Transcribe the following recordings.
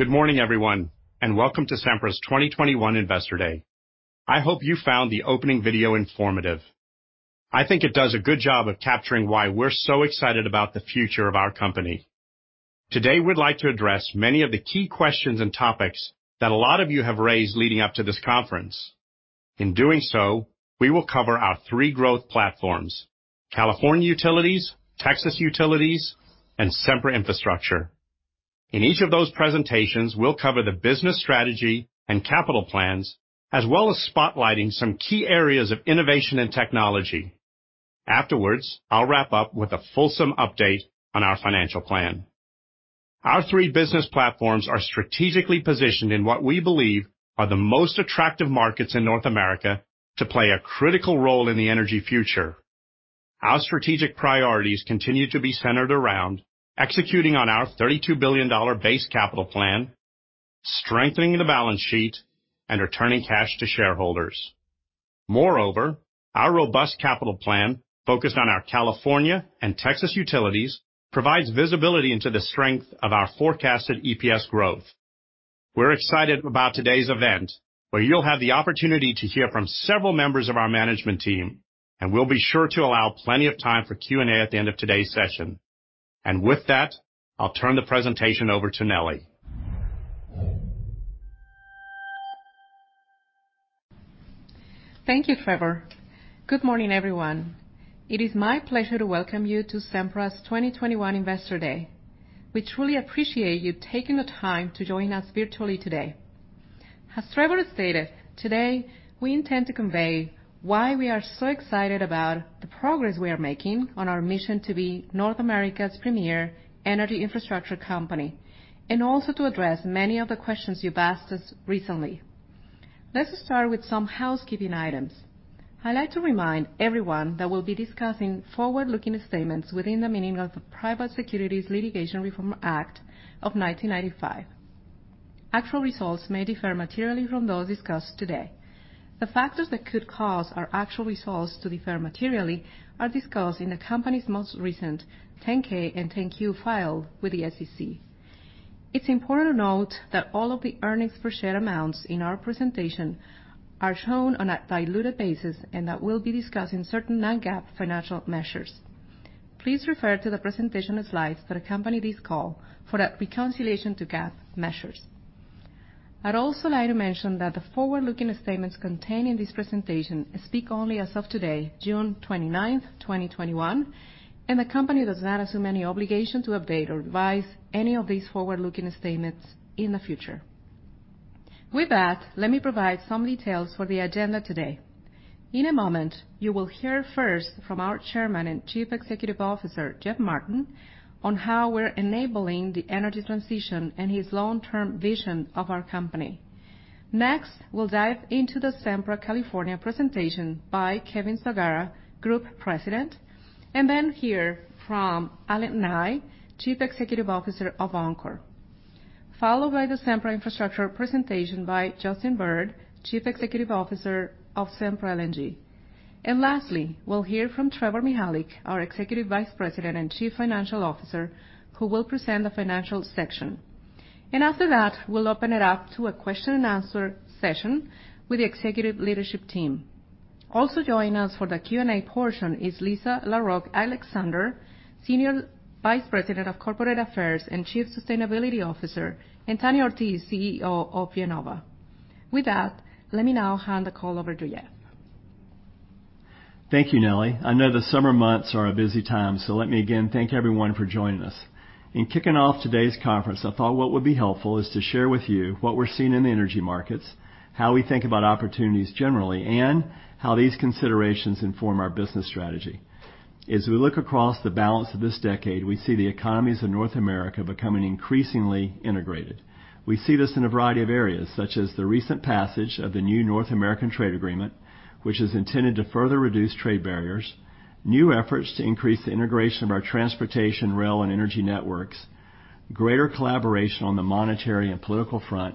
Good morning, everyone, and welcome to Sempra's 2021 Investor Day. I hope you found the opening video informative. I think it does a good job of capturing why we're so excited about the future of our company. Today, we'd like to address many of the key questions and topics that a lot of you have raised leading up to this conference. In doing so, we will cover our three growth platforms, California utilities, Texas utilities, and Sempra Infrastructure. In each of those presentations, we'll cover the business strategy and capital plans, as well as spotlighting some key areas of innovation and technology. Afterwards, I'll wrap up with a fulsome update on our financial plan. Our three business platforms are strategically positioned in what we believe are the most attractive markets in North America to play a critical role in the energy future. Our strategic priorities continue to be centered around executing on our $32 billion base capital plan, strengthening the balance sheet, and returning cash to shareholders. Our robust capital plan, focused on our California and Texas utilities, provides visibility into the strength of our forecasted EPS growth. We're excited about today's event, where you'll have the opportunity to hear from several members of our management team, and we'll be sure to allow plenty of time for Q&A at the end of today's session. I'll turn the presentation over to Nelly. Thank you, Trevor. Good morning, everyone. It is my pleasure to welcome you to Sempra's 2021 Investor Day. We truly appreciate you taking the time to join us virtually today. As Trevor stated, today, we intend to convey why we are so excited about the progress we are making on our mission to be North America's premier energy infrastructure company, and also to address many of the questions you've asked us recently. Let us start with some housekeeping items. I'd like to remind everyone that we'll be discussing forward-looking statements within the meaning of the Private Securities Litigation Reform Act of 1995. Actual results may differ materially from those discussed today. The factors that could cause our actual results to differ materially are discussed in the company's most recent 10-K and 10-Q filed with the SEC. It's important to note that all of the earnings per share amounts in our presentation are shown on a diluted basis and that we'll be discussing certain non-GAAP financial measures. Please refer to the presentation slides that accompany this call for the reconciliation to GAAP measures. I'd also like to mention that the forward-looking statements contained in this presentation speak only as of today, June 29th, 2021, and the company does not assume any obligation to update or revise any of these forward-looking statements in the future. With that, let me provide some details for the agenda today. In a moment, you will hear first from our Chairman and Chief Executive Officer, Jeff Martin, on how we're enabling the energy transition and his long-term vision of our company. Next, we'll dive into the Sempra California presentation by Kevin Sagara, Group President, and then hear from Allen Nye, Chief Executive Officer of Oncor. Followed by the Sempra Infrastructure presentation by Justin Bird, Chief Executive Officer of Sempra LNG. Lastly, we'll hear from Trevor Mihalik, our Executive Vice President and Chief Financial Officer, who will present the financial section. After that, we'll open it up to a question-and-answer session with the Executive Leadership team. Also joining us for the Q&A portion is Lisa Larroque Alexander, Senior Vice President, Corporate Affairs and Chief Sustainability Officer, and Tania Ortiz Mena, CEO of IEnova. With that, let me now hand the call over to Jeff. Thank you, Nelly. I know the summer months are a busy time, so let me again thank everyone for joining us. In kicking off today's conference, I thought what would be helpful is to share with you what we're seeing in the energy markets, how we think about opportunities generally, and how these considerations inform our business strategy. As we look across the balance of this decade, we see the economies in North America becoming increasingly integrated. We see this in a variety of areas, such as the recent passage of the new North American Free Trade Agreement, which is intended to further reduce trade barriers, new efforts to increase the integration of our transportation, rail, and energy networks, greater collaboration on the monetary and political front,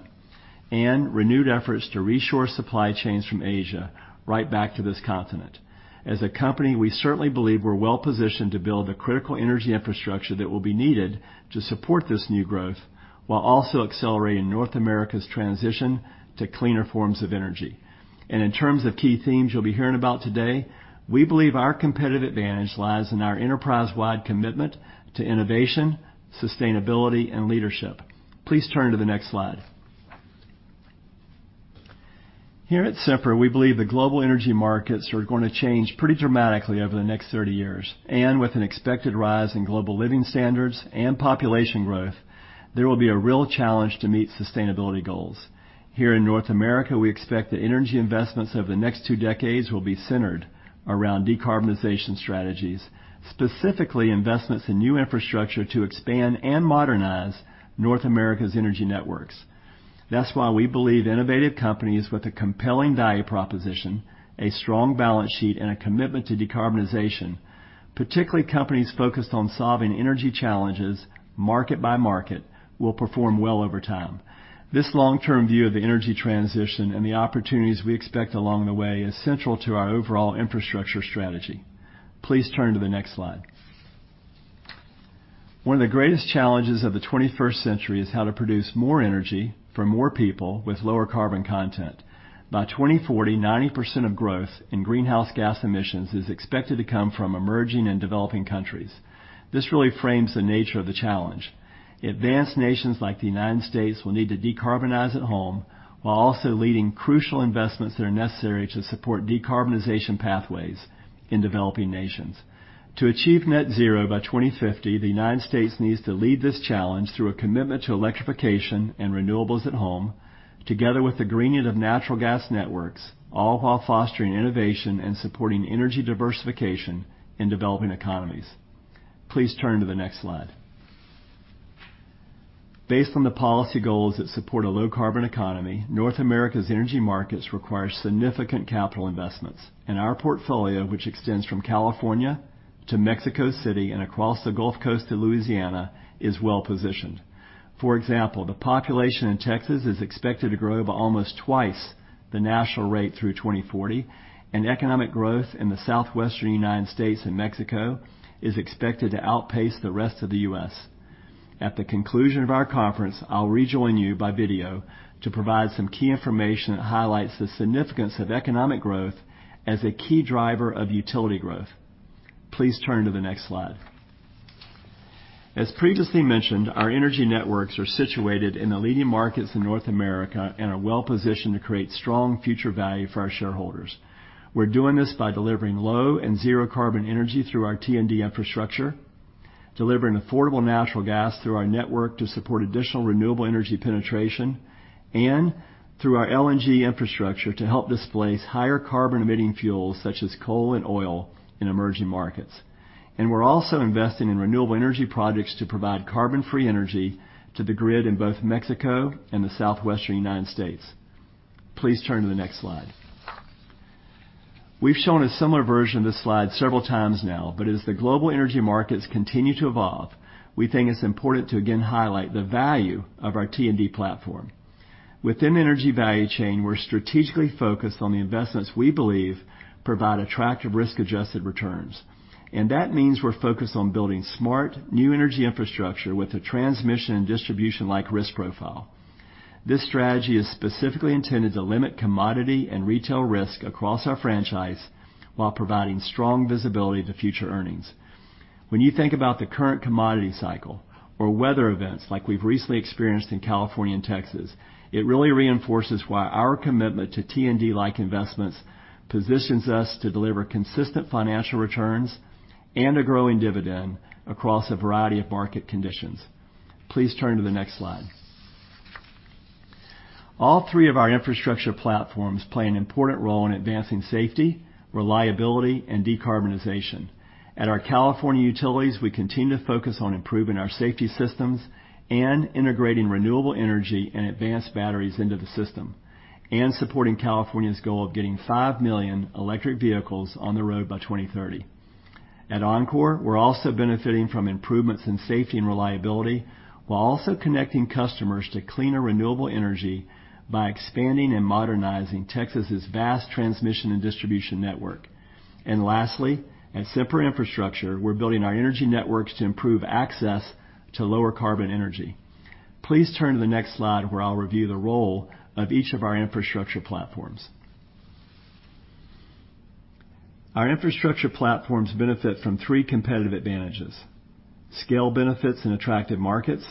and renewed efforts to reshore supply chains from Asia right back to this continent. As a company, we certainly believe we're well-positioned to build the critical energy infrastructure that will be needed to support this new growth while also accelerating North America's transition to cleaner forms of energy. In terms of key themes you'll be hearing about today, we believe our competitive advantage lies in our enterprise-wide commitment to innovation, sustainability, and leadership. Please turn to the next slide. Here at Sempra, we believe the global energy markets are going to change pretty dramatically over the next 30 years. With an expected rise in global living standards and population growth, there will be a real challenge to meet sustainability goals. Here in North America, we expect the energy investments over the next two decades will be centered around decarbonization strategies, specifically investments in new infrastructure to expand and modernize North America's energy networks. That's why we believe innovative companies with a compelling value proposition, a strong balance sheet, and a commitment to decarbonization, particularly companies focused on solving energy challenges market-by-market, will perform well over time. This long-term view of the energy transition and the opportunities we expect along the way is central to our overall infrastructure strategy. Please turn to the next slide. One of the greatest challenges of the 21st century is how to produce more energy for more people with lower carbon content. By 2040, 90% of growth in greenhouse gas emissions is expected to come from emerging and developing countries. This really frames the nature of the challenge. Advanced nations like the United States will need to decarbonize at home while also leading crucial investments that are necessary to support decarbonization pathways in developing nations. To achieve net zero by 2050, the United States needs to lead this challenge through a commitment to electrification and renewables at home, together with the greening of natural gas networks, all while fostering innovation and supporting energy diversification in developing economies. Please turn to the next slide. Based on the policy goals that support a low-carbon economy, North America's energy markets require significant capital investments. Our portfolio, which extends from California to Mexico City and across the Gulf Coast to Louisiana, is well-positioned. For example, the population in Texas is expected to grow by almost twice the national rate through 2040, and economic growth in the Southwestern United States and Mexico is expected to outpace the rest of the U.S. At the conclusion of our conference, I'll rejoin you by video to provide some key information that highlights the significance of economic growth as a key driver of utility growth. Please turn to the next slide. As previously mentioned, our energy networks are situated in the leading markets in North America and are well-positioned to create strong future value for our shareholders. We're doing this by delivering low and zero-carbon energy through our T&D infrastructure, delivering affordable natural gas through our network to support additional renewable energy penetration, and through our LNG infrastructure to help displace higher carbon-emitting fuels such as coal and oil in emerging markets. We're also investing in renewable energy projects to provide carbon-free energy to the grid in both Mexico and the Southwestern United States. Please turn to the next slide. We've shown a similar version of this slide several times now, but as the global energy markets continue to evolve, we think it's important to again highlight the value of our T&D platform. Within the energy value chain, we're strategically focused on the investments we believe provide attractive risk-adjusted returns. That means we're focused on building smart, new energy infrastructure with a transmission and distribution-like risk profile. This strategy is specifically intended to limit commodity and retail risk across our franchise while providing strong visibility to future earnings. When you think about the current commodity cycle or weather events like we've recently experienced in California and Texas, it really reinforces why our commitment to T&D-like investments positions us to deliver consistent financial returns and a growing dividend across a variety of market conditions. Please turn to the next slide. All three of our infrastructure platforms play an important role in advancing safety, reliability, and decarbonization. At our California utilities, we continue to focus on improving our safety systems and integrating renewable energy and advanced batteries into the system, supporting California's goal of getting 5 million electric vehicles on the road by 2030. At Oncor, we're also benefiting from improvements in safety and reliability while also connecting customers to cleaner renewable energy by expanding and modernizing Texas' vast transmission and distribution network. Lastly, at Sempra Infrastructure, we're building our energy networks to improve access to lower-carbon energy. Please turn to the next slide, where I'll review the role of each of our infrastructure platforms. Our infrastructure platforms benefit from three competitive advantages. Scale benefits in attractive markets,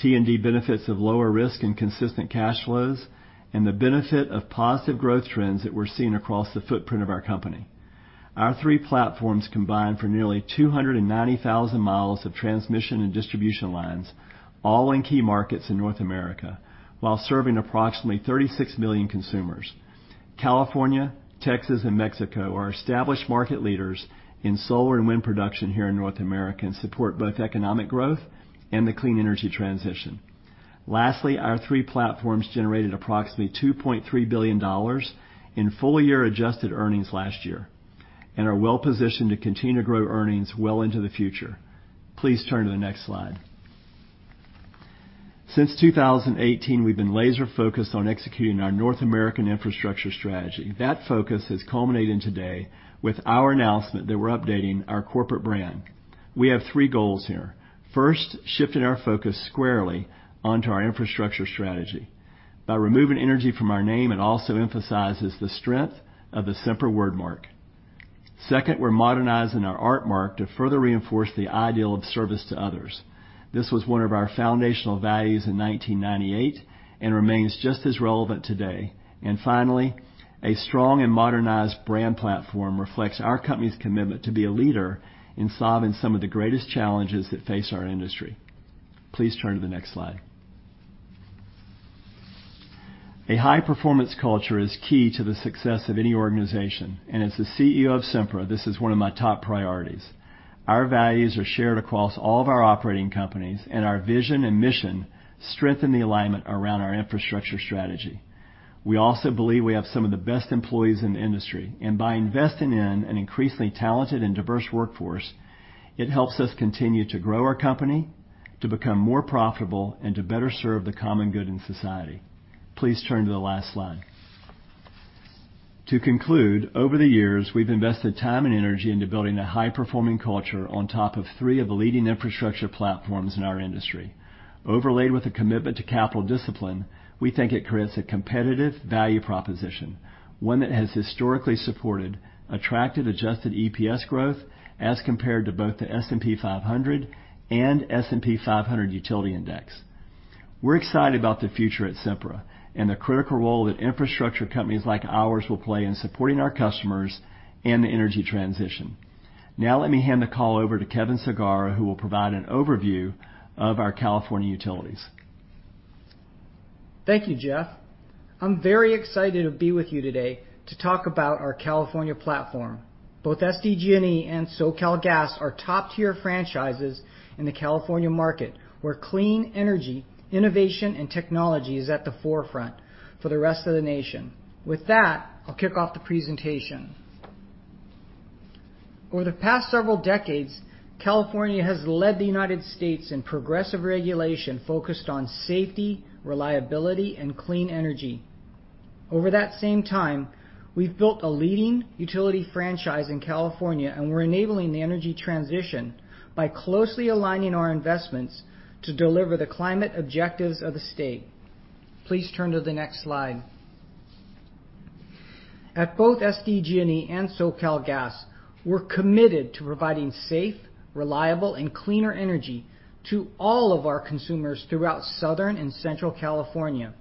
T&D benefits of lower risk and consistent cash flows, and the benefit of positive growth trends that we're seeing across the footprint of our company. Our three platforms combine for nearly 290,000 miles of transmission and distribution lines, all in key markets in North America, while serving approximately 36 million consumers. California, Texas, and Mexico are established market leaders in solar and wind production here in North America and support both economic growth and the clean energy transition. Lastly, our three platforms generated approximately $2.3 billion in full-year adjusted earnings last year and are well-positioned to continue to grow earnings well into the future. Please turn to the next slide. Since 2018, we've been laser-focused on executing our North American infrastructure strategy. That focus has culminated today with our announcement that we're updating our corporate brand. We have three goals here. First, shifting our focus squarely onto our infrastructure strategy. By removing energy from our name, it also emphasizes the strength of the Sempra wordmark. Second, we're modernizing our art mark to further reinforce the ideal of service to others. This was one of our foundational values in 1998 and remains just as relevant today. Finally, a strong and modernized brand platform reflects our company's commitment to be a leader in solving some of the greatest challenges that face our industry. Please turn to the next slide. A high-performance culture is key to the success of any organization, and as the CEO of Sempra, this is one of my top priorities. Our values are shared across all of our operating companies, and our vision and mission strengthen the alignment around our infrastructure strategy. We also believe we have some of the best employees in the industry, and by investing in an increasingly talented and diverse workforce, it helps us continue to grow our company, to become more profitable, and to better serve the common good in society. Please turn to the last slide. To conclude, over the years, we've invested time and energy into building a high-performing culture on top of three of the leading infrastructure platforms in our industry. Overlaid with a commitment to capital discipline, we think it creates a competitive value proposition, one that has historically supported attractive adjusted EPS growth as compared to both the S&P 500 and S&P 500 Utility Index. We're excited about the future at Sempra and the critical role that infrastructure companies like ours will play in supporting our customers and the energy transition. Now let me hand the call over to Kevin Sagara, who will provide an overview of our California utilities. Thank you, Jeff. I'm very excited to be with you today to talk about our California platform. Both SDG&E and SoCalGas are top-tier franchises in the California market, where clean energy, innovation, and technology is at the forefront for the rest of the nation. With that, I'll kick off the presentation. Over the past several decades, California has led the United States in progressive regulation focused on safety, reliability, and clean energy. Over that same time, we've built a leading utility franchise in California, and we're enabling the energy transition by closely aligning our investments to deliver the climate objectives of the state. Please turn to the next slide. At both SDG&E and SoCalGas, we're committed to providing safe, reliable, and cleaner energy to all of our consumers throughout Southern and Central California.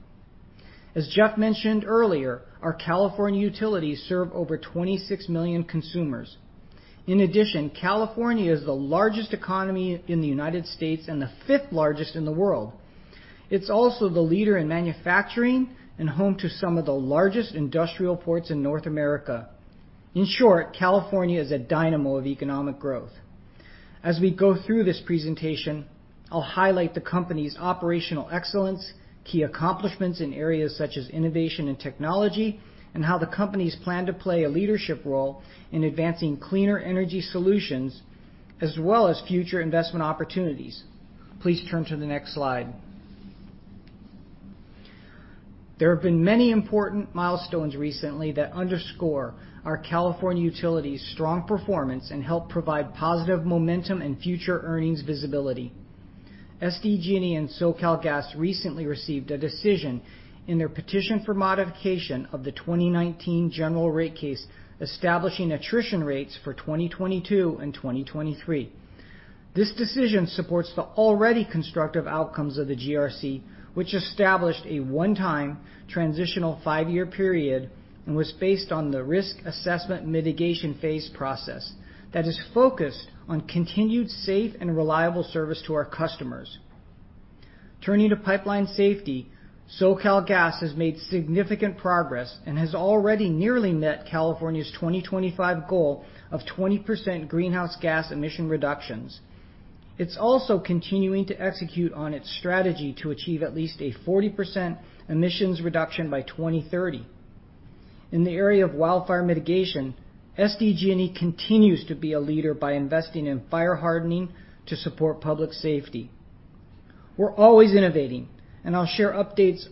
As Jeff mentioned earlier, our California utilities serve over 26 million consumers. California is the largest economy in the U.S. and the 5th largest in the world. It's also the leader in manufacturing and home to some of the largest industrial ports in North America. In short, California is a dynamo of economic growth. As we go through this presentation, I'll highlight the company's operational excellence, key accomplishments in areas such as innovation and technology, and how the companies plan to play a leadership role in advancing cleaner energy solutions as well as future investment opportunities. Please turn to the next slide. There have been many important milestones recently that underscore our California utilities' strong performance and help provide positive momentum and future earnings visibility. SDG&E and SoCalGas recently received a decision in their petition for modification of the 2019 General Rate Case, establishing attrition rates for 2022 and 2023. This decision supports the already constructive outcomes of the GRC, which established a one-time transitional five-year period and was based on the Risk Assessment Mitigation Phase process that is focused on continued safe and reliable service to our customers. Turning to pipeline safety, SoCalGas has made significant progress and has already nearly met California's 2025 goal of 20% greenhouse gas emission reductions. It's also continuing to execute on its strategy to achieve at least a 40% emissions reduction by 2030. In the area of wildfire mitigation, SDG&E continues to be a leader by investing in fire hardening to support public safety. We're always innovating, and I'll share updates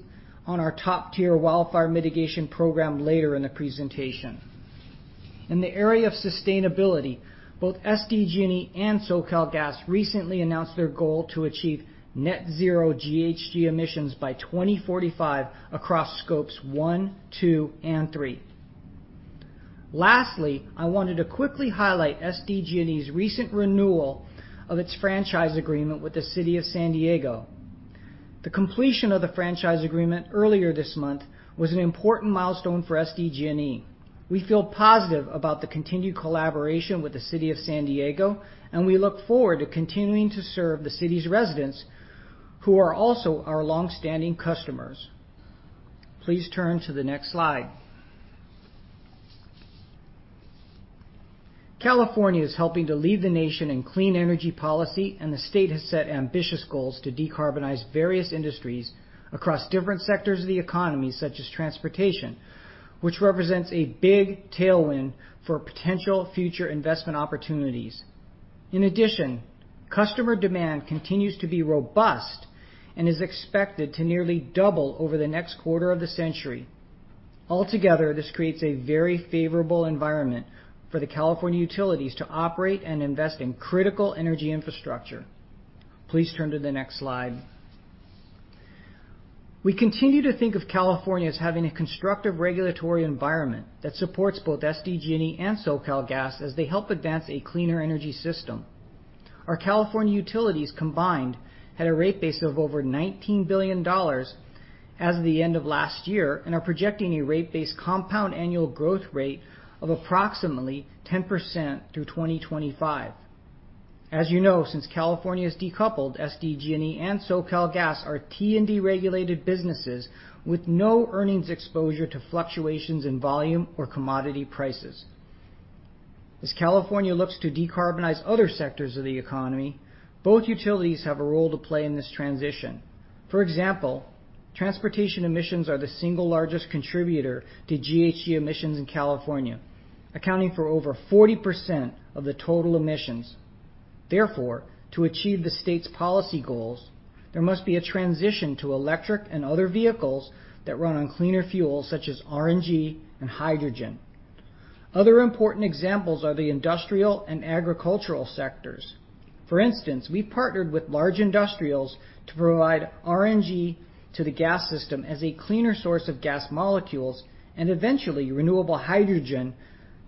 on our top-tier wildfire mitigation program later in the presentation. In the area of sustainability, both SDG&E and SoCalGas recently announced their goal to achieve net-zero GHG emissions by 2045 across Scopes 1, 2, and 3. Lastly, I wanted to quickly highlight SDG&E's recent renewal of its franchise agreement with the City of San Diego. The completion of the franchise agreement earlier this month was an important milestone for SDG&E. We feel positive about the continued collaboration with the City of San Diego, and we look forward to continuing to serve the city's residents, who are also our longstanding customers. Please turn to the next slide. California is helping to lead the nation in clean energy policy, and the state has set ambitious goals to decarbonize various industries across different sectors of the economy, such as transportation, which represents a big tailwind for potential future investment opportunities. In addition, customer demand continues to be robust and is expected to nearly double over the next quarter of the century. Altogether, this creates a very favorable environment for the California utilities to operate and invest in critical energy infrastructure. Please turn to the next slide. We continue to think of California as having a constructive regulatory environment that supports both SDG&E and SoCalGas as they help advance a cleaner energy system. Our California utilities combined had a rate base of over $19 billion as of the end of last year and are projecting a rate-base compound annual growth rate of approximately 10% through 2025. As you know, since California is decoupled, SDG&E and SoCalGas are T&D regulated businesses with no earnings exposure to fluctuations in volume or commodity prices. As California looks to decarbonize other sectors of the economy, both utilities have a role to play in this transition. For example, transportation emissions are the single largest contributor to GHG emissions in California, accounting for over 40% of the total emissions. Therefore, to achieve the state's policy goals, there must be a transition to electric and other vehicles that run on cleaner fuels such as RNG and hydrogen. Other important examples are the industrial and agricultural sectors. For instance, we partnered with large industrials to provide RNG to the gas system as a cleaner source of gas molecules, and eventually, renewable hydrogen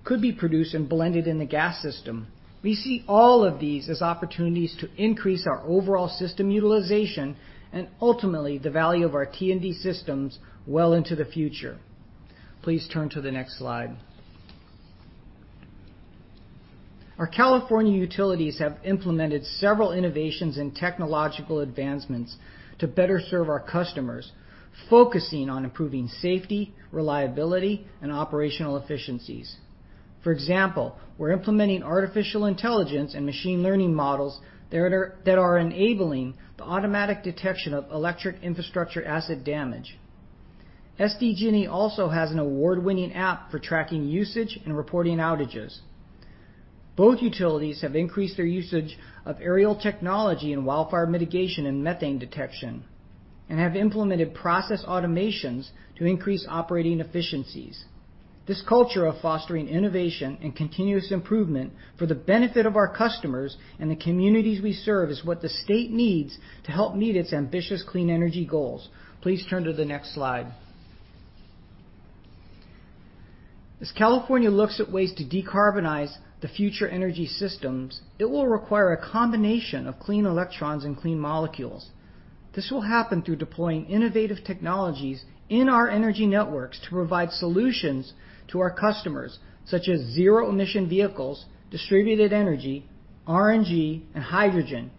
could be produced and blended in the gas system. We see all of these as opportunities to increase our overall system utilization and ultimately the value of our T&D systems well into the future. Please turn to the next slide. Our California utilities have implemented several innovations and technological advancements to better serve our customers, focusing on improving safety, reliability, and operational efficiencies. For example, we're implementing artificial intelligence and machine learning models that are enabling the automatic detection of electric infrastructure asset damage. SDG&E also has an award-winning app for tracking usage and reporting outages. Both utilities have increased their usage of aerial technology in wildfire mitigation and methane detection and have implemented process automations to increase operating efficiencies. This culture of fostering innovation and continuous improvement for the benefit of our customers and the communities we serve is what the state needs to help meet its ambitious clean energy goals. Please turn to the next slide. As California looks at ways to decarbonize the future energy systems, it will require a combination of clean electrons and clean molecules. This will happen through deploying innovative technologies in our energy networks to provide solutions to our customers, such as zero-emission vehicles, distributed energy, RNG, and hydrogen.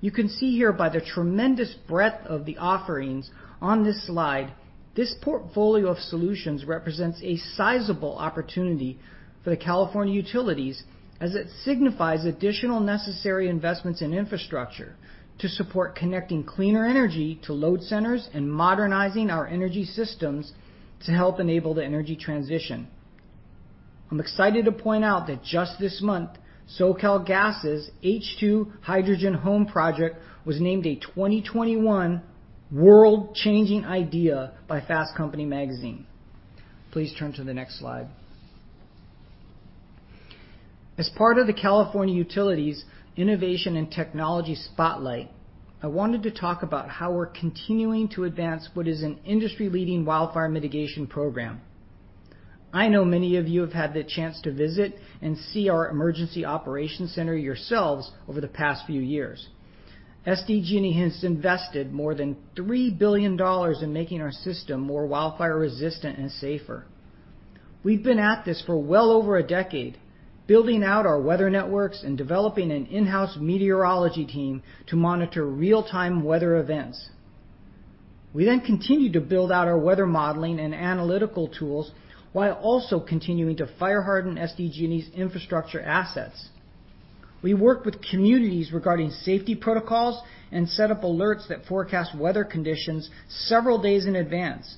You can see here by the tremendous breadth of the offerings on this slide, this portfolio of solutions represents a sizable opportunity for the California utilities as it signifies additional necessary investments in infrastructure to support connecting cleaner energy to load centers and modernizing our energy systems to help enable the energy transition. I'm excited to point out that just this month, SoCalGas' H2 Hydrogen Home project was named a 2021 World-Changing Idea by Fast Company magazine. Please turn to the next slide. As part of the California utilities innovation and technology spotlight, I wanted to talk about how we're continuing to advance what is an industry-leading wildfire mitigation program. I know many of you have had the chance to visit and see our emergency operations center yourselves over the past few years. SDG&E has invested more than $3 billion in making our system more wildfire resistant and safer. We've been at this for well over a decade, building out our weather networks and developing an in-house meteorology team to monitor real-time weather events. We continued to build out our weather modeling and analytical tools while also continuing to fire harden SDG&E's infrastructure assets. We worked with communities regarding safety protocols and set up alerts that forecast weather conditions several days in advance.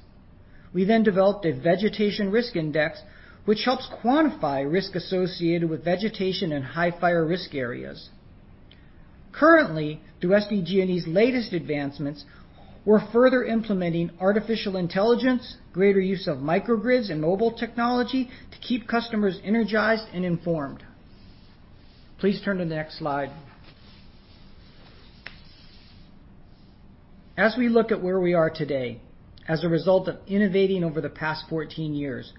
We developed a Vegetation Risk Index, which helps quantify risk associated with vegetation in high-fire risk areas. Currently, through SDG&E's latest advancements, we're further implementing artificial intelligence, greater use of microgrids and mobile technology to keep customers energized and informed. Please turn to the next slide. As we look at where we are today as a result of innovating over the past 14 years,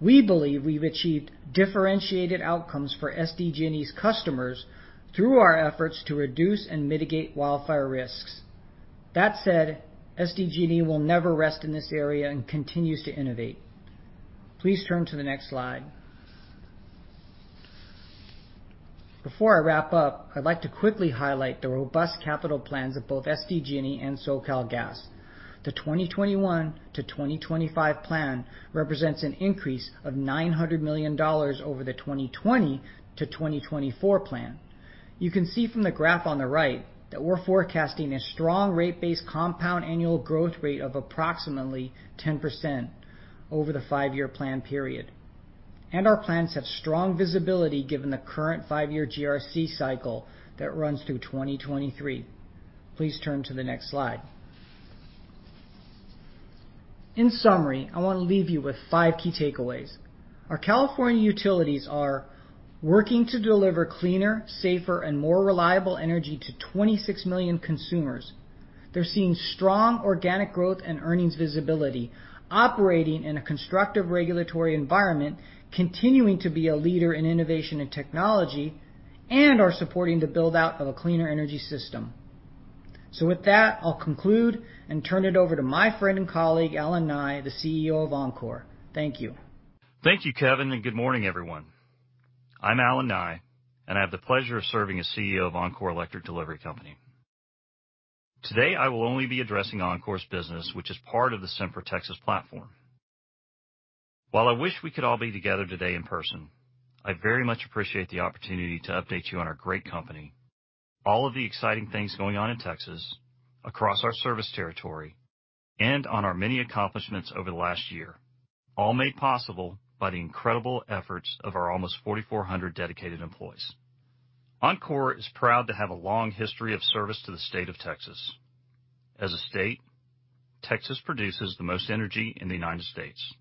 we believe we've achieved differentiated outcomes for SDG&E's customers through our efforts to reduce and mitigate wildfire risks. That said, SDG&E will never rest in this area and continues to innovate. Please turn to the next slide. Before I wrap up, I'd like to quickly highlight the robust capital plans of both SDG&E and SoCalGas. The 2021-2025 capital plan represents an increase of $900 million over the 2020-2024 capital plan. You can see from the graph on the right that we're forecasting a strong rate base compound annual growth rate of approximately 10% over the five-year plan period. Our plans have strong visibility given the current five-year GRC cycle that runs through 2023. Please turn to the next slide. In summary, I want to leave you with five key takeaways. Our California utilities are working to deliver cleaner, safer, and more reliable energy to 26 million consumers. They're seeing strong organic growth and earnings visibility, operating in a constructive regulatory environment, continuing to be a leader in innovation and technology, and are supporting the build-out of a cleaner energy system. With that, I'll conclude and turn it over to my friend and colleague, Allen Nye, the CEO of Oncor. Thank you. Thank you, Kevin, and good morning, everyone. I'm Allen Nye, and I have the pleasure of serving as CEO of Oncor Electric Delivery Company. Today, I will only be addressing Oncor's business, which is part of the Sempra Texas platform. While I wish we could all be together today in person, I very much appreciate the opportunity to update you on our great company. All of the exciting things going on in Texas, across our service territory, and on our many accomplishments over the last year, all made possible by the incredible efforts of our almost 4,400 dedicated employees. Oncor is proud to have a long history of service to the state of Texas. As a state, Texas produces the most energy in the United States.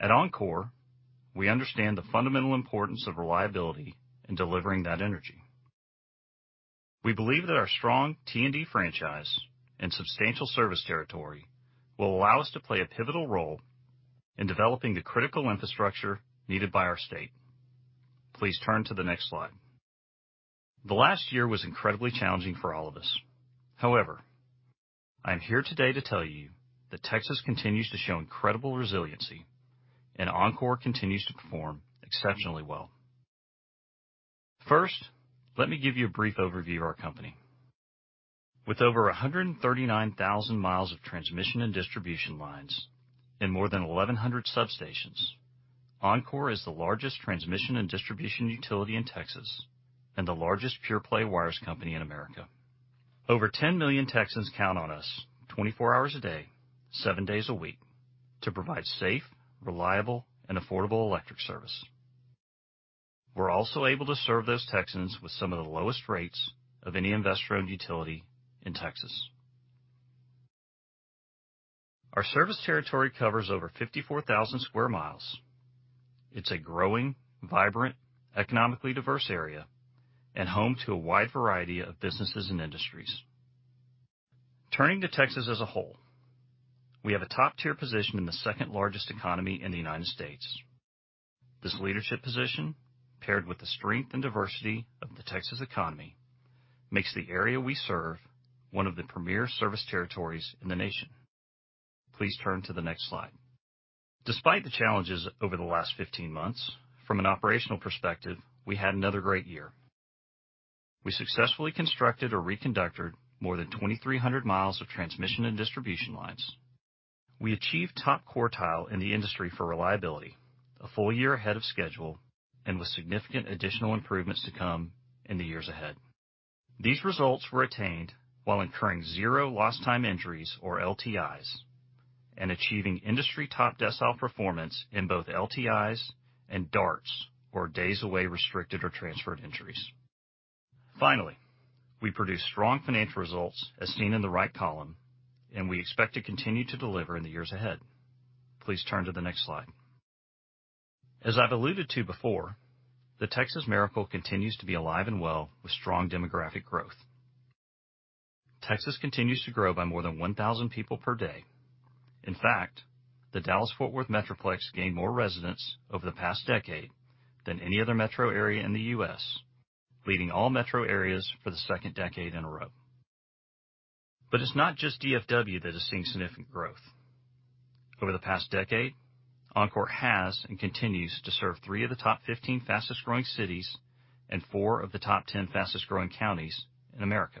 At Oncor, we understand the fundamental importance of reliability in delivering that energy. We believe that our strong T&D franchise and substantial service territory will allow us to play a pivotal role in developing the critical infrastructure needed by our state. Please turn to the next slide. The last year was incredibly challenging for all of us. However, I'm here today to tell you that Texas continues to show incredible resiliency, and Oncor continues to perform exceptionally well. First, let me give you a brief overview of our company. With over 139,000 miles of transmission and distribution lines and more than 1,100 substations, Oncor is the largest transmission and distribution utility in Texas and the largest pure-play wires company in America. Over 10 million Texans count on us 24 hours a day, seven days a week to provide safe, reliable, and affordable electric service. We're also able to serve those Texans with some of the lowest rates of any investor-owned utility in Texas. Our service territory covers over 54,000 square miles. It's a growing, vibrant, economically diverse area and home to a wide variety of businesses and industries. Turning to Texas as a whole, we have a top-tier position in the second-largest economy in the U.S. This leadership position, paired with the strength and diversity of the Texas economy, makes the area we serve one of the premier service territories in the nation. Please turn to the next slide. Despite the challenges over the last 15 months, from an operational perspective, we had another great year. We successfully constructed or reconductored more than 2,300 miles of transmission and distribution lines. We achieved top quartile in the industry for reliability, a full-year ahead of schedule, and with significant additional improvements to come in the years ahead. These results were attained while incurring 0 lost time injuries, or LTIs, and achieving industry top decile performance in both LTIs and DARTs, or Days Away, Restricted, or Transferred injuries. We produced strong financial results, as seen in the right column, and we expect to continue to deliver in the years ahead. Please turn to the next slide. As I've alluded to before, the Texas miracle continues to be alive and well with strong demographic growth. Texas continues to grow by more than 1,000 people per day. In fact, the Dallas-Fort Worth metroplex gained more residents over the past decade than any other metro area in the U.S., leading all metro areas for the second decade in a row. It's not just DFW that has seen significant growth. Over the past decade, Oncor has and continues to serve three of the top 15 fastest-growing cities and four of the top 10 fastest-growing counties in America.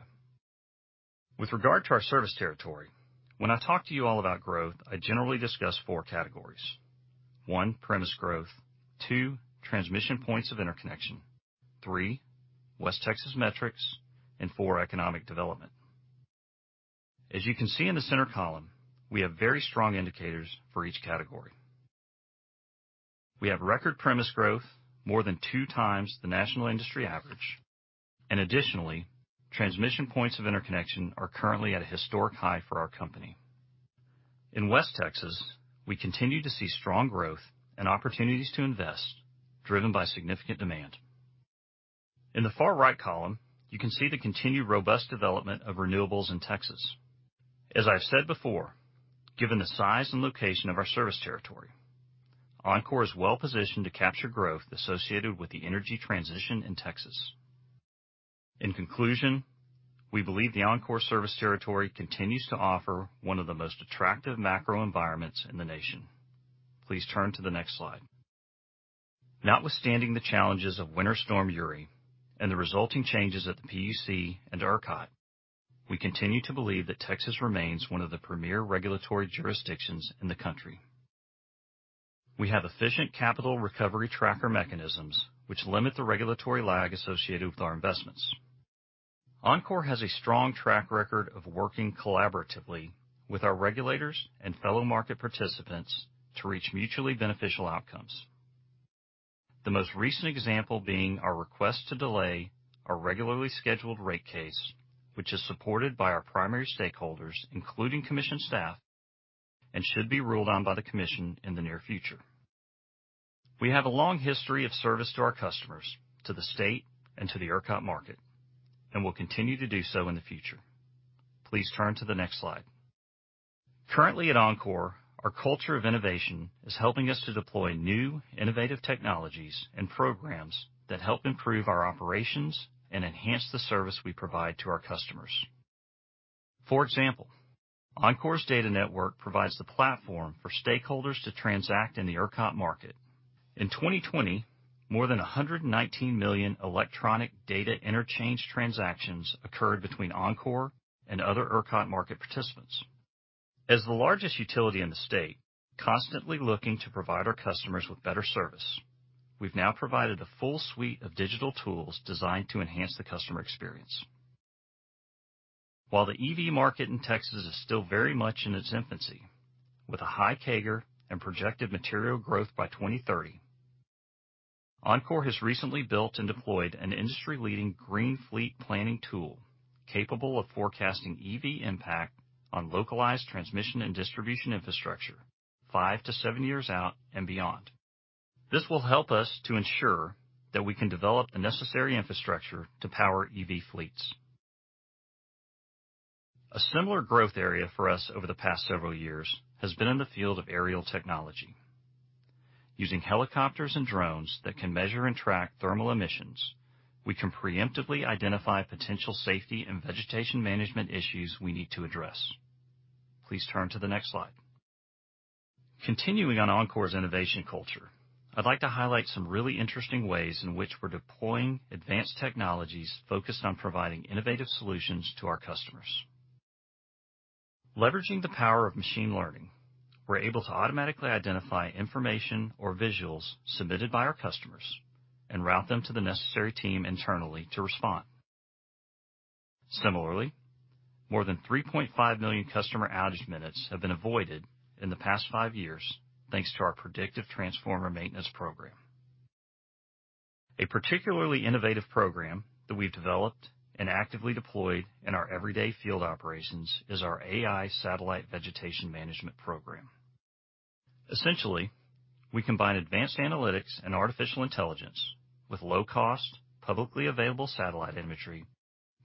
With regard to our service territory, when I talk to you all about growth, I generally discuss four categories. One, premise growth, two, transmission points of interconnection, three, West Texas metrics, and four, economic development. As you can see in the center column, we have very strong indicators for each category. We have record premise growth more than 2x the national industry average. Additionally, transmission points of interconnection are currently at a historic high for our company. In West Texas, we continue to see strong growth and opportunities to invest, driven by significant demand. In the far right column, you can see the continued robust development of renewables in Texas. As I've said before, given the size and location of our service territory, Oncor is well-positioned to capture growth associated with the energy transition in Texas. In conclusion, we believe the Oncor service territory continues to offer one of the most attractive macro environments in the nation. Please turn to the next slide. Notwithstanding the challenges of Winter Storm Uri and the resulting changes at the CPUC and ERCOT, we continue to believe that Texas remains one of the premier regulatory jurisdictions in the country. We have efficient capital recovery tracker mechanisms which limit the regulatory lag associated with our investments. Oncor has a strong track record of working collaboratively with our regulators and fellow market participants to reach mutually beneficial outcomes. The most recent example being our request to delay our regularly-scheduled rate case, which is supported by our primary stakeholders, including Commission Staff, and should be ruled on by the Commission in the near-future. We have a long history of service to our customers, to the state, and to the ERCOT market, will continue to do so in the future. Please turn to the next slide. Currently at Oncor, our culture of innovation is helping us to deploy new, innovative technologies and programs that help improve our operations and enhance the service we provide to our customers. For example, Oncor's data network provides the platform for stakeholders to transact in the ERCOT market. In 2020, more than 119 million electronic data interchange transactions occurred between Oncor and other ERCOT market participants. As the largest utility in the state, constantly looking to provide our customers with better service, we've now provided a full suite of digital tools designed to enhance the customer experience. While the EV market in Texas is still very much in its infancy, with a high CAGR and projected material growth by 2030, Oncor has recently built and deployed an industry-leading green fleet planning tool capable of forecasting EV impact on localized transmission and distribution infrastructure five to seven years out and beyond. This will help us to ensure that we can develop the necessary infrastructure to power EV fleets. A similar growth area for us over the past several years has been in the field of aerial technology. Using helicopters and drones that can measure and track thermal emissions, we can preemptively identify potential safety and vegetation management issues we need to address. Please turn to the next slide. Continuing on Oncor's innovation culture, I'd like to highlight some really interesting ways in which we're deploying advanced technologies focused on providing innovative solutions to our customers. Leveraging the power of machine learning, we're able to automatically identify information or visuals submitted by our customers and route them to the necessary team internally to respond. Similarly, more than 3.5 million customer outage minutes have been avoided in the past five years, thanks to our predictive transformer maintenance program. A particularly innovative program that we've developed and actively deployed in our everyday field operations is our AI satellite vegetation management program. Essentially, we combine advanced analytics and artificial intelligence with low-cost, publicly-available satellite imagery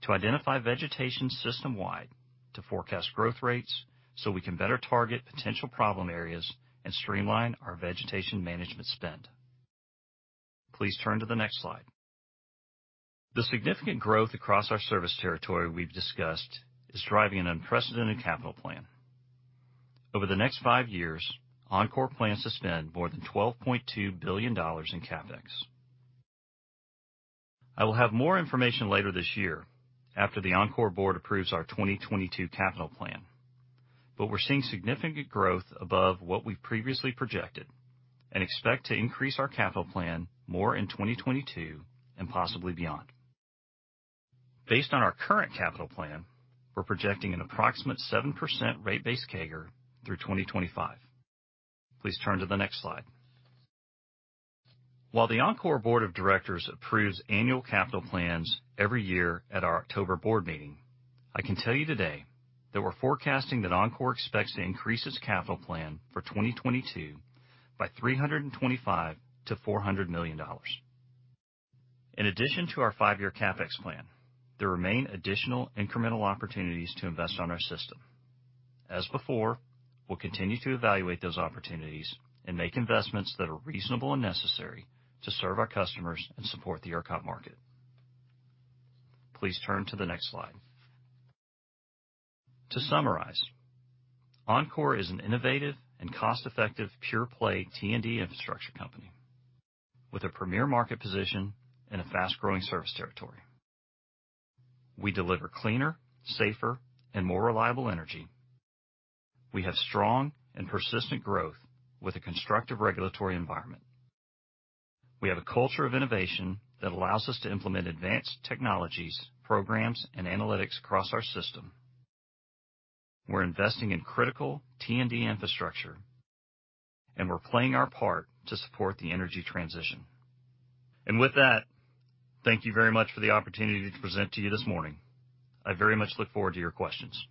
to identify vegetation system-wide to forecast growth rates so we can better target potential problem areas and streamline our vegetation management spend. Please turn to the next slide. The significant growth across our service territory we've discussed is driving an unprecedented capital plan. Over the next five years, Oncor plans to spend more than $12.2 billion in CapEx. I will have more information later this year after the Oncor board approves our 2022 capital plan. We're seeing significant growth above what we previously projected and expect to increase our capital plan more in 2022 and possibly beyond. Based on our current capital plan, we're projecting an approximate 7% rate base CAGR through 2025. Please turn to the next slide. While the Oncor board of directors approves annual capital plans every year at our October board meeting, I can tell you today that we're forecasting that Oncor expects to increase its capital plan for 2022 by $325 million-$400 million. In addition to our five-year CapEx plan, there remain additional incremental opportunities to invest on our system. As before, we'll continue to evaluate those opportunities and make investments that are reasonable and necessary to serve our customers and support the ERCOT market. Please turn to the next slide. To summarize, Oncor is an innovative and cost-effective pure-play T&D infrastructure company with a premier market position and a fast-growing service territory. We deliver cleaner, safer, and more reliable energy. We have strong and persistent growth with a constructive regulatory environment. We have a culture of innovation that allows us to implement advanced technologies, programs, and analytics across our system. We're investing in critical T&D infrastructure, and we're playing our part to support the energy transition. With that, thank you very much for the opportunity to present to you this morning. I very much look forward to your questions.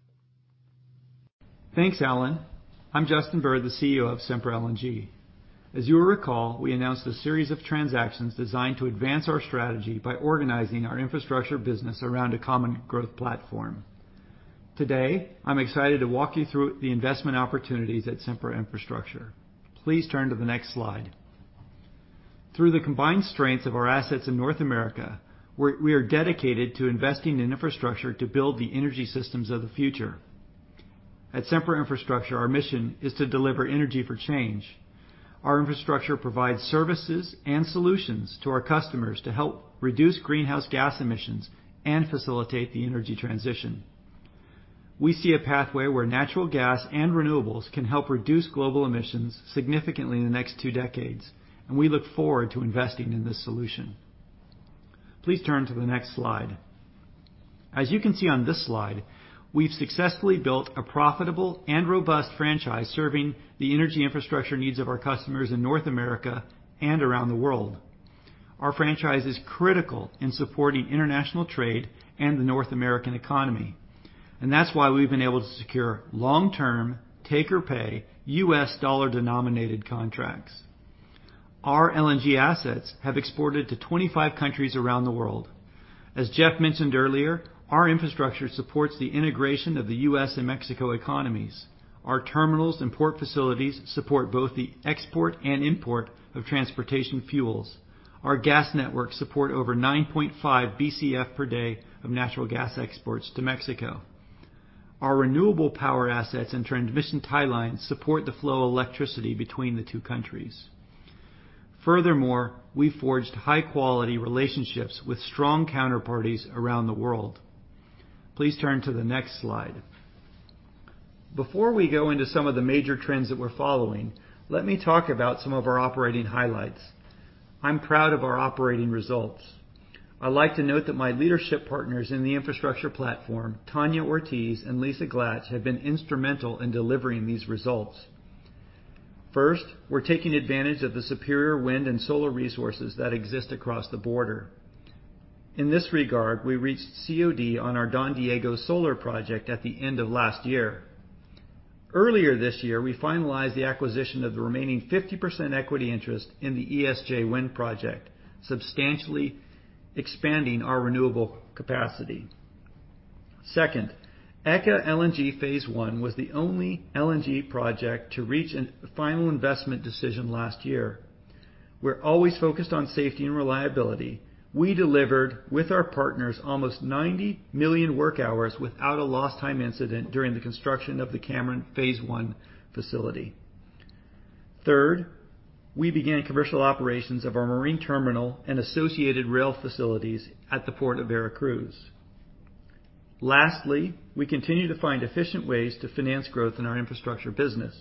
Thanks, Allen. I'm Justin Bird, the CEO of Sempra LNG. As you'll recall, we announced a series of transactions designed to advance our strategy by organizing our infrastructure business around a common growth platform. Today, I'm excited to walk you through the investment opportunities at Sempra Infrastructure. Please turn to the next slide. Through the combined strengths of our assets in North America, we are dedicated to investing in infrastructure to build the energy systems of the future. At Sempra Infrastructure, our mission is to deliver energy for change. Our infrastructure provides services and solutions to our customers to help reduce greenhouse gas emissions and facilitate the energy transition. We see a pathway where natural gas and renewables can help reduce global emissions significantly in the next two decades, we look forward to investing in this solution. Please turn to the next slide. As you can see on this slide, we've successfully built a profitable and robust franchise serving the energy infrastructure needs of our customers in North America and around the world. Our franchise is critical in supporting international trade and the North American economy. That's why we've been able to secure long-term take-or-pay U.S. dollar-denominated contracts. Our LNG assets have exported to 25 countries around the world. As Jeff mentioned earlier, our infrastructure supports the integration of the U.S. and Mexico economies. Our terminals and port facilities support both the export and import of transportation fuels. Our gas networks support over 9.5 Bcf per day of natural gas exports to Mexico. Our renewable power assets and transmission tie lines support the flow of electricity between the two countries. Furthermore, we forged high-quality relationships with strong counterparties around the world. Please turn to the next slide. Before we go into some of the major trends that we're following, let me talk about some of our operating highlights. I'm proud of our operating results. I'd like to note that my leadership partners in the infrastructure platform, Tania Ortiz Mena and Lisa Glatch, have been instrumental in delivering these results. First, we're taking advantage of the superior wind and solar resources that exist across the border. In this regard, we reached COD on our Don Diego Solar Project at the end of last year. Earlier this year, we finalized the acquisition of the remaining 50% equity interest in the ESJ Wind Project, substantially expanding our renewable capacity. Second, ECA LNG phase I was the only LNG project to reach a final investment decision last year. We're always focused on safety and reliability. We delivered, with our partners, almost 90 million work hours without a lost-time incident during the construction of the Cameron LNG phase I facility. Third, we began commercial operations of our marine terminal and associated rail facilities at the Port of Veracruz. Lastly, we continue to find efficient ways to finance growth in our infrastructure business.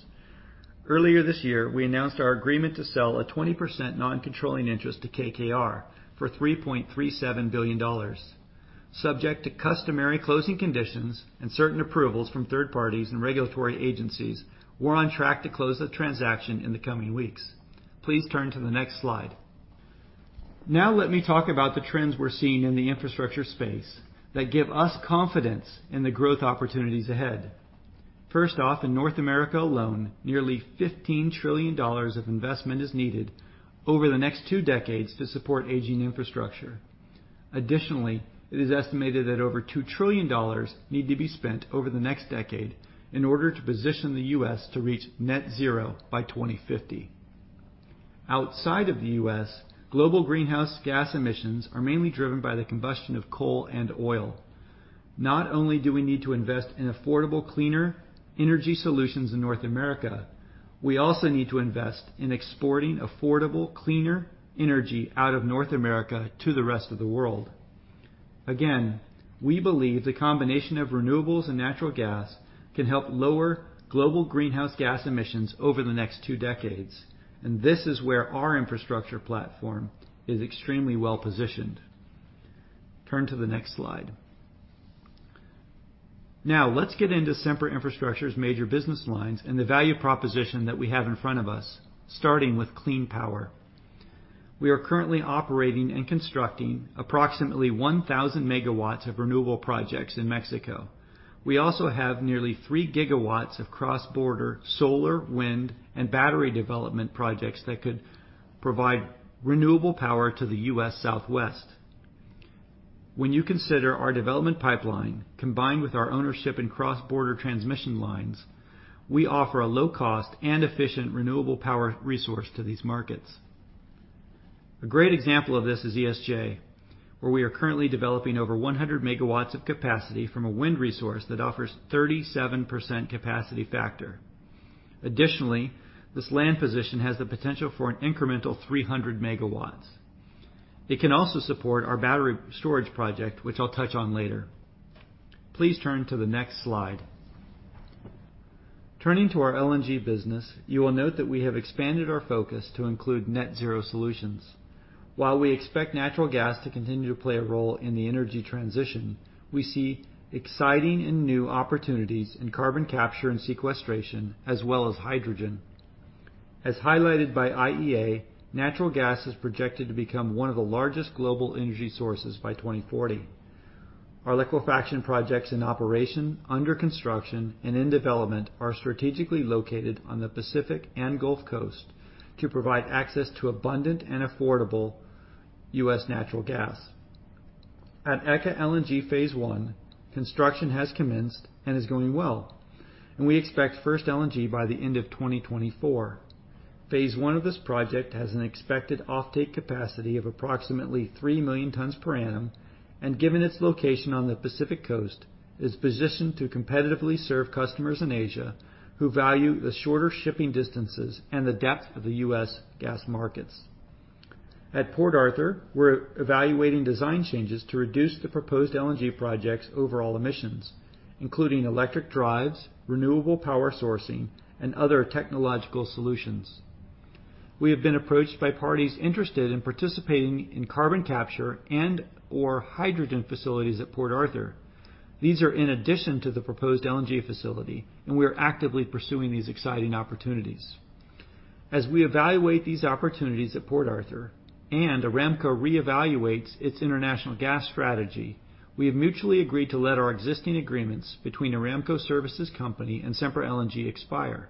Earlier this year, we announced our agreement to sell a 20% non-controlling interest to KKR for $3.37 billion. Subject to customary closing conditions and certain approvals from third parties and regulatory agencies, we're on track to close the transaction in the coming weeks. Please turn to the next slide. Let me talk about the trends we're seeing in the infrastructure space that give us confidence in the growth opportunities ahead. First off, in North America alone, nearly $15 trillion of investment is needed over the next two decades to support aging infrastructure. Additionally, it is estimated that over $2 trillion need to be spent over the next decade in order to position the U.S. to reach net zero by 2050. Outside of the U.S., global greenhouse gas emissions are mainly driven by the combustion of coal and oil. Not only do we need to invest in affordable, cleaner energy solutions in North America, we also need to invest in exporting affordable, cleaner energy out of North America to the rest of the world. Again, we believe the combination of renewables and natural gas can help lower global greenhouse gas emissions over the next two decades, and this is where our Sempra Infrastructure platform is extremely well-positioned. Turn to the next slide. Now, let's get into Sempra Infrastructure's major business lines and the value proposition that we have in front of us, starting with clean power. We are currently operating and constructing approximately 1,000 MW of renewable projects in Mexico. We also have nearly 3 GW of cross-border solar, wind, and battery development projects that could provide renewable power to the U.S. Southwest. When you consider our development pipeline, combined with our ownership in cross-border transmission lines, we offer a low-cost and efficient renewable power resource to these markets. A great example of this is ESJ, where we are currently developing over 100 MW of capacity from a wind resource that offers 37% capacity factor. Additionally, this land position has the potential for an incremental 300 MW. It can also support our battery storage project, which I'll touch on later. Please turn to the next slide. Turning to our LNG business, you will note that we have expanded our focus to include net-zero solutions. While we expect natural gas to continue to play a role in the energy transition, we see exciting and new opportunities in carbon capture and sequestration, as well as hydrogen. As highlighted by IEA, natural gas is projected to become one of the largest global energy sources by 2040. Our liquefaction projects in operation, under construction, and in development are strategically located on the Pacific and Gulf Coast to provide access to abundant and affordable U.S. natural gas. At ECA LNG phase I, construction has commenced and is going well, and we expect first LNG by the end of 2024. Phase I of this project has an expected offtake capacity of approximately 3 million tons per annum, and given its location on the Pacific Coast, is positioned to competitively serve customers in Asia who value the shorter shipping distances and the depth of the U.S. gas markets. At Port Arthur, we're evaluating design changes to reduce the proposed LNG project's overall emissions, including electric drives, renewable power sourcing, and other technological solutions. We have been approached by parties interested in participating in carbon capture and/or hydrogen facilities at Port Arthur. These are in addition to the proposed LNG facility. We are actively pursuing these exciting opportunities. As we evaluate these opportunities at Port Arthur and Saudi Aramco reevaluates its international gas strategy, we have mutually agreed to let our existing agreements between Aramco Services Company and Sempra LNG expire.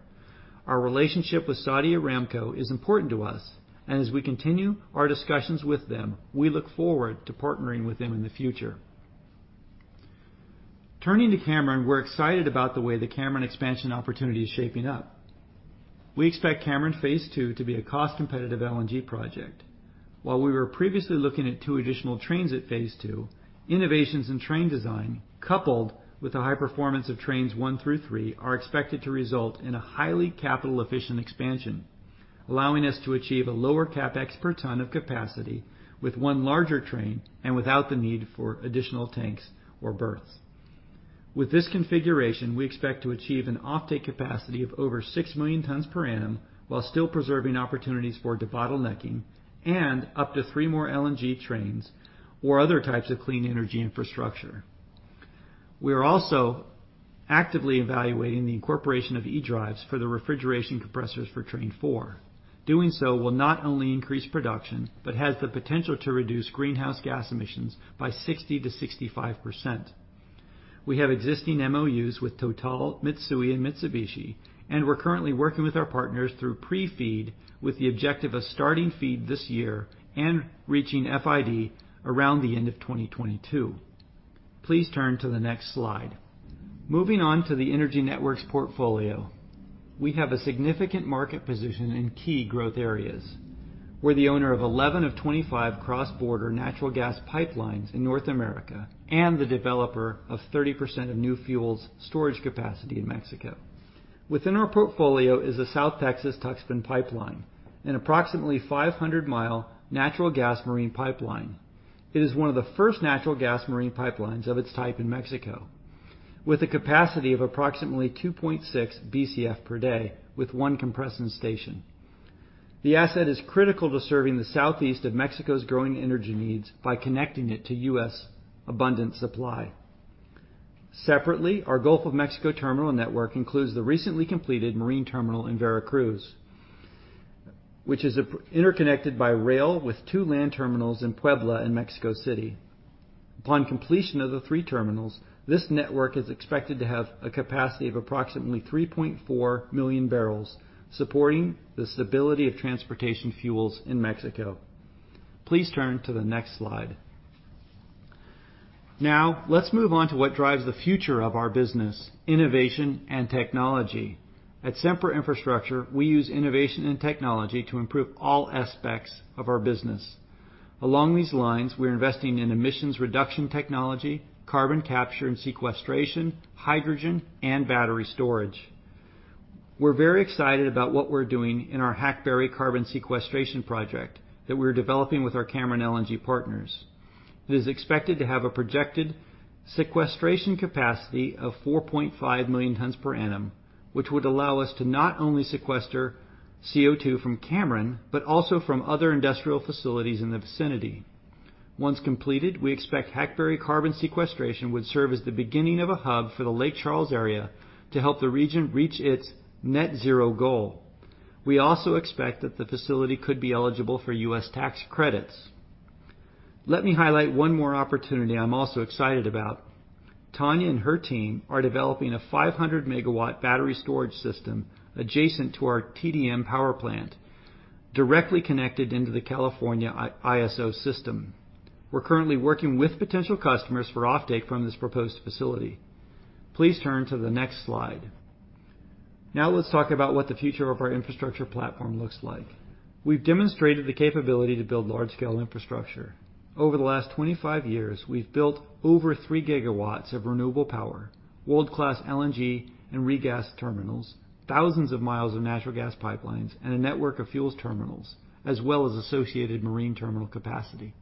Our relationship with Saudi Aramco is important to us. As we continue our discussions with them, we look forward to partnering with them in the future. Turning to Cameron, we're excited about the way the Cameron expansion opportunity is shaping up. We expect Cameron phase II to be a cost-competitive LNG project. While we were previously looking at two additional trains at phase II, innovations in train design, coupled with the high performance of trains one through three, are expected to result in a highly capital-efficient expansion, allowing us to achieve a lower CapEx per ton of capacity with one larger train and without the need for additional tanks or berths. With this configuration, we expect to achieve an offtake capacity of over 6 million tons per annum while still preserving opportunities for debottlenecking and up to three more LNG trains or other types of clean energy infrastructure. We are also actively evaluating the incorporation of e-drives for the refrigeration compressors for train four. Doing so will not only increase production but has the potential to reduce greenhouse gas emissions by 60%-65%. We have existing MOUs with TotalEnergies, Mitsui, and Mitsubishi, and we're currently working with our partners through pre-FEED with the objective of starting FEED this year and reaching FID around the end of 2022. Please turn to the next slide. Moving on to the energy networks portfolio. We have a significant market position in key growth areas. We're the owner of 11 of 25 cross-border natural gas pipelines in North America and the developer of 30% of new fuel storage capacity in Mexico. Within our portfolio is the South Texas-Tuxpan pipeline, an approximately 500-mi natural gas marine pipeline. It is one of the first natural gas marine pipelines of its type in Mexico, with a capacity of approximately 2.6 Bcf per day with one compression station. The asset is critical to serving the southeast of Mexico's growing energy needs by connecting it to U.S. abundant supply. Separately, our Gulf of Mexico terminal network includes the recently completed marine terminal in Veracruz, which is interconnected by rail with two land terminals in Puebla and Mexico City. Upon completion of the three terminals, this network is expected to have a capacity of approximately 3.4 million barrels, supporting the stability of transportation fuels in Mexico. Please turn to the next slide. Let's move on to what drives the future of our business, innovation and technology. At Sempra Infrastructure, we use innovation and technology to improve all aspects of our business. Along these lines, we're investing in emissions reduction technology, carbon capture and sequestration, hydrogen, and battery storage. We're very excited about what we're doing in our Hackberry Carbon Sequestration Project that we're developing with our Cameron LNG partners. It is expected to have a projected sequestration capacity of 4.5 million tons per annum, which would allow us to not only sequester CO2 from Cameron, but also from other industrial facilities in the vicinity. Once completed, we expect Hackberry Carbon Sequestration would serve as the beginning of a hub for the Lake Charles area to help the region reach its net-zero goal. We also expect that the facility could be eligible for U.S. tax credits. Let me highlight one more opportunity I'm also excited about. Tania and her team are developing a 500-MW battery storage system adjacent to our TDM power plant, directly connected into the California ISO system. We're currently working with potential customers for offtake from this proposed facility. Please turn to the next slide. Let's talk about what the future of our infrastructure platform looks like. We've demonstrated the capability to build large-scale infrastructure. Over the last 25 years, we've built over 3 GW of renewable power, world-class LNG and regas terminals, thousands of miles of natural gas pipelines, and a network of fuels terminals, as well as associated marine terminal capacity.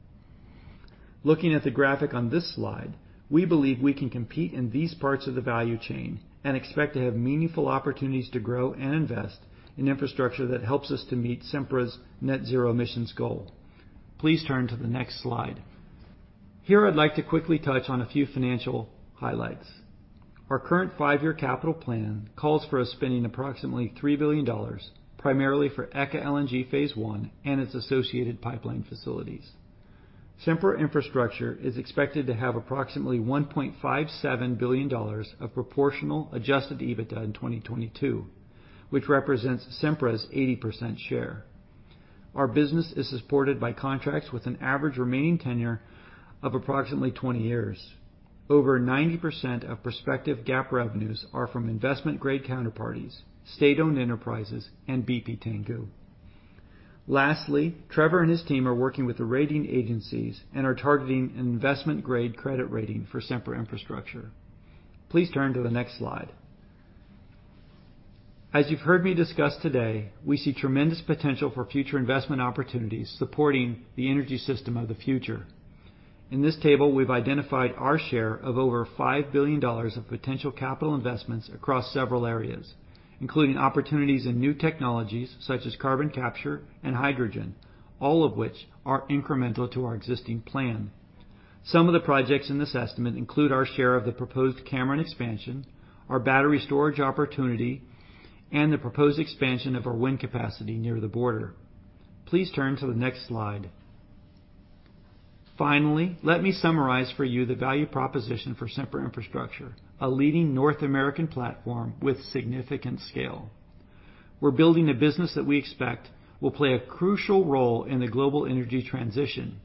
Looking at the graphic on this slide, we believe we can compete in these parts of the value chain and expect to have meaningful opportunities to grow and invest in infrastructure that helps us to meet Sempra's net-zero emissions goal. Please turn to the next slide. Here I'd like to quickly touch on a few financial highlights. Our current five-year capital plan calls for us spending approximately $3 billion, primarily for ECA LNG phase I and its associated pipeline facilities. Sempra Infrastructure is expected to have approximately $1.57 billion of proportional adjusted EBITDA in 2022, which represents Sempra's 80% share. Our business is supported by contracts with an average remaining tenure of approximately 20 years. Over 90% of prospective GAAP revenues are from investment-grade counterparties, state-owned enterprises, and BP Tangguh. Lastly, Trevor and his team are working with the rating agencies and are targeting an investment-grade credit rating for Sempra Infrastructure. Please turn to the next slide. As you've heard me discuss today, we see tremendous potential for future investment opportunities supporting the energy system of the future. In this table, we've identified our share of over $5 billion of potential capital investments across several areas, including opportunities in new technologies such as carbon capture and hydrogen, all of which are incremental to our existing plan. Some of the projects in this estimate include our share of the proposed Cameron expansion, our battery storage opportunity, and the proposed expansion of our wind capacity near the border. Please turn to the next slide. Let me summarize for you the value proposition for Sempra Infrastructure, a leading North American platform with significant scale. We're building a business that we expect will play a crucial role in the global energy transition.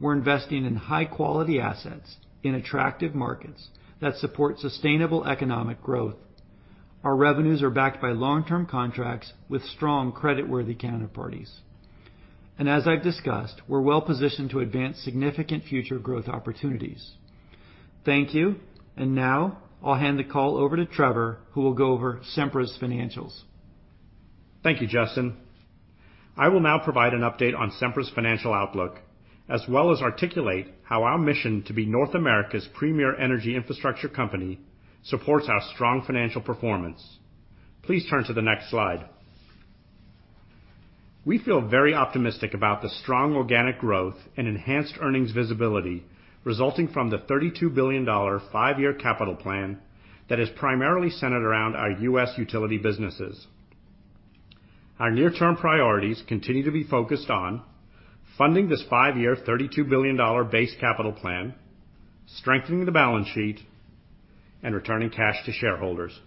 We're investing in high-quality assets in attractive markets that support sustainable economic growth. Our revenues are backed by long-term contracts with strong creditworthy counterparties. As I've discussed, we're well-positioned to advance significant future growth opportunities. Thank you. Now I'll hand the call over to Trevor, who will go over Sempra's financials. Thank you, Justin. I will now provide an update on Sempra's financial outlook, as well as articulate how our mission to be North America's premier energy infrastructure company supports our strong financial performance. Please turn to the next slide. We feel very optimistic about the strong organic growth and enhanced earnings visibility resulting from the $32 billion five-year capital plan that is primarily centered around our U.S. utility businesses. Our near-term priorities continue to be focused on funding this five-year $32 billion base capital plan, strengthening the balance sheet, and returning cash to shareholders.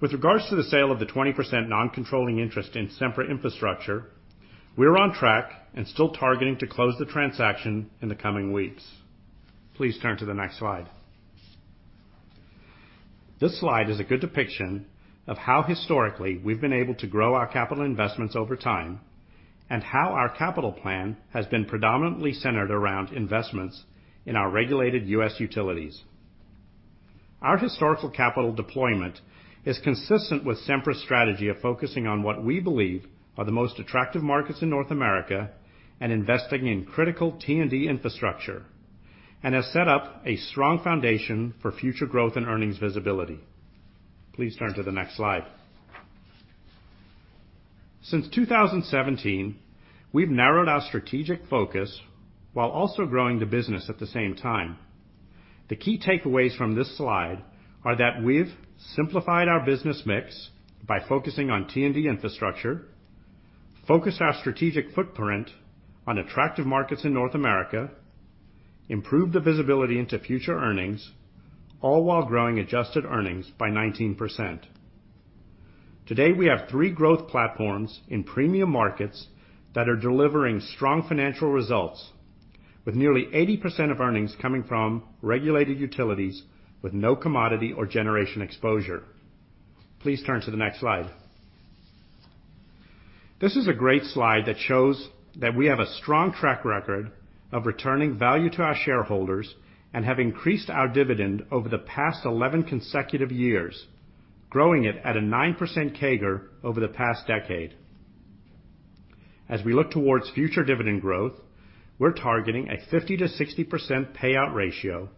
With regards to the sale of the 20% non-controlling interest in Sempra Infrastructure, we are on track and still targeting to close the transaction in the coming weeks. Please turn to the next slide. This slide is a good depiction of how historically we've been able to grow our capital investments over time and how our capital plan has been predominantly centered around investments in our regulated U.S. utilities. Our historical capital deployment is consistent with Sempra's strategy of focusing on what we believe are the most attractive markets in North America and investing in critical T&D infrastructure. Has set up a strong foundation for future growth and earnings visibility. Please turn to the next slide. Since 2017, we've narrowed our strategic focus while also growing the business at the same time. The key takeaways from this slide are that we've simplified our business mix by focusing on T&D infrastructure, focused our strategic footprint on attractive markets in North America, improved the visibility into future earnings, all while growing adjusted earnings by 19%. Today, we have three growth platforms in premium markets that are delivering strong financial results, with nearly 80% of earnings coming from regulated utilities with no commodity or generation exposure. Please turn to the next slide. This is a great slide that shows that we have a strong track record of returning value to our shareholders and have increased our dividend over the past 11 consecutive years, growing it at a 9% CAGR over the past decade. As we look towards future dividend growth, we're targeting a 50%-60% payout ratio,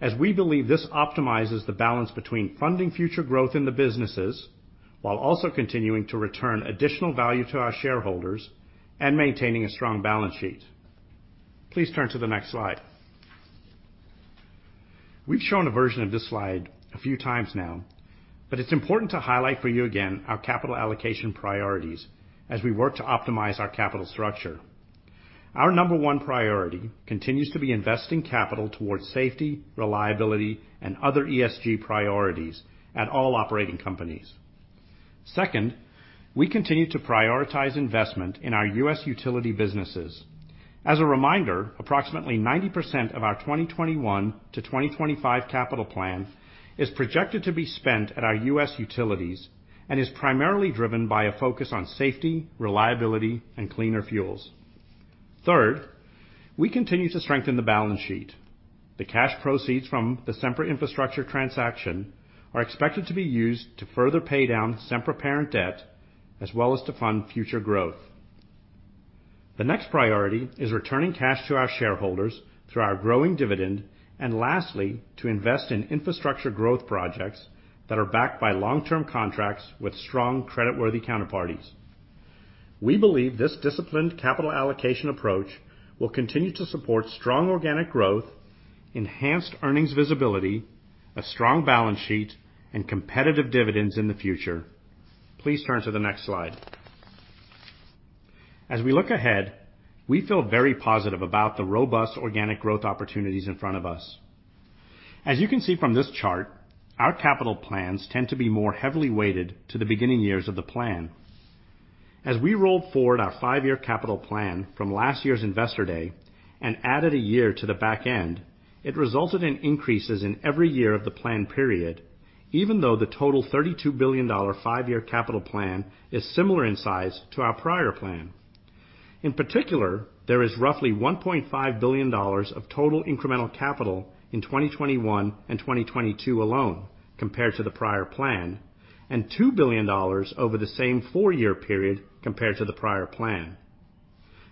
as we believe this optimizes the balance between funding future growth in the businesses while also continuing to return additional value to our shareholders and maintaining a strong balance sheet. Please turn to the next slide. We've shown a version of this slide a few times now, but it's important to highlight for you again our capital allocation priorities as we work to optimize our capital structure. Our number one priority continues to be investing capital towards safety, reliability, and other ESG priorities at all operating companies. Second, we continue to prioritize investment in our U.S. utility businesses. As a reminder, approximately 90% of our 2021-2025 capital plan is projected to be spent at our U.S. utilities and is primarily driven by a focus on safety, reliability, and cleaner fuels. Third, we continue to strengthen the balance sheet. The cash proceeds from the Sempra Infrastructure transaction are expected to be used to further pay down Sempra parent debt as well as to fund future growth. The next priority is returning cash to our shareholders through our growing dividend, lastly, to invest in infrastructure growth projects that are backed by long-term contracts with strong creditworthy counterparties. We believe this disciplined capital allocation approach will continue to support strong organic growth, enhanced earnings visibility, a strong balance sheet, and competitive dividends in the future. Please turn to the next slide. As we look ahead, we feel very positive about the robust organic growth opportunities in front of us. As you can see from this chart, our capital plans tend to be more heavily weighted to the beginning years of the plan. As we rolled forward our five-year capital plan from last year's Investor Day and added a year to the back end, it resulted in increases in every year of the plan period, even though the total $32 billion five-year capital plan is similar in size to our prior plan. In particular, there is roughly $1.5 billion of total incremental capital in 2021 and 2022 alone compared to the prior plan, and $2 billion over the same four-year period compared to the prior plan.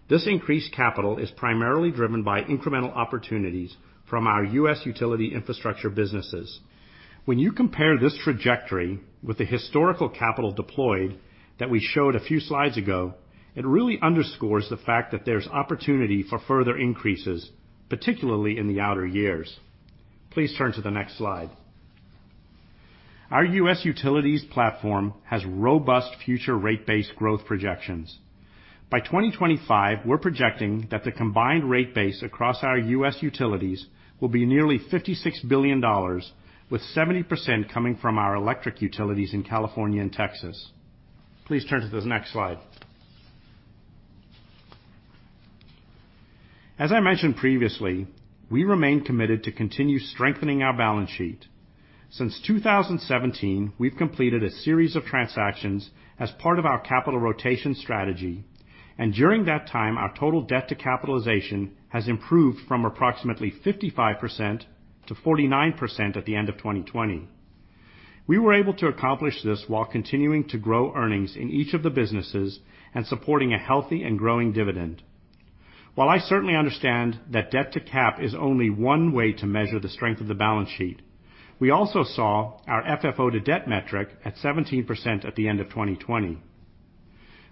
This increased capital is primarily driven by incremental opportunities from our U.S. utility infrastructure businesses. When you compare this trajectory with the historical capital deployed that we showed a few slides ago, it really underscores the fact that there's opportunity for further increases, particularly in the outer years. Please turn to the next slide. Our U.S. utilities platform has robust future rate-base growth projections. By 2025, we're projecting that the combined rate base across our U.S. utilities will be nearly $56 billion, with 70% coming from our electric utilities in California and Texas. Please turn to the next slide. As I mentioned previously, we remain committed to continue strengthening our balance sheet. Since 2017, we've completed a series of transactions as part of our capital rotation strategy. During that time, our total debt to capitalization has improved from approximately 55% to 49% at the end of 2020. We were able to accomplish this while continuing to grow earnings in each of the businesses and supporting a healthy and growing dividend. While I certainly understand that debt to cap is only one way to measure the strength of the balance sheet, we also saw our FFO-to-debt metric at 17% at the end of 2020.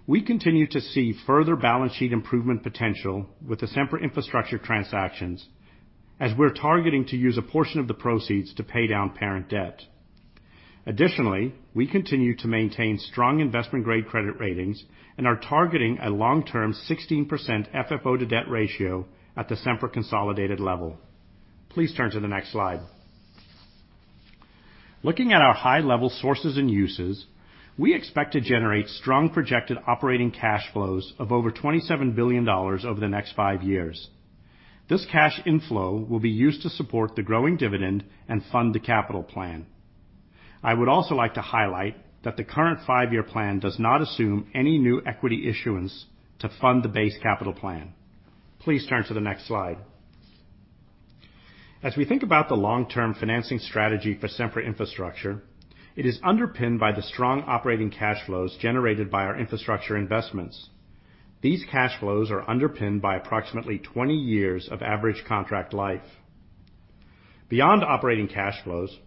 We continue to see further balance sheet improvement potential with the Sempra Infrastructure transactions, as we're targeting to use a portion of the proceeds to pay down parent debt. Additionally, we continue to maintain strong investment-grade credit ratings and are targeting a long-term 16% FFO-to-debt ratio at the Sempra consolidated level. Please turn to the next slide. Looking at our high-level sources and uses, we expect to generate strong projected operating cash flows of over $27 billion over the next five years. This cash inflow will be used to support the growing dividend and fund the capital plan. I would also like to highlight that the current five-year plan does not assume any new equity issuance to fund the base capital plan. Please turn to the next slide. As we think about the long-term financing strategy for Sempra Infrastructure, it is underpinned by the strong operating cash flows generated by our infrastructure investments. These cash flows are underpinned by approximately 20 years of average contract life. Beyond operating cash flows,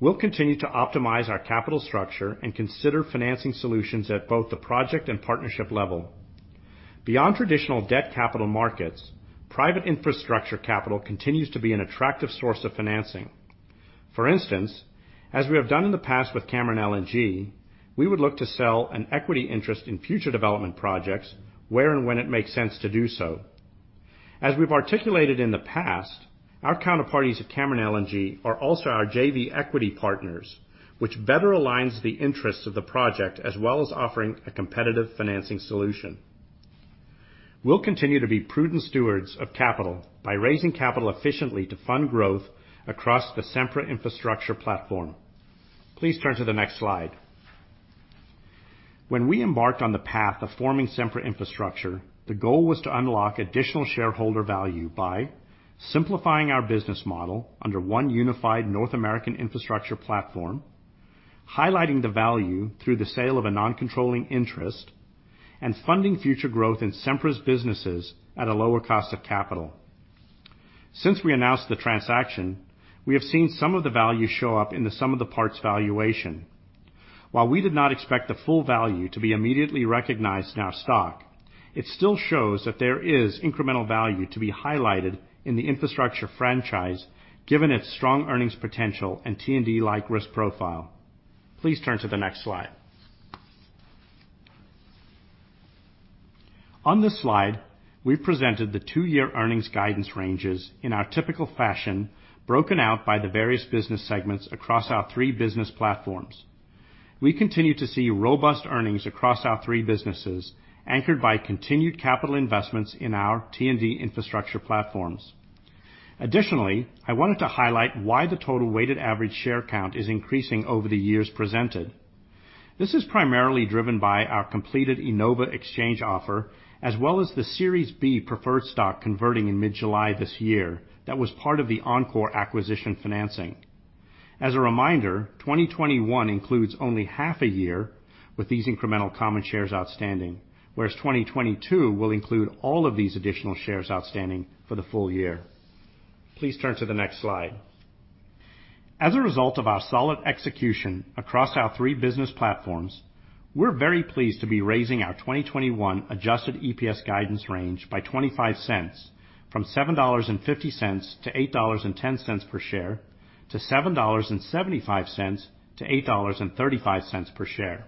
we will continue to optimize our capital structure and consider financing solutions at both the project and partnership level. Beyond traditional debt capital markets, private infrastructure capital continues to be an attractive source of financing. For instance, as we have done in the past with Cameron LNG, we would look to sell an equity interest in future development projects where and when it makes sense to do so. As we have articulated in the past, our counterparties at Cameron LNG are also our JV equity partners, which better aligns the interest of the project, as well as offering a competitive financing solution. We'll continue to be prudent stewards of capital by raising capital efficiently to fund growth across the Sempra Infrastructure platform. Please turn to the next slide. When we embarked on the path of forming Sempra Infrastructure, the goal was to unlock additional shareholder value by simplifying our business model under one unified North American infrastructure platform, highlighting the value through the sale of a non-controlling interest, and funding future growth in Sempra's businesses at a lower cost of capital. Since we announced the transaction, we have seen some of the value show up in the sum of the parts valuation. While we did not expect the full value to be immediately recognized in our stock, it still shows that there is incremental value to be highlighted in the infrastructure franchise given its strong earnings potential and T&D-like risk profile. Please turn to the next slide. On this slide, we've presented the two-year earnings guidance ranges in our typical fashion, broken out by the various business segments across our three business platforms. We continue to see robust earnings across our three businesses, anchored by continued capital investments in our T&D infrastructure platforms. Additionally, I wanted to highlight why the total weighted average share count is increasing over the years presented. This is primarily driven by our completed IEnova exchange offer, as well as the Series B preferred stock converting in mid-July this year that was part of the Oncor acquisition financing. As a reminder, 2021 includes only half a year with these incremental common shares outstanding, whereas 2022 will include all of these additional shares outstanding for the full year. Please turn to the next slide. As a result of our solid execution across our three business platforms, we're very pleased to be raising our 2021 adjusted EPS guidance range by $0.25 from $7.50-$8.10 per share to $7.75-$8.35 per share.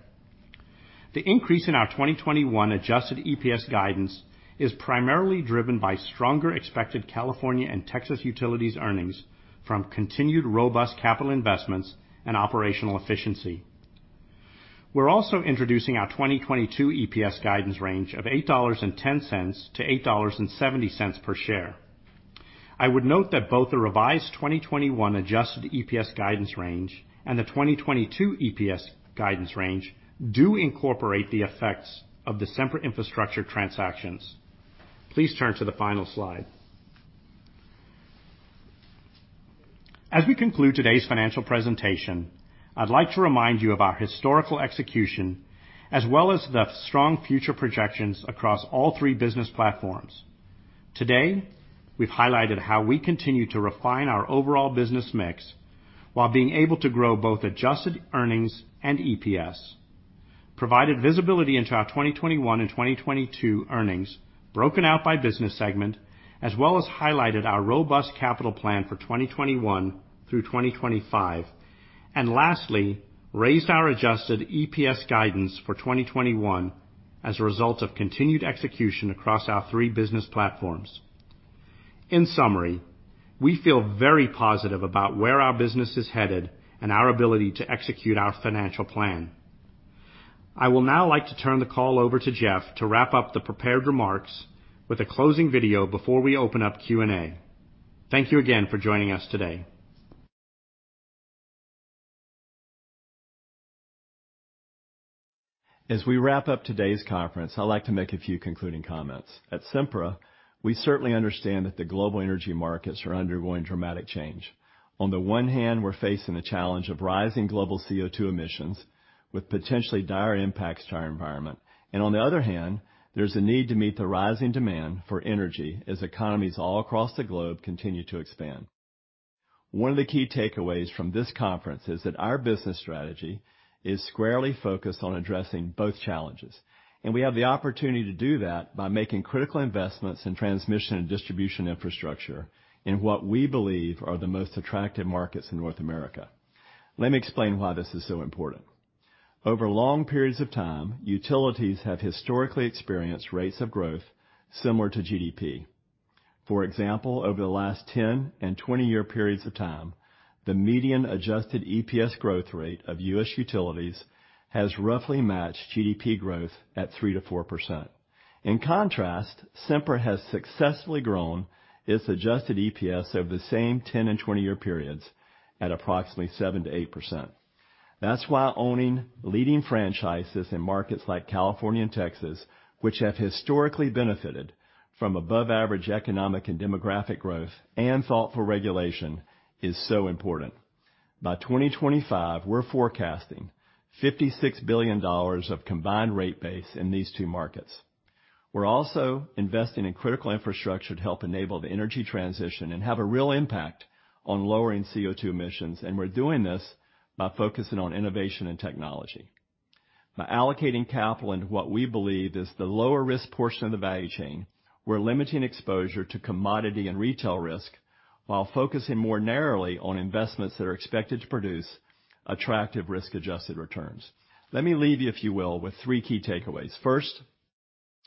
The increase in our 2021 adjusted EPS guidance is primarily driven by stronger expected California and Texas utilities earnings from continued robust capital investments and operational efficiency. We're also introducing our 2022 EPS guidance range of $8.10-$8.70 per share. I would note that both the revised 2021 adjusted EPS guidance range and the 2022 EPS guidance range do incorporate the effects of the Sempra Infrastructure transactions. Please turn to the final slide. As we conclude today's financial presentation, I'd like to remind you of our historical execution as well as the strong future projections across all three business platforms. We've highlighted how we continue to refine our overall business mix while being able to grow both adjusted earnings and EPS, provided visibility into our 2021 and 2022 earnings broken out by business segment, as well as highlighted our robust capital plan for 2021 through 2025, lastly, raised our adjusted EPS guidance for 2021 as a result of continued execution across our three business platforms. In summary, we feel very positive about where our business is headed and our ability to execute our financial plan. I will now like to turn the call over to Jeff to wrap up the prepared remarks with a closing video before we open up Q&A. Thank you again for joining us today. As we wrap up today's conference, I'd like to make a few concluding comments. At Sempra, we certainly understand that the global energy markets are undergoing dramatic change. On the one hand, we're facing the challenge of rising global CO2 emissions with potentially dire impacts to our environment. On the other hand, there's a need to meet the rising demand for energy as economies all across the globe continue to expand. One of the key takeaways from this conference is that our business strategy is squarely focused on addressing both challenges, and we have the opportunity to do that by making critical investments in transmission and distribution infrastructure in what we believe are the most attractive markets in North America. Let me explain why this is so important. Over long periods of time, utilities have historically experienced rates of growth similar to GDP. For example, over the last 10 and 20-year periods of time, the median adjusted EPS growth rate of U.S. utilities has roughly matched GDP growth at 3%-4%. In contrast, Sempra has successfully grown its adjusted EPS over the same 10 and 20-year periods at approximately 7%-8%. That's why owning leading franchises in markets like California and Texas, which have historically benefited from above-average economic and demographic growth and thoughtful regulation, is so important. By 2025, we're forecasting $56 billion of combined rate base in these two markets. We're also investing in critical infrastructure to help enable the energy transition and have a real impact on lowering CO2 emissions. We're doing this by focusing on innovation and technology. By allocating capital into what we believe is the lower-risk portion of the value chain, we're limiting exposure to commodity and retail risk while focusing more narrowly on investments that are expected to produce attractive risk-adjusted returns. Let me leave you, if you will, with three key takeaways. First,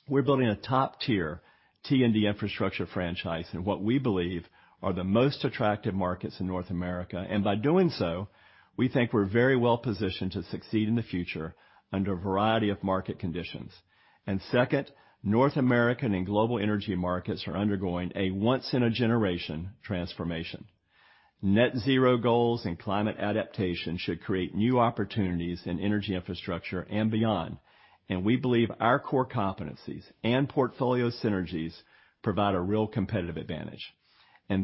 we're building a top-tier T&D infrastructure franchise in what we believe are the most attractive markets in North America. By doing so, we think we're very well-positioned to succeed in the future under a variety of market conditions. Second, North American and global energy markets are undergoing a once-in-a-generation transformation. Net-zero goals and climate adaptation should create new opportunities in energy infrastructure and beyond. We believe our core competencies and portfolio synergies provide a real competitive advantage.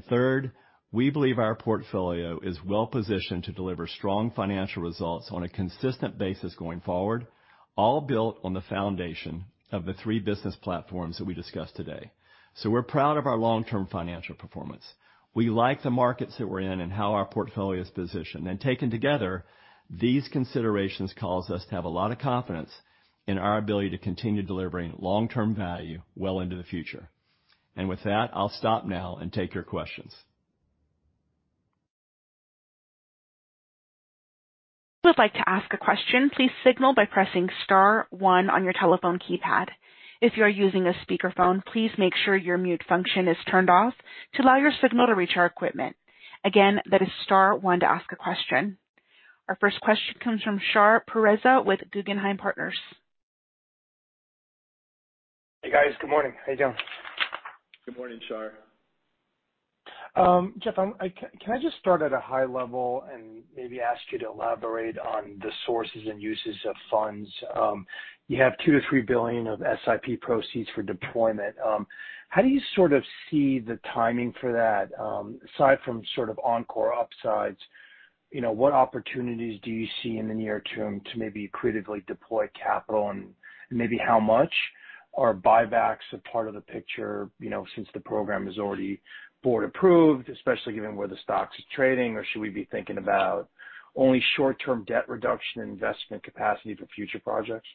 Third, we believe our portfolio is well-positioned to deliver strong financial results on a consistent basis going forward, all built on the foundation of the three business platforms that we discussed today. We're proud of our long-term financial performance. We like the markets that we're in and how our portfolio is positioned. Taken together, these considerations cause us to have a lot of confidence in our ability to continue delivering long-term value well into the future. With that, I'll stop now and take your questions. If you'd like to ask a question, please signal by pressing star one on your telephone keypad. If you're using a speaker phone, please make sure your mute function is turned off to allow your signal to reach our equipment. Again, that is star one to ask a question. Our first question comes from Shar Pourreza with Guggenheim Partners. Hey, guys. Good morning. How you doing? Good morning, Shar. Jeff, can I just start at a high level and maybe ask you to elaborate on the sources and uses of funds? You have $2 billion-$3 billion of SIP proceeds for deployment. How do you sort of see the timing for that? Aside from sort of Oncor upsides, what opportunities do you see in the near-term to maybe creatively deploy capital and maybe how much? Are buybacks a part of the picture since the program is already board approved, especially given where the stock is trading? Should we be thinking about only short-term debt reduction and investment capacity for future projects?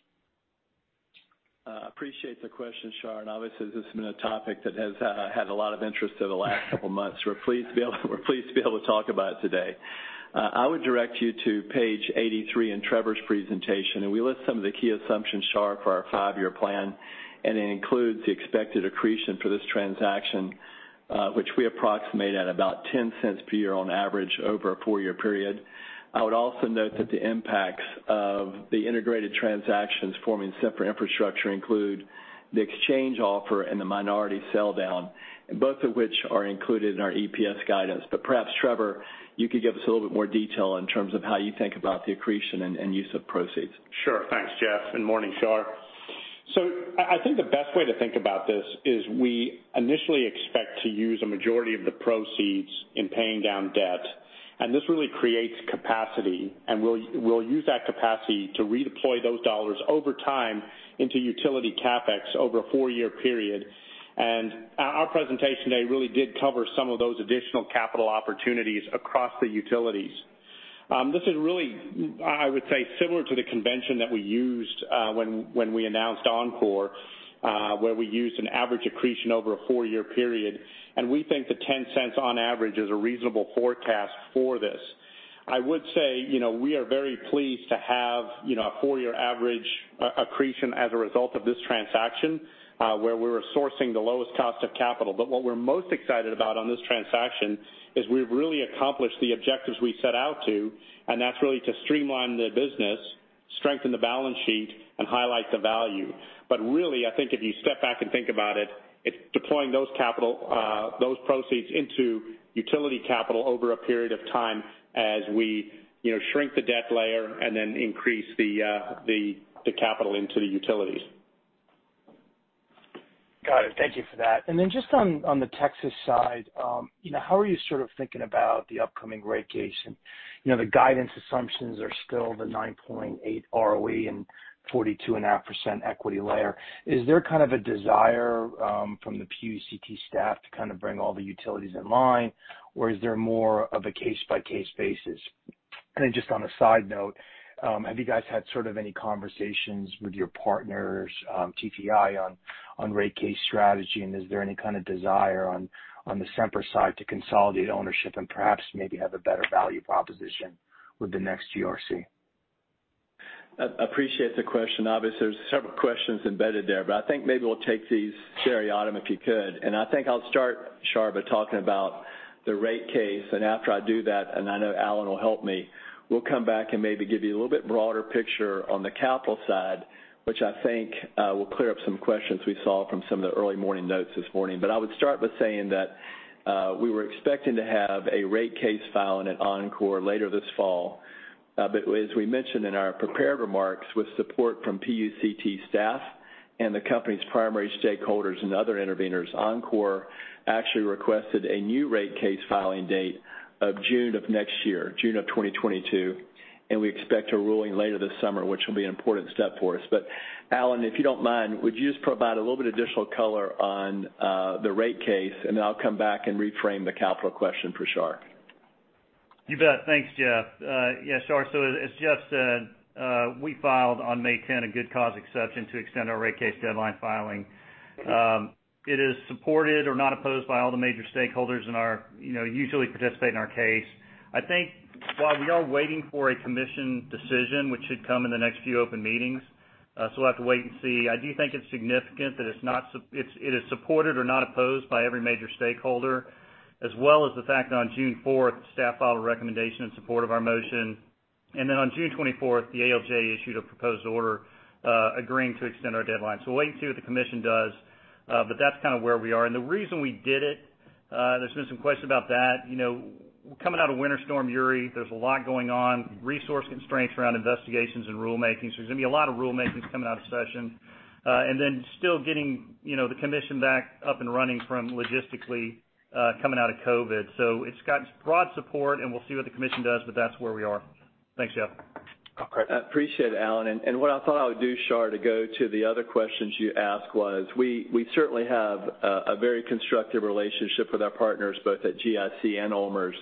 Appreciate the question, Shar. Obviously, this has been a topic that has had a lot of interest over the last couple of months. We're pleased to be able to talk about it today. I would direct you to page 83 in Trevor's presentation. We list some of the key assumptions, Shar, for our five-year plan. It includes the expected accretion for this transaction, which we approximate at about $0.10 per year on average over a four-year period. I would also note that the impacts of the integrated transactions forming Sempra Infrastructure include the exchange offer and the minority sell down. Both of which are included in our EPS guidance. Perhaps, Trevor, you could give us a little bit more detail in terms of how you think about the accretion and use of proceeds. Sure. Thanks, Jeff, and morning, Shar. I think the best way to think about this is we initially expect to use a majority of the proceeds in paying down debt, and this really creates capacity, and we'll use that capacity to redeploy those dollars over time into utility CapEx over a four-year period. Our presentation today really did cover some of those additional capital opportunities across the utilities. This is really, I would say, similar to the convention that we used when we announced Oncor, where we used an average accretion over a four-year period. We think the $0.10 on average is a reasonable forecast for this. I would say we are very pleased to have a four-year average Accretion as a result of this transaction, where we were sourcing the lowest cost of capital. What we're most excited about on this transaction is we've really accomplished the objectives we set out to, and that's really to streamline the business, strengthen the balance sheet, and highlight the value. Really, I think if you step back and think about it's deploying those proceeds into utility capital over a period of time as we shrink the debt layer and then increase the capital into the utilities. Got it. Thank you for that. Just on the Texas side, how are you sort of thinking about the upcoming rate case? The guidance assumptions are still the 9.8% ROE and 42.5% equity layer. Is there a desire from the PUCT staff to bring all the utilities in line, or is there more of a case-by-case basis? Just on a side note, have you guys had any conversations with your partners, TTI, on rate case strategy, and is there any kind of desire on the Sempra side to consolidate ownership and perhaps maybe have a better value proposition with the next GRC? I appreciate the question. Obviously, there's several questions embedded there, but I think maybe we'll take these seriatim if you could. I think I'll start, Shar, by talking about the rate case, and after I do that, and I know Allen will help me, we'll come back and maybe give you a little bit broader picture on the capital side, which I think will clear up some questions we saw from some of the early morning notes this morning. I would start by saying that we were expecting to have a rate case filing at Oncor later this fall. As we mentioned in our prepared remarks, with support from PUCT staff and the company's primary stakeholders and other interveners, Oncor actually requested a new rate case filing date of June of next year, June of 2022, and we expect a ruling later this summer, which will be an important step for us. Allen, if you don't mind, would you just provide a little bit additional color on the rate case, and I'll come back and reframe the capital question for Shar. You bet. Thanks, Jeff. Yeah, Shar. As Jeff said, we filed on May 10th a good cause exception to extend our rate case deadline filing. It is supported or not opposed by all the major stakeholders that usually participate in our case. I think while we are waiting for a Commission decision, which should come in the next few open meetings, we'll have to wait and see. I do think it's significant that it is supported or not opposed by every major stakeholder, as well as the fact that on June 4th, the staff filed a recommendation in support of our motion. On June 24th, the ALJ issued a proposed order agreeing to extend our deadline. We'll have to wait and see what the Commission does. That's kind of where we are. The reason we did it, there's been some questions about that. Coming out of Winter Storm Uri, there's a lot going on, resource constraints around investigations and rulemakings. There's going to be a lot of rulemakings coming out of session. Still getting the Commission back up and running from logistically coming out of COVID. It's got broad support, and we'll see what the Commission does, but that's where we are. Thanks, Jeff. Okay. I appreciate it, Allen. What I thought I would do, Shar, to go to the other questions you asked was, we certainly have a very constructive relationship with our partners, both at GIC and OMERS.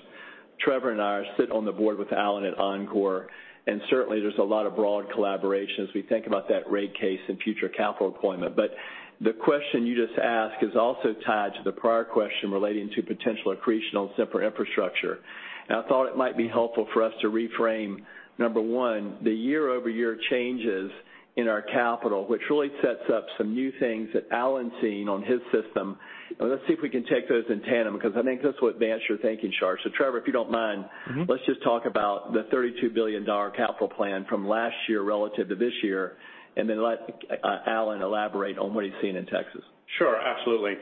Trevor and I sit on the board with Allen at Oncor, and certainly there's a lot of broad collaborations. We think about that rate case and future capital deployment. The question you just asked is also tied to the prior question relating to potential accretional Sempra Infrastructure. I thought it might be helpful for us to reframe, number one, the year-over-year changes in our capital, which really sets up some new things that Allen's seen on his system. Let's see if we can take those in tandem, because I think this will advance your thinking, Shar. Trevor, if you don't mind. Let's just talk about the $32 billion capital plan from last year relative to this year, and then let Allen elaborate on what he's seen in Texas. Sure. Absolutely.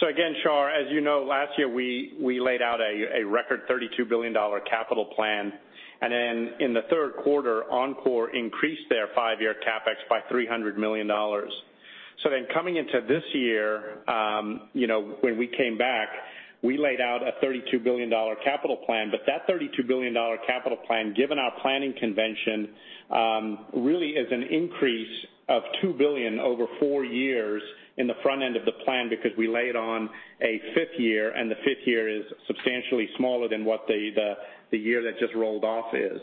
Again, Shar, as you know, last year we laid out a record $32 billion capital plan, and in the third quarter, Oncor increased their five-year CapEx by $300 million. Coming into this year, when we came back, we laid out a $32 billion capital plan. That $32 billion capital plan, given our planning convention, really is an increase of $2 billion over four years in the front end of the plan because we laid on a fifth year, and the fifth year is substantially smaller than what the year that just rolled off is.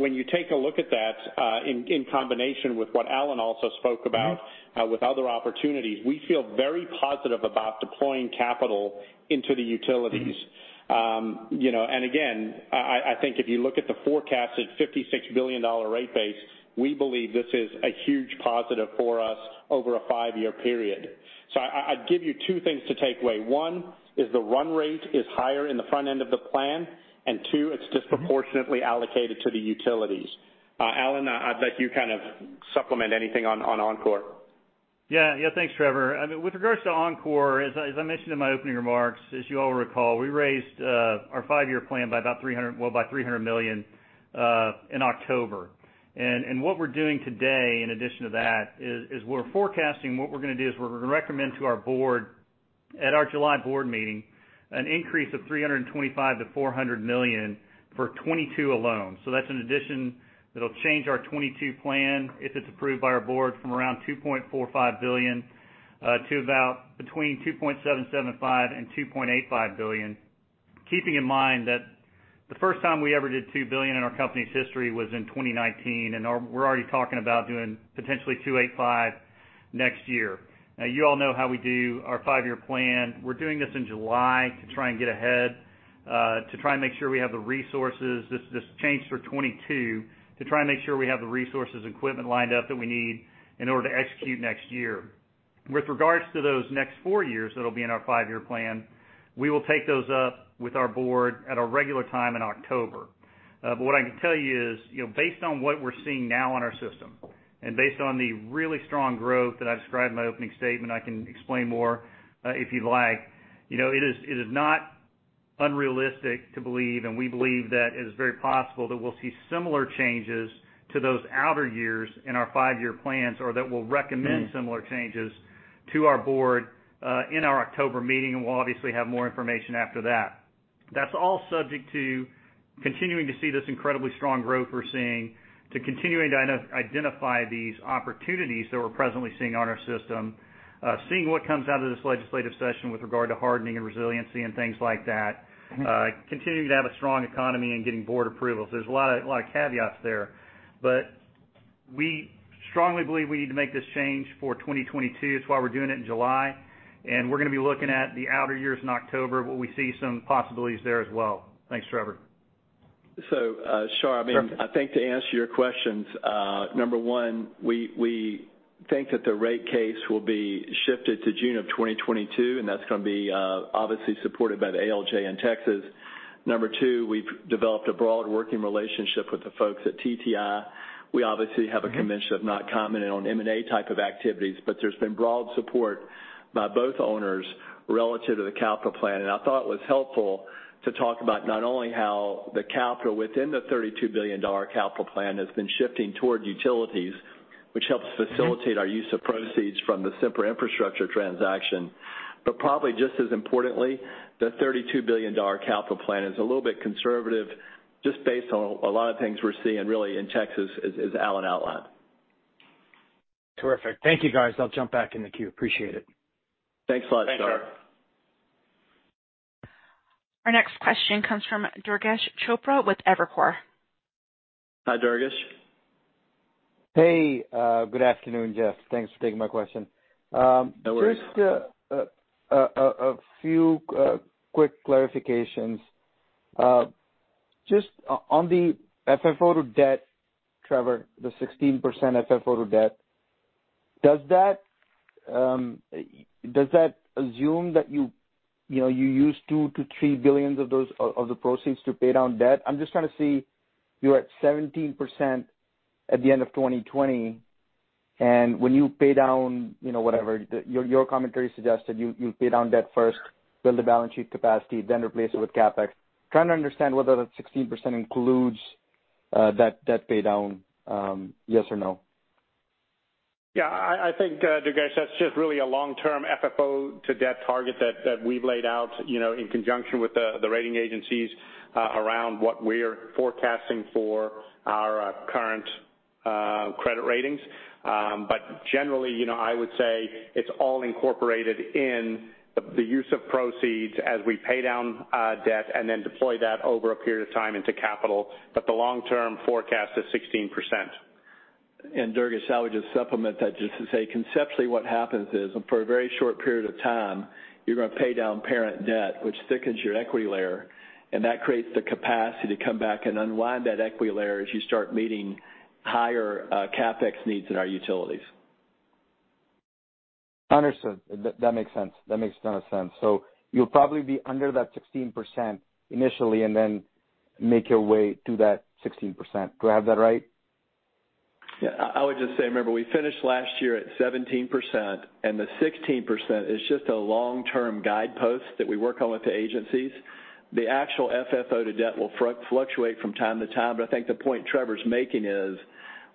When you take a look at that, in combination with what Allen also spoke about. with other opportunities, we feel very positive about deploying capital into the utilities. Again, I think if you look at the forecasted $56 billion rate base, we believe this is a huge positive for us over a five-year period. I'd give you two things to take away. One is the run rate is higher in the front end of the plan, and two, it's disproportionately allocated to the utilities. Allen, I'd let you kind of supplement anything on Oncor. Yeah. Thanks, Trevor. With regards to Oncor, as I mentioned in my opening remarks, as you all recall, we raised our five-year plan by about $300 million in October. What we're doing today, in addition to that, is we're forecasting what we're going to do is we're going to recommend to our board at our July board meeting an increase of $325 million-$400 million for 2022 alone. That's an addition that'll change our 2022 plan if it's approved by our board from around $2.45 billion to about between $2.775 billion and $2.85 billion. Keeping in mind that the first time we ever did $2 billion in our company's history was in 2019, and we're already talking about doing potentially $2.85 billion next year. You all know how we do our five-year plan. We're doing this in July to try and get ahead, to try and make sure we have the resources. This change for 2022 to try and make sure we have the resources and equipment lined up that we need in order to execute next year. With regards to those next four years, that'll be in our five-year plan. We will take those up with our board at our regular time in October. What I can tell you is, based on what we're seeing now in our system, and based on the really strong growth that I described in my opening statement, I can explain more if you'd like. It is not unrealistic to believe, we believe that it is very possible that we'll see similar changes to those outer years in our five-year plans, we'll recommend similar changes to our board in our October meeting, we'll obviously have more information after that. That's all subject to continuing to see this incredibly strong growth we're seeing, to continuing to identify these opportunities that we're presently seeing in our system. Seeing what comes out of this legislative session with regard to hardening and resiliency and things like that. Continuing to have a strong economy and getting board approval. There's a lot of caveats there, we strongly believe we need to make this change for 2022. That's why we're doing it in July, we're going to be looking at the outer years in October, we see some possibilities there as well. Thanks, Trevor. Shar, I think to answer your questions, number one, we think that the rate case will be shifted to June of 2022, and that's going to be obviously supported by the ALJ in Texas. Number two, we've developed a broad working relationship with the folks at TTI. We obviously have a commitment to not comment on M&A type of activities, but there's been broad support by both owners relative to the capital plan. I thought it was helpful to talk about not only how the capital within the $32 billion capital plan has been shifting towards utilities, which helps facilitate our use of proceeds from the Sempra Infrastructure transaction. Probably just as importantly, the $32 billion capital plan is a little bit conservative just based on a lot of things we're seeing really in Texas as Allen outlined. Terrific. Thank you, guys. I'll jump back in the queue. Appreciate it. Thanks a lot. Thanks, Shar. Our next question comes from Durgesh Chopra with Evercore. Hi, Durgesh. Hey, good afternoon, Jeff. Thanks for taking my question. No worries. Just a few quick clarifications. Just on the FFO-to-debt, Trevor, the 16% FFO-to-debt. Does that assume that you use $2 billion-$3 billion of the proceeds to pay down debt? I'm just trying to see, you're at 17% at the end of 2020, and when you pay down whatever, your commentary suggests that you'll pay down debt first, build the balance sheet capacity, then replace it with CapEx. Trying to understand whether that 16% includes that debt pay down, yes or no? I think, Durgesh, that is just really a long-term FFO-to-debt target that we have laid out in conjunction with the rating agencies around what we are forecasting for our current credit ratings. Generally, I would say it is all incorporated in the use of proceeds as we pay down debt and then deploy that over a period of time into capital. The long-term forecast is 16%. Durgesh, I would just supplement that just to say conceptually what happens is, and for a very short period of time, you're going to pay down parent debt, which thickens your equity layer, and that creates the capacity to come back and unwind that equity layer as you start meeting higher CapEx needs in our utilities. Understood. That makes sense. You'll probably be under that 16% initially and then make your way to that 16%. Do I have that right? Yeah. I would just say, remember, we finished last year at 17%. The 16% is just a long-term guidepost that we work on with the agencies. The actual FFO-to-debt will fluctuate from time to time. I think the point Trevor's making is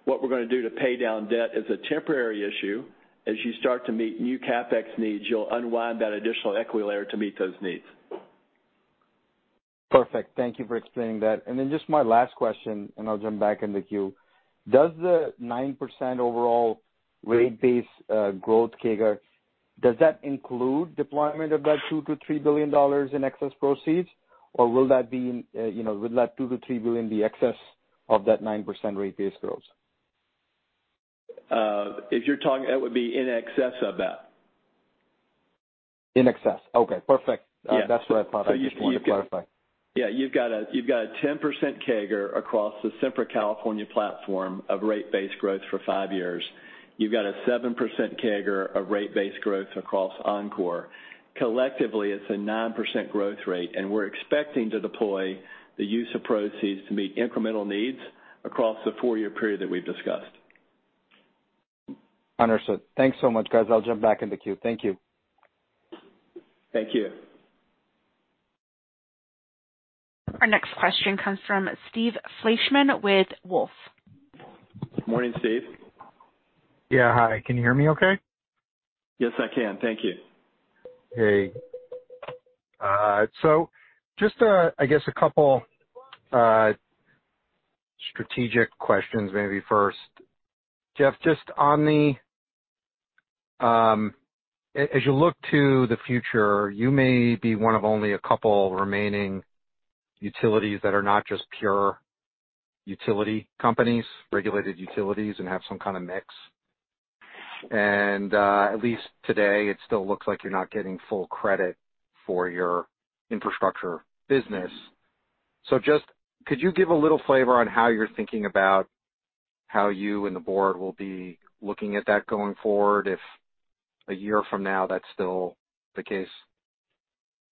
what we're going to do to pay down debt is a temporary issue. As you start to meet new CapEx needs, you'll unwind that additional equity layer to meet those needs. Perfect. Thank you for explaining that. Just my last question, and I'll jump back in the queue. Does the 9% overall rate-base growth CAGR, does that include deployment of that $2 billion-$3 billion in excess proceeds, or will that $2 billion-$3 billion be excess of that 9% rate-base growth? If you're talking, that would be in excess of that. In excess. Okay, perfect. Yeah. That's what I thought. Just wanted to clarify. Yeah, you've got a 10% CAGR across the Sempra California platform of rate base growth for five years. You've got a 7% CAGR of rate base growth across Oncor. Collectively, it's a 9% growth rate. We're expecting to deploy the use of proceeds to meet incremental needs across the four-year period that we've discussed. Understood. Thanks so much, guys. I'll jump back in the queue. Thank you. Thank you. Our next question comes from Steve Fleishman with Wolfe. Good morning, Steve. Yeah, hi. Can you hear me okay? Yes, I can. Thank you. Hey. Just, I guess a couple strategic questions maybe first. Jeff, as you look to the future, you may be one of only a couple remaining utilities that are not just pure utility companies, regulated utilities, and have some kind of mix. At least today, it still looks like you're not getting full credit for your infrastructure business. Just could you give a little flavor on how you're thinking about how you and the board will be looking at that going forward if a year from now that's still the case?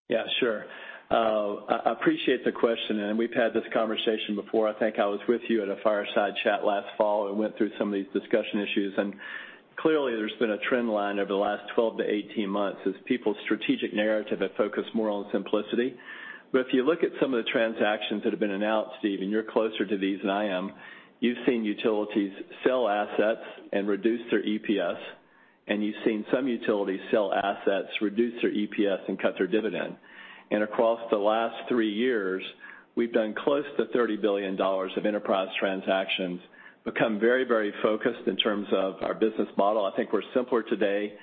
Yeah, sure. I appreciate the question, and we've had this conversation before. I think I was with you at a fireside chat last fall and went through some of these discussion issues. Clearly, there's been a trend line over the last 12 months, 18 months as people's strategic narrative have focused more on simplicity. If you look at some of the transactions that have been announced, Steve, and you're closer to these than I am, you've seen utilities sell assets and reduce their EPS. You've seen some utilities sell assets, reduce their EPS, and cut their dividend. Across the last three years, we've done close to $30 billion of enterprise transactions, become very focused in terms of our business model. I think we're simpler today.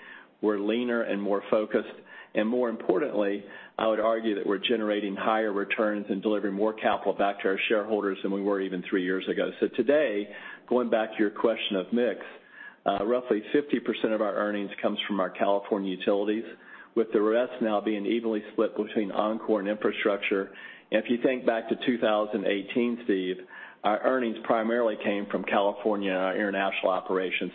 We're leaner and more focused, and more importantly, I would argue that we're generating higher returns and delivering more capital back to our shareholders than we were even three years ago. Today, going back to your question of mix, roughly 50% of our earnings comes from our California utilities, with the rest now being evenly split between Oncor and Infrastructure. If you think back to 2018, Steve, our earnings primarily came from California and our international operations.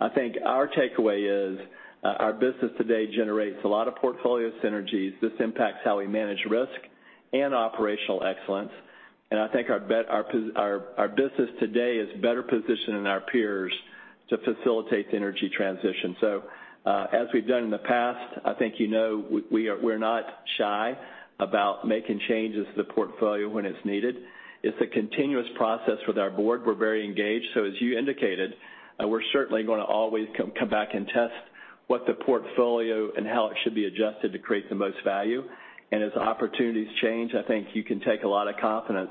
I think our takeaway is our business today generates a lot of portfolio synergies. This impacts how we manage risk and operational excellence. I think our business today is better positioned than our peers to facilitate energy transition. As we've done in the past, I think you know we're not shy about making changes to the portfolio when it's needed. It's a continuous process with our board. We're very engaged. As you indicated, we're certainly going to always come back and test what the portfolio and how it should be adjusted to create the most value. As opportunities change, I think you can take a lot of confidence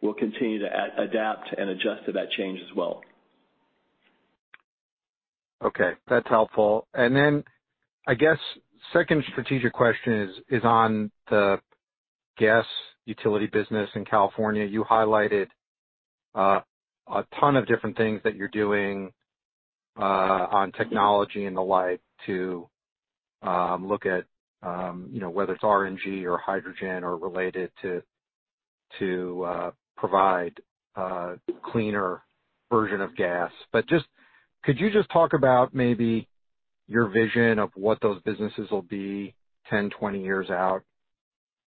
we'll continue to adapt and adjust to that change as well. Okay. That's helpful. I guess second strategic question is on the gas utility business in California. You highlighted a ton of different things that you're doing on technology and the like to look at whether it's RNG or hydrogen or related to provide a cleaner version of gas. Could you just talk about maybe your vision of what those businesses will be 10, 20 years out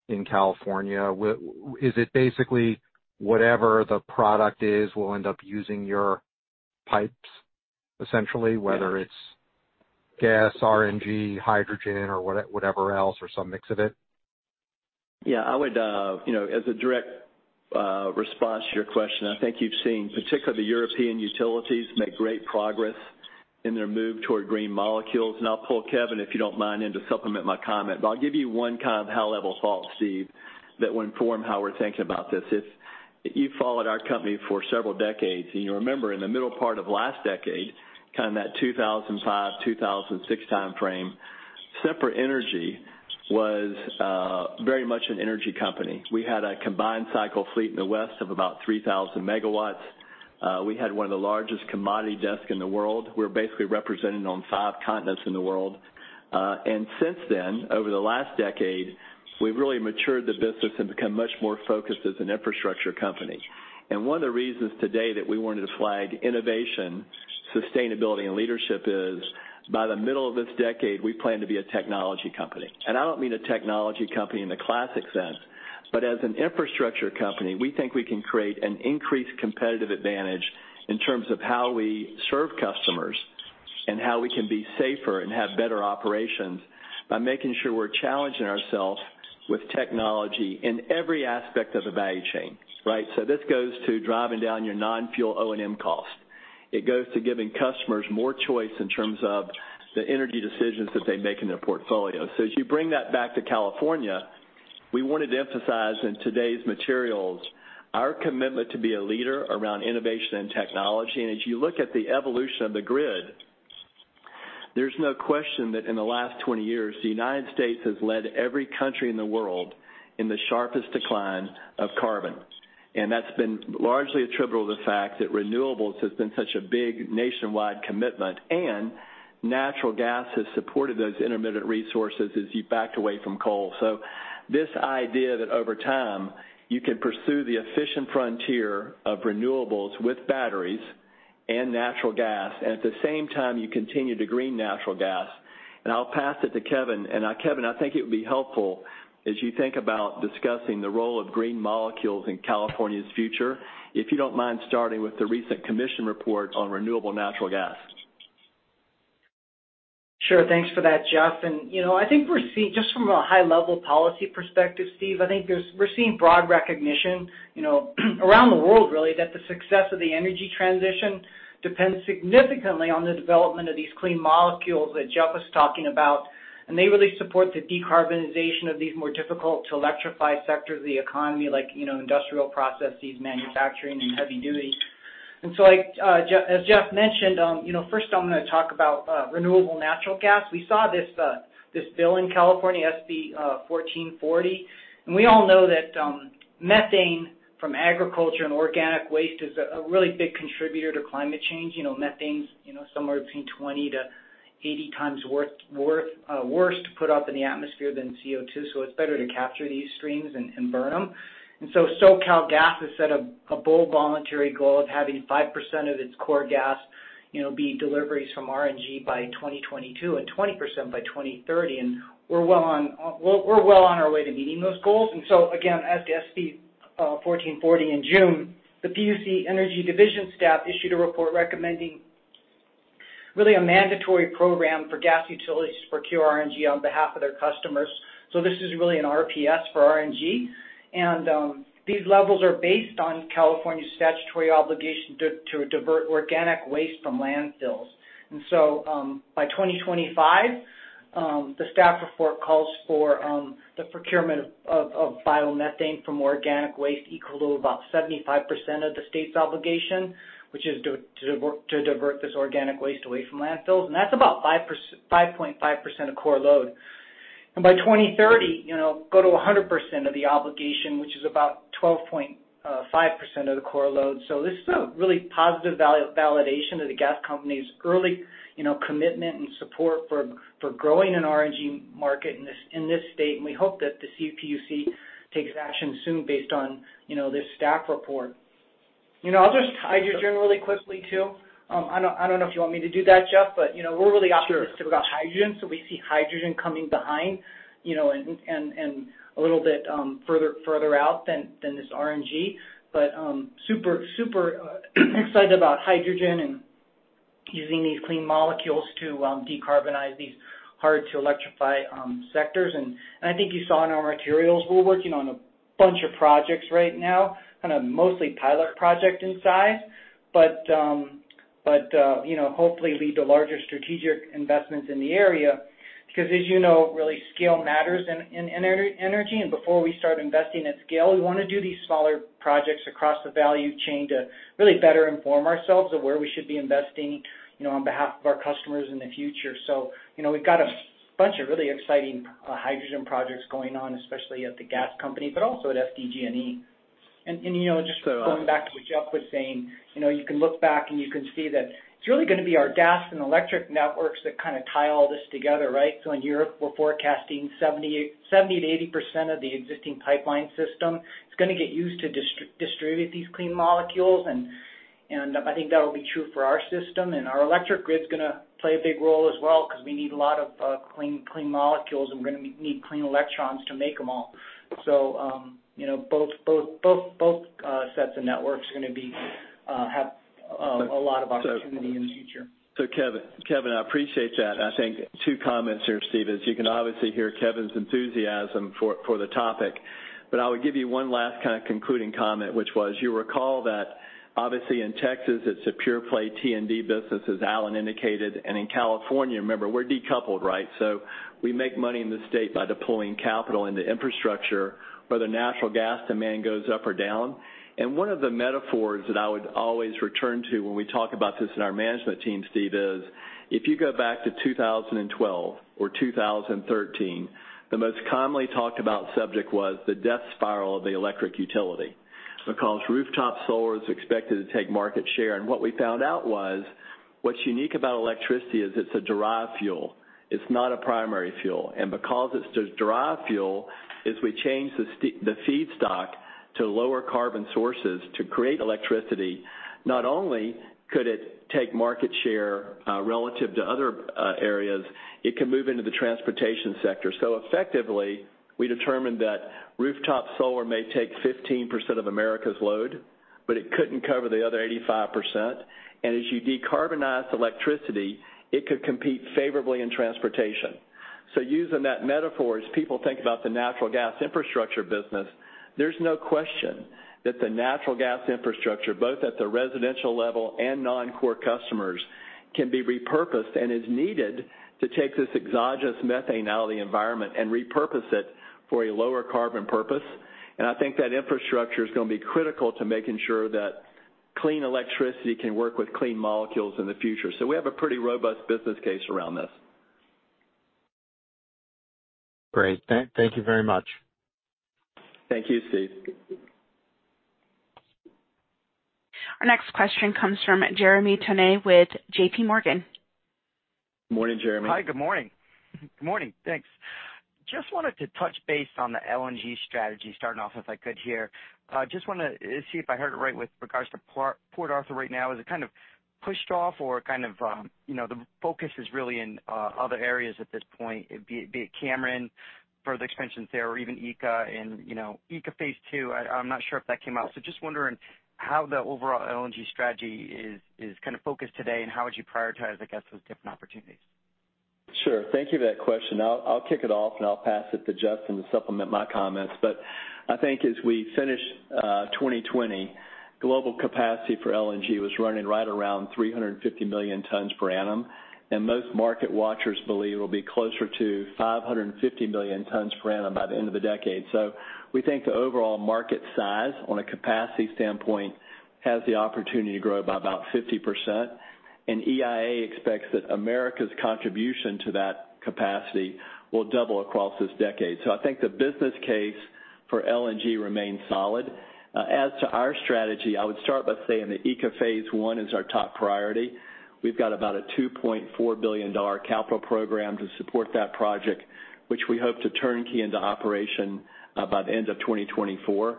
in California? Is it basically whatever the product is will end up using your pipes essentially, whether it's gas, RNG, hydrogen, or whatever else, or some mix of it? Yeah, as a direct response to your question, I think you've seen particularly European utilities make great progress in their move toward green molecules. I'll pull Kevin, if you don't mind, in to supplement my comment. I'll give you one kind of high-level thought, Steve, that will inform how we're thinking about this. If you've followed our company for several decades, and you remember in the middle part of last decade, kind of that 2005, 2006 timeframe, Sempra Energy was very much an energy company. We had a combined cycle fleet in the West of about 3,000 MW. We had one of the largest commodity desks in the world. We're basically represented on five continents in the world. Since then, over the last decade, we've really matured the business and become much more focused as an infrastructure company. One of the reasons today that we wanted to flag innovation, sustainability, and leadership is by the middle of this decade, we plan to be a technology company. I don't mean a technology company in the classic sense, but as an infrastructure company, we think we can create an increased competitive advantage in terms of how we serve customers and how we can be safer and have better operations by making sure we're challenging ourselves with technology in every aspect of the value chain. Right? This goes to driving down your non-fuel O&M costs. It goes to giving customers more choice in terms of the energy decisions that they make in their portfolio. If you bring that back to California, we wanted to emphasize in today's materials our commitment to be a leader around innovation and technology. As you look at the evolution of the grid, there's no question that in the last 20 years, the U.S. has led every country in the world in the sharpest decline of carbon. That's been largely attributable to the fact that renewables has been such a big nationwide commitment, and natural gas has supported those intermittent resources as you backed away from coal. This idea that over time, you can pursue the efficient frontier of renewables with batteries and natural gas, and at the same time, you continue to green natural gas. I'll pass it to Kevin. Kevin, I think it would be helpful as you think about discussing the role of green molecules in California's future, if you don't mind starting with the recent Commission report on renewable natural gas. Sure. Thanks for that, Jeff. I think just from a high-level policy perspective, Steve, I think we're seeing broad recognition around the world really, that the success of the energy transition depends significantly on the development of these clean molecules that Jeff was talking about. They really support the decarbonization of these more difficult to electrify sectors of the economy like industrial processes, manufacturing, and heavy duty. As Jeff mentioned, first I'm going to talk about renewable natural gas. We saw this bill in California, SB 1440. We all know that methane from agriculture and organic waste is a really big contributor to climate change. Methane is somewhere between 20x to 80xworse to put up in the atmosphere than CO2. It's better to capture these streams and burn them. SoCalGas has set a bold voluntary goal of having 5% of its core gas be deliveries from RNG by 2022 and 20% by 2030, and we're well on our way to meeting those goals. Again, at the SB 1440 in June, the CPUC Energy Division staff issued a report recommending really a mandatory program for gas utilities to procure RNG on behalf of their customers. This is really an RPS for RNG, and these levels are based on California's statutory obligation to divert organic waste from landfills. By 2025, the staff report calls for the procurement of biomethane from organic waste equal to about 75% of the state's obligation, which is to divert this organic waste away from landfills. That's about 5.5% of core load. By 2030, go to 100% of the obligation, which is about 12.5% of the core load. This is a really positive validation of the gas company's early commitment and support for growing an RNG market in this state. We hope that the CPUC takes action soon based on this staff report. I'll just talk hydrogen really quickly too. I don't know if you want me to do that, Jeff, but we're really optimistic about hydrogen. We see hydrogen coming behind, and a little bit further out than this RNG. Super excited about hydrogen and using these clean molecules to decarbonize these hard-to-electrify sectors. I think you saw in our materials, we're working on a bunch of projects right now, mostly pilot project in size. Hopefully lead to larger strategic investments in the area because as you know, really scale matters in energy. Before we start investing at scale, we want to do these smaller projects across the value chain to really better inform ourselves of where we should be investing on behalf of our customers in the future. We've got a bunch of really exciting hydrogen projects going on, especially at SoCalGas, but also at SDG&E. Just going back to what Jeff Martin was saying, you can look back and you can see that it's really going to be our gas and electric networks that tie all this together, right? In Europe, we're forecasting 70%-80% of the existing pipeline system is going to get used to distribute these clean molecules. I think that'll be true for our system. Our electric grid's going to play a big role as well because we need a lot of clean molecules, and we're going to need clean electrons to make them all. Both sets of networks are going to have a lot of opportunity in the future. Kevin, I appreciate that. I think two comments here, Steve, as you can obviously hear Kevin's enthusiasm for the topic. I would give you one last concluding comment, which was, you recall that obviously in Texas it's a pure-play T&D business, as Allen Nye indicated. In California, remember we're decoupled, right? We make money in the state by deploying capital into infrastructure, whether natural gas demand goes up or down. One of the metaphors that I would always return to when we talk about this in our management team, Steve, is if you go back to 2012 or 2013, the most commonly talked about subject was the death spiral of the electric utility because rooftop solar is expected to take market share. What we found out was what's unique about electricity is it's a derived fuel. It's not a primary fuel. Because it's a derived fuel, if we change the feedstock to lower carbon sources to create electricity, not only could it take market share relative to other areas, it can move into the transportation sector. Effectively, we determined that rooftop solar may take 15% of America's load, but it couldn't cover the other 85%. As you decarbonize electricity, it could compete favorably in transportation. Using that metaphor, as people think about the natural gas infrastructure business, there's no question that the natural gas infrastructure, both at the residential level and non-core customers, can be repurposed and is needed to take this exogenous methane out of the environment and repurpose it for a lower carbon purpose. I think that infrastructure is going to be critical to making sure that clean electricity can work with clean molecules in the future. We have a pretty robust business case around this. Great. Thank you very much. Thank you, Steve. Our next question comes from Jeremy Tonet with JPMorgan. Morning, Jeremy. Hi, good morning. Good morning. Thanks. Just wanted to touch base on the LNG strategy, starting off if I could here. Just want to see if I heard it right with regards to Port Arthur right now. Is it kind of pushed off or the focus is really in other areas at this point? Be it Cameron, further expansions there or even ECA and ECA phase II. I'm not sure if that came out. Just wondering how the overall LNG strategy is focused today and how would you prioritize, I guess, those different opportunities? Sure. Thank you for that question. I'll kick it off, and I'll pass it to Justin to supplement my comments. I think as we finish 2020, global capacity for LNG was running right around 350 million tons per annum. Most market watchers believe it'll be closer to 550 million tons per annum by the end of the decade. We think the overall market size from a capacity standpoint has the opportunity to grow by about 50%, and EIA expects that America's contribution to that capacity will double across this decade. I think the business case for LNG remains solid. As to our strategy, I would start by saying that ECA LNG phase I is our top priority. We've got about a $2.4 billion capital program to support that project, which we hope to turnkey into operation by the end of 2024.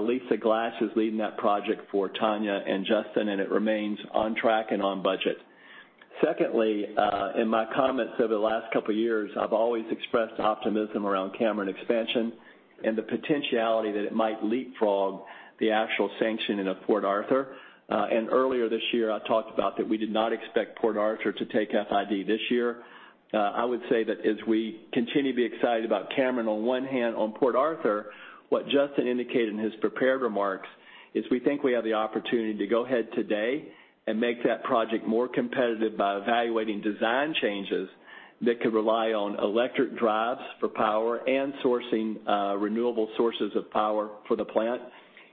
Lisa Glatch is leading that project for Tania and Justin, and it remains on track and on budget. Secondly, in my comments over the last couple of years, I've always expressed optimism around Cameron expansion and the potentiality that it might leapfrog the actual sanctioning of Port Arthur. Earlier this year, I talked about that we did not expect Port Arthur to take FID this year. I would say that as we continue to be excited about Cameron on one hand, on Port Arthur, what Justin indicated in his prepared remarks is we think we have the opportunity to go ahead today and make that project more competitive by evaluating design changes that can rely on electric drives for power and sourcing renewable sources of power for the plant.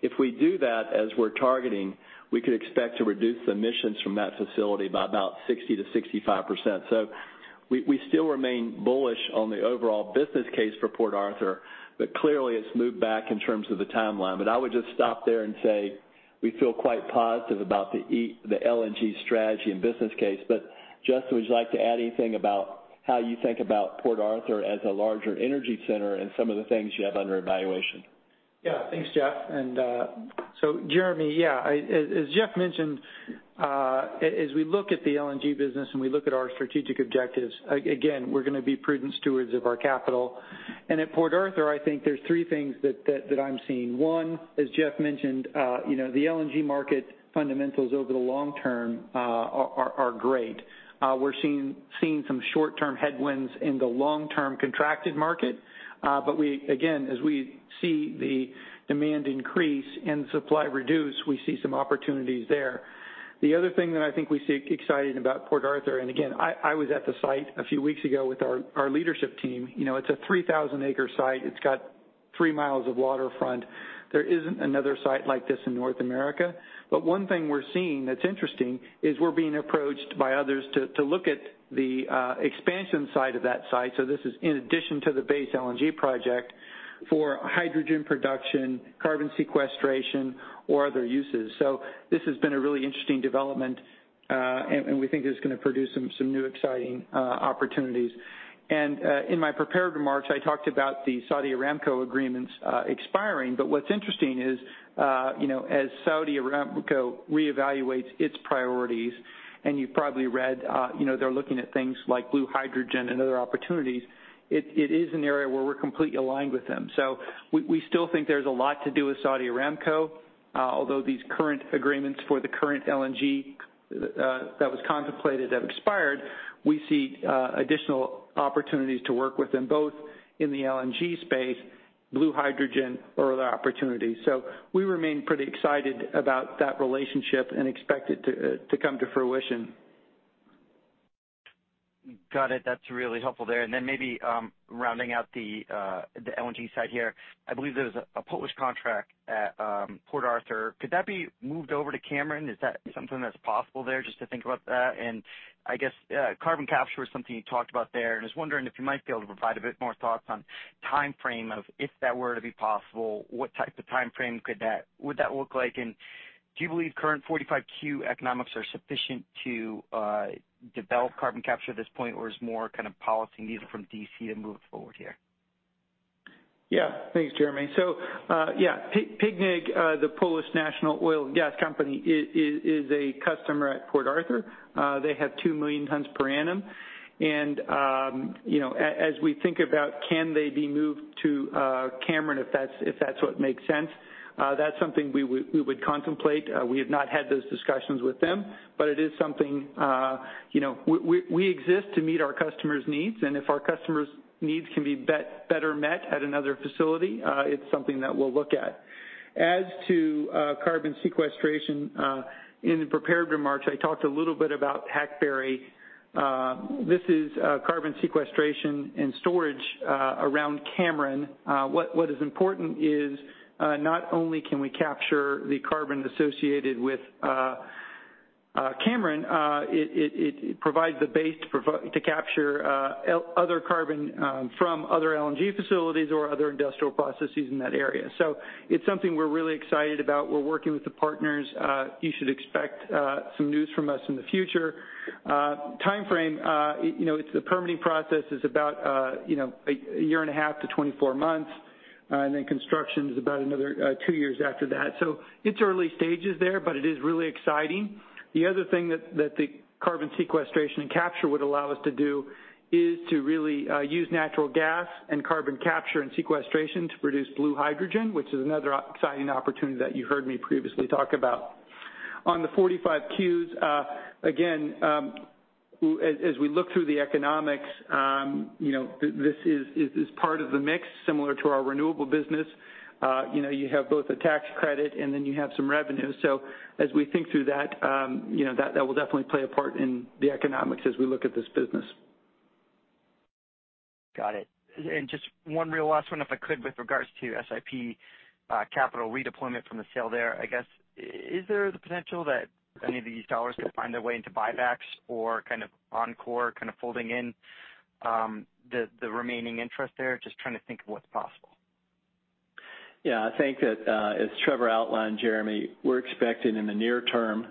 If we do that as we're targeting, we could expect to reduce emissions from that facility by about 60%-65%. We still remain bullish on the overall business case for Port Arthur, but clearly it's moved back in terms of the timeline. I would just stop there and say we feel quite positive about the LNG strategy and business case. Justin, would you like to add anything about how you think about Port Arthur as a larger energy center and some of the things you have under evaluation? Thanks, Jeff. Jeremy, as Jeff mentioned, as we look at the LNG business and we look at our strategic objectives, again, we're going to be prudent stewards of our capital. At Port Arthur, I think there's three things that I'm seeing. One, as Jeff mentioned, the LNG market fundamentals over the long term are great. We're seeing some short-term headwinds in the long-term contracted market. Again, as we see the demand increase and supply reduce, we see some opportunities there. The other thing that I think we see exciting about Port Arthur, and again, I was at the site a few weeks ago with our leadership team. It's a 3,000-acre site. It's got 3 mi of waterfront. There isn't another site like this in North America. One thing we're seeing that's interesting is we're being approached by others to look at the expansion side of that site. This is in addition to the base LNG project for hydrogen production, carbon sequestration, or other uses. This has been a really interesting development, and we think it's going to produce some new exciting opportunities. In my prepared remarks, I talked about the Saudi Aramco agreements expiring. What's interesting is as Saudi Aramco reevaluates its priorities, and you've probably read they're looking at things like blue hydrogen and other opportunities, it is an area where we're completely aligned with them. We still think there's a lot to do with Saudi Aramco. Although these current agreements for the current LNG that was contemplated have expired, we see additional opportunities to work with them both in the LNG space, blue hydrogen or other opportunities. We remain pretty excited about that relationship and expect it to come to fruition. Got it. That's really helpful there. Maybe rounding out the LNG side here. I believe there's a Polish contract at Port Arthur. Could that be moved over to Cameron? Is that something that's possible there just to think about that? I guess carbon capture was something you talked about there. Just wondering if you might be able to provide a bit more thoughts on timeframe of if that were to be possible, what type of timeframe would that look like? Do you believe current 45Q economics are sufficient to develop carbon capture at this point or is more kind of policy needed from D.C. to move forward here? Thanks, Jeremy. PGNiG, the Polish national oil gas company, is a customer at Port Arthur. They have 2 million tons per annum. As we think about can they be moved to Cameron, if that's what makes sense, that's something we would contemplate. We have not had those discussions with them, but it is something. We exist to meet our customers' needs, and if our customers' needs can be better met at another facility, it's something that we'll look at. As to carbon sequestration, in the prepared remarks, I talked a little bit about Hackberry. This is carbon sequestration and storage around Cameron. What is important is not only can we capture the carbon associated with Cameron, it provides a base to capture other carbon from other LNG facilities or other industrial processes in that area. It's something we're really excited about. We're working with the partners. You should expect some news from us in the future. Timeframe, the permitting process is about a 1.5 to 24 months, and then construction is about another two years after that. It's early stages there, but it is really exciting. The other thing that the carbon sequestration capture would allow us to do is to really use natural gas and carbon capture and sequestration to produce blue hydrogen, which is another exciting opportunity that you heard me previously talk about. On the 45Qs, again, as we look through the economics, this is part of the mix similar to our renewable business. You have both a tax credit and then you have some revenue. As we think through that will definitely play a part in the economics as we look at this business. Got it. Just one real last one, if I could, with regards to SIP capital redeployment from the sale there. I guess, is there the potential that any of these dollars could find their way into buybacks or kind of Oncor kind of folding in the remaining interest there? Just trying to think of what's possible. I think that as Trevor outlined, Jeremy, we're expecting in the near term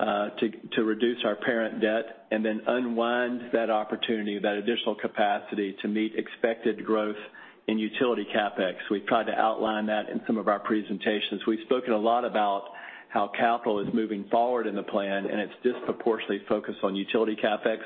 to reduce our parent debt and then unwind that opportunity, that additional capacity to meet expected growth in utility CapEx. We've tried to outline that in some of our presentations. We've spoken a lot about how capital is moving forward in the plan, and it's disproportionately focused on utility CapEx.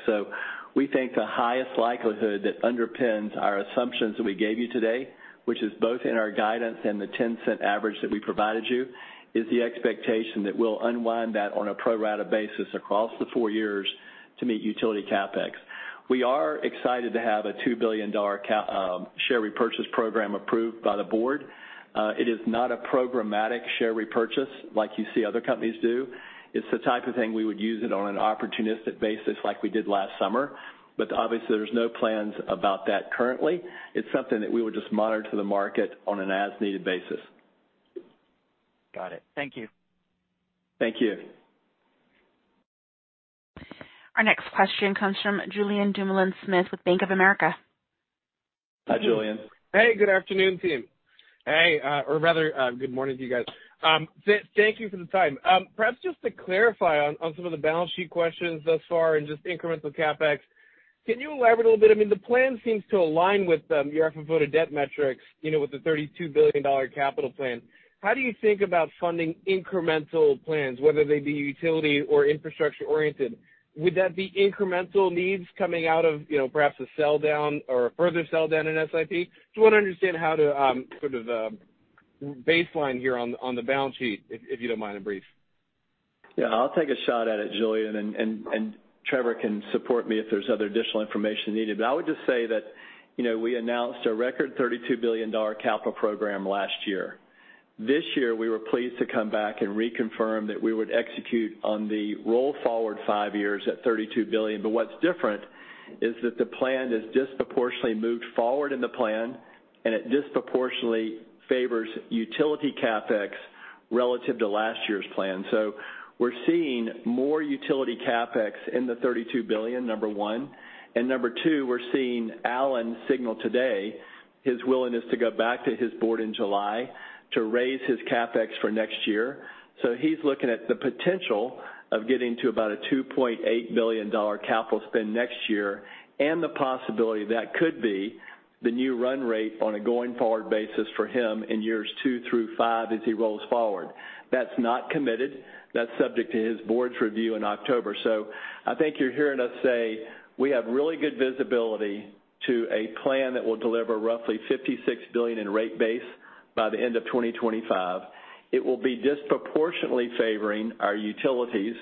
We think the highest likelihood that underpins our assumptions that we gave you today, which is both in our guidance and the $0.10 average that we provided you, is the expectation that we'll unwind that on a pro rata basis across the four years to meet utility CapEx. We are excited to have a $2 billion share repurchase program approved by the board. It is not a programmatic share repurchase like you see other companies do. It's the type of thing we would use it on an opportunistic basis like we did last summer. Obviously, there's no plans about that currently. It's something that we would just monitor the market on an as-needed basis. Got it. Thank you. Thank you. Our next question comes from Julien Dumoulin-Smith with Bank of America. Hi, Julien. Hey, good afternoon, team. Hey or rather good morning to you guys. Thank you for the time. Perhaps just to clarify on some of the balance sheet questions thus far and just incremental CapEx. Can you elaborate a little bit? I mean, the plan seems to align with them. You actually noted debt metrics with the $32 billion capital plan. How do you think about funding incremental plans, whether they be utility or infrastructure-oriented? Would that be incremental needs coming out of perhaps a sell-down or a further sell-down in SIP? Just want to understand how to sort of baseline here on the balance sheet, if you don't mind, brief. I'll take a shot at it, Julien, and Trevor can support me if there's other additional information needed. I would just say that we announced a record $32 billion capital program last year. This year, we were pleased to come back and reconfirm that we would execute on the roll-forward five years at $32 billion. What's different is that the plan is disproportionately moved forward in the plan, and it disproportionately favors utility CapEx relative to last year's plan. We're seeing more utility CapEx in the $32 billion, number one. Number two, we're seeing Allen signal today his willingness to go back to his board in July to raise his CapEx for next year. He's looking at the potential of getting to about a $2.8 billion CapEx next year and the possibility that could be the new run rate on a going-forward basis for him in years two through five as he rolls forward. That's not committed. That's subject to his Board's review in October. I think you're hearing us say we have really good visibility to a plan that will deliver roughly $56 billion in rate base by the end of 2025. It will be disproportionately favoring our utilities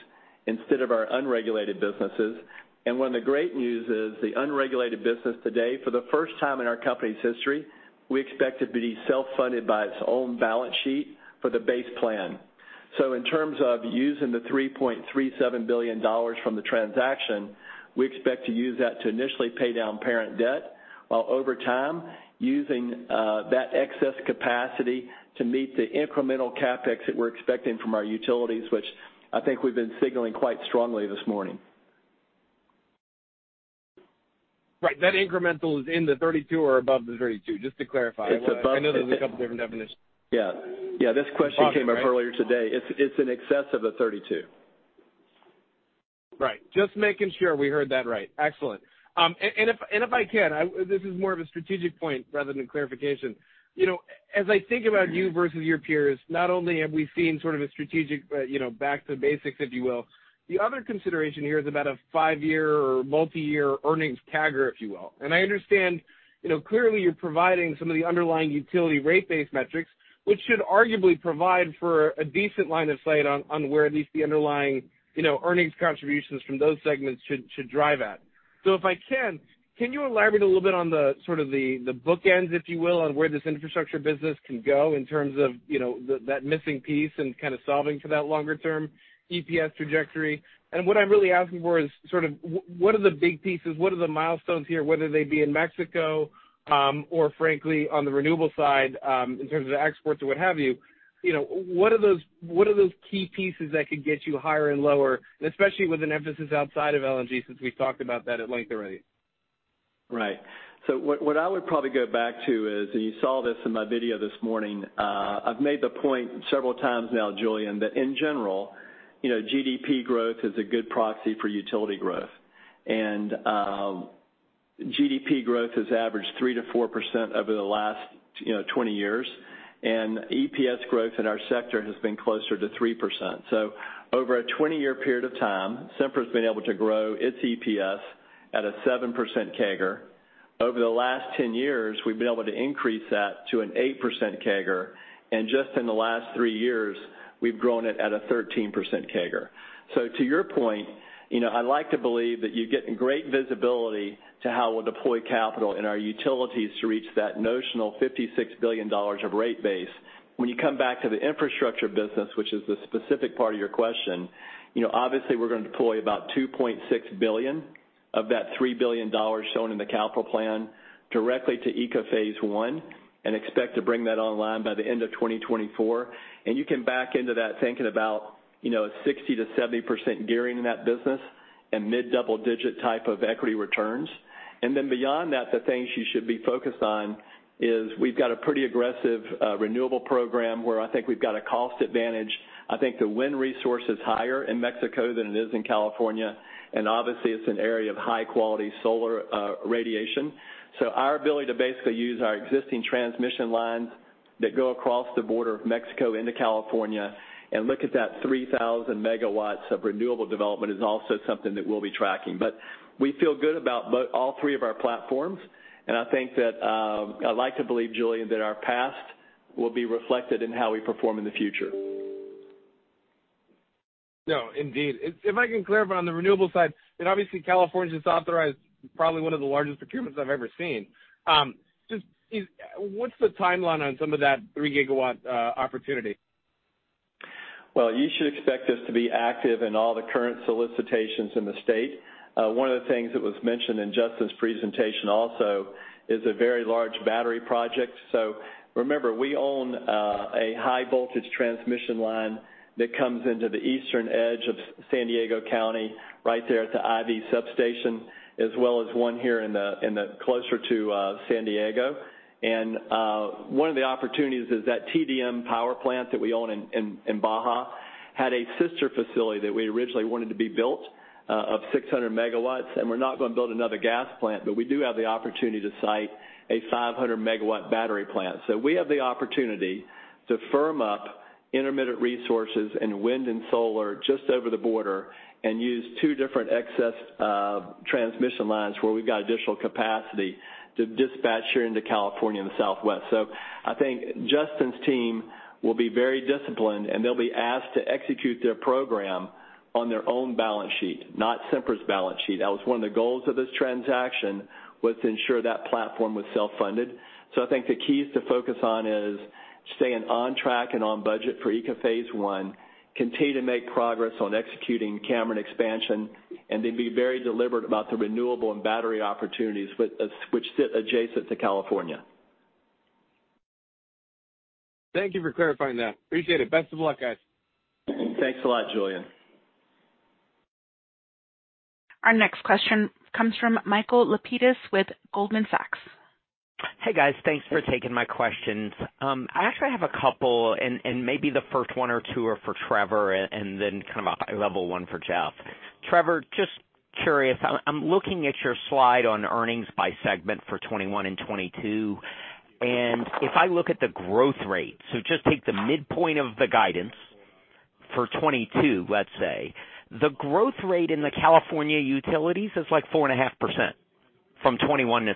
instead of our unregulated businesses. When the great news is the unregulated business today, for the first time in our company's history, we expect it to be self-funded by its own balance sheet for the base plan. In terms of using the $3.37 billion from the transaction, we expect to use that to initially pay down parent debt while over time, using that excess capacity to meet the incremental CapEx that we're expecting from our utilities, which I think we've been signaling quite strongly this morning. Right. That incremental is in the $32 billion or above the $32 billion, just to clarify. I know there's a couple different definitions. Yeah. This question came up earlier today. It's in excess of the $32 billion. Right. Just making sure we heard that right. Excellent. If I can, this is more of a strategic point rather than clarification. As I think about you versus your peers, not only have we seen sort of a strategic back to basics, if you will, the other consideration here is about a five-year or multi-year earnings CAGR, if you will. I understand, clearly you're providing some of the underlying utility rate-base metrics, which should arguably provide for a decent line of sight on where at least the underlying earnings contributions from those segments should drive at. If I can you elaborate a little bit on the sort of the bookends, if you will, and where this infrastructure business can go in terms of that missing piece and kind of solving for that longer-term EPS trajectory? What I'm really asking for is sort of what are the big pieces, what are the milestones here, whether they be in Mexico or frankly, on the renewable side in terms of exports or what have you. What are those key pieces that could get you higher and lower, especially with an emphasis outside of LNG, since we've talked about that at length already? Right. What I would probably go back to is, and you saw this in my video this morning. I've made the point several times now, Julien, that in general, GDP growth is a good proxy for utility growth. GDP growth has averaged 3%-4% over the last 20 years, and EPS growth in our sector has been closer to 3%. Over a 20-year period of time, Sempra's been able to grow its EPS at a 7% CAGR. Over the last 10 years, we've been able to increase that to an 8% CAGR, and just in the last three years, we've grown it at a 13% CAGR. To your point, I'd like to believe that you're getting great visibility to how we'll deploy capital in our utilities to reach that notional $56 billion of rate base. When you come back to the infrastructure business, which is the specific part of your question, obviously, we're going to deploy about $2.6 billion of that $3 billion shown in the capital plan directly to ECA LNG phase I, and expect to bring that online by the end of 2024. You can back into that thinking about 60%-70% gearing that business and mid-double-digit type of equity returns. Then beyond that, the things you should be focused on is we've got a pretty aggressive renewable program where I think we've got a cost advantage. I think the wind resource is higher in Mexico than it is in California, and obviously it's an area of high-quality solar radiation. Our ability to basically use our existing transmission lines that go across the border of Mexico into California and look at that 3,000 MW of renewable development is also something that we'll be tracking. We feel good about all three of our platforms, and I think that I'd like to believe, Julien, that our past will be reflected in how we perform in the future. No, indeed. If I can clarify on the renewable side, obviously California's authorized probably one of the largest procurements I've ever seen. What's the timeline on some of that 3 GW opportunity? Well, you should expect us to be active in all the current solicitations in the state. One of the things that was mentioned in Justin's presentation also is a very large battery project. Remember, we own a high voltage transmission line that comes into the Eastern edge of San Diego County, right there at the Ivy substation, as well as one here closer to San Diego. One of the opportunities is that TDM power plant that we own in Baja had a sister facility that we originally wanted to be built of 600 MW. We're not going to build another gas plant, but we do have the opportunity to site a 500-MW battery plant. We have the opportunity to firm up intermittent resources and wind and solar just over the border and use two different excess transmission lines where we've got additional capacity to dispatch here into California and the Southwest. I think Justin Bird's team will be very disciplined, and they'll be asked to execute their program on their own balance sheet, not Sempra's balance sheet. That was one of the goals of this transaction, was to ensure that platform was self-funded. I think the keys to focus on is staying on track and on budget for ECA LNG phase I, continue to make progress on executing Cameron expansion, and then be very deliberate about the renewable and battery opportunities which sit adjacent to California. Thank you for clarifying that. Appreciate it. Best of luck, guys. Thanks a lot, Julien. Our next question comes from Michael Lapides with Goldman Sachs. Hey, guys. Thanks for taking my questions. I actually have a couple, maybe the first one or two are for Trevor, then kind of a high-level one for Jeff. Trevor, just curious, I'm looking at your slide on earnings by segment for 2021 and 2022, if I look at the growth rate, just take the midpoint of the guidance for 2022, let's say. The growth rate in the California utilities is like 4.5% from 2021 to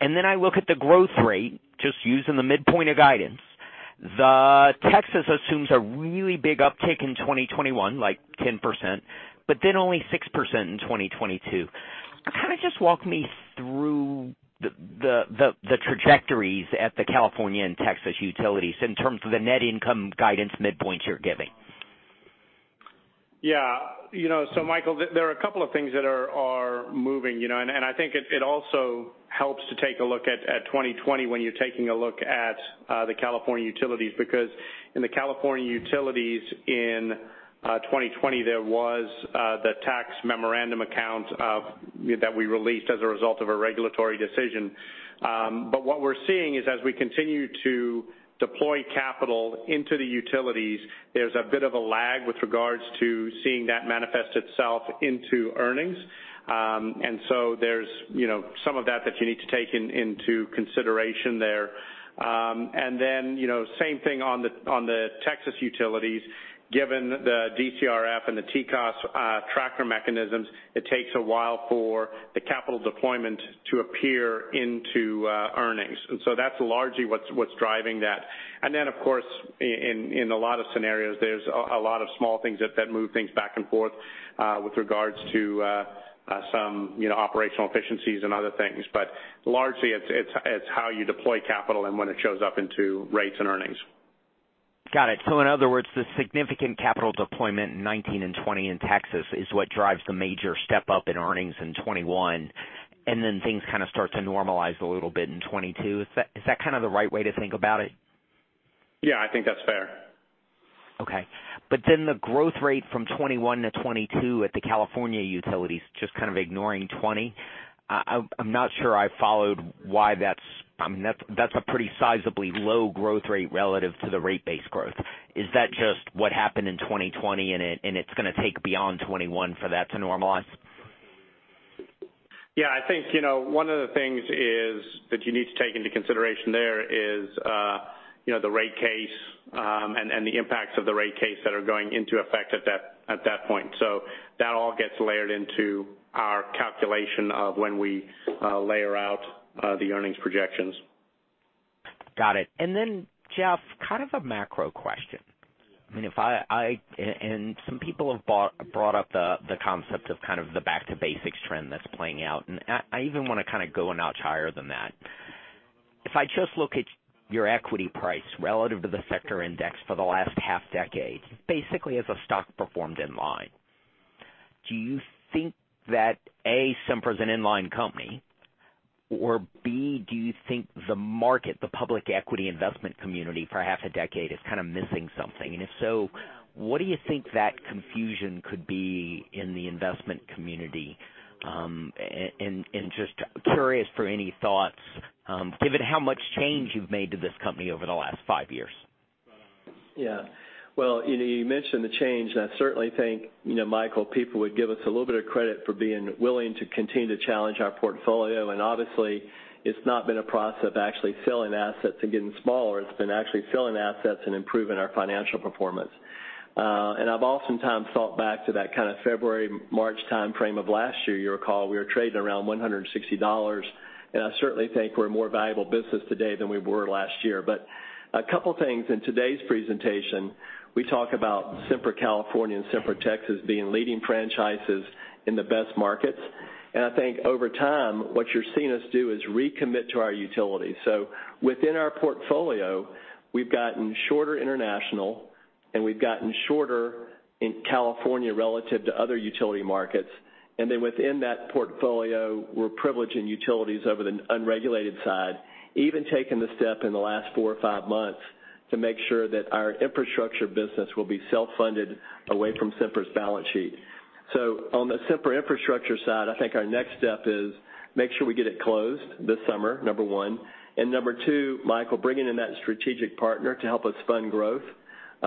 2022. I look at the growth rate just using the midpoint of guidance. The Texas assumes a really big uptick in 2021, like 10%, only 6% in 2022. Kind of just walk me through the trajectories at the California and Texas utilities in terms of the net income guidance midpoints you're giving. Yeah. Michael, there are a couple of things that are moving. I think it also helps to take a look at 2020 when you're taking a look at the California utilities, because in the California utilities in 2020, there was the tax memorandum account that we released as a result of a regulatory decision. What we're seeing is as we continue to deploy capital into the utilities, there's a bit of a lag with regards to seeing that manifest itself into earnings. There's some of that you need to take into consideration there. Same thing on the Texas utilities. Given the DCRF and the TCOS tracker mechanisms, it takes a while for the capital deployment to appear into earnings. That's largely what's driving that. Of course, in a lot of scenarios, there's a lot of small things that move things back and forth with regards to some operational efficiencies and other things. Largely, it's how you deploy capital and when it shows up into rates and earnings. Got it. In other words, the significant capital deployment in 2019 and 2020 in Texas is what drives the major step up in earnings in 2021, and then things kind of start to normalize a little bit in 2022. Is that kind of the right way to think about it? Yeah, I think that's fair. Okay. The growth rate from 2021 to 2022 at the California utilities, just kind of ignoring 2020. I'm not sure I followed why. That's a pretty sizably low growth rate relative to the rate-base growth. Is that just what happened in 2020 and it's going to take beyond 2021 for that to normalize? Yeah, I think one of the things that you need to take into consideration there is the rate case, and the impacts of the rate case that are going into effect at that point. That all gets layered into our calculation of when we layer out the earnings projections. Got it. Jeff, kind of a macro question. Some people have brought up the concept of kind of the back to basics trend that's playing out, and I even want to kind of go one notch higher than that. If I just look at your equity price relative to the sector index for the last half decade, basically as a stock performed in line. Do you think that, A, Sempra is an in-line company, or B, do you think the market, the public equity investment community for half a decade is kind of missing something? If so, what do you think that confusion could be in the investment community? Just curious for any thoughts given how much change you've made to this company over the last five years. Yeah. Well, you mentioned the change, and I certainly think, Michael, people would give us a little bit of credit for being willing to continue to challenge our portfolio. Obviously, it's not been a process of actually selling assets and getting smaller. It's been actually selling assets and improving our financial performance. I've oftentimes thought back to that kind of February to March timeframe of last year. You'll recall we were trading around $160, and I certainly think we're a more valuable business today than we were last year. A couple things in today's presentation, we talk about Sempra California and Sempra Texas being leading franchises in the best markets. I think over time, what you're seeing us do is recommit to our utilities. Within our portfolio, we've gotten shorter international, and we've gotten shorter in California relative to other utility markets. Then within that portfolio, we're privileging utilities over the unregulated side, even taking the step in the last four or five months to make sure that our Sempra Infrastructure business will be self-funded away from Sempra's balance sheet. On the Sempra Infrastructure side, I think our next step is make sure we get it closed this summer, number one. Number two, Michael, bringing in that strategic partner to help us fund growth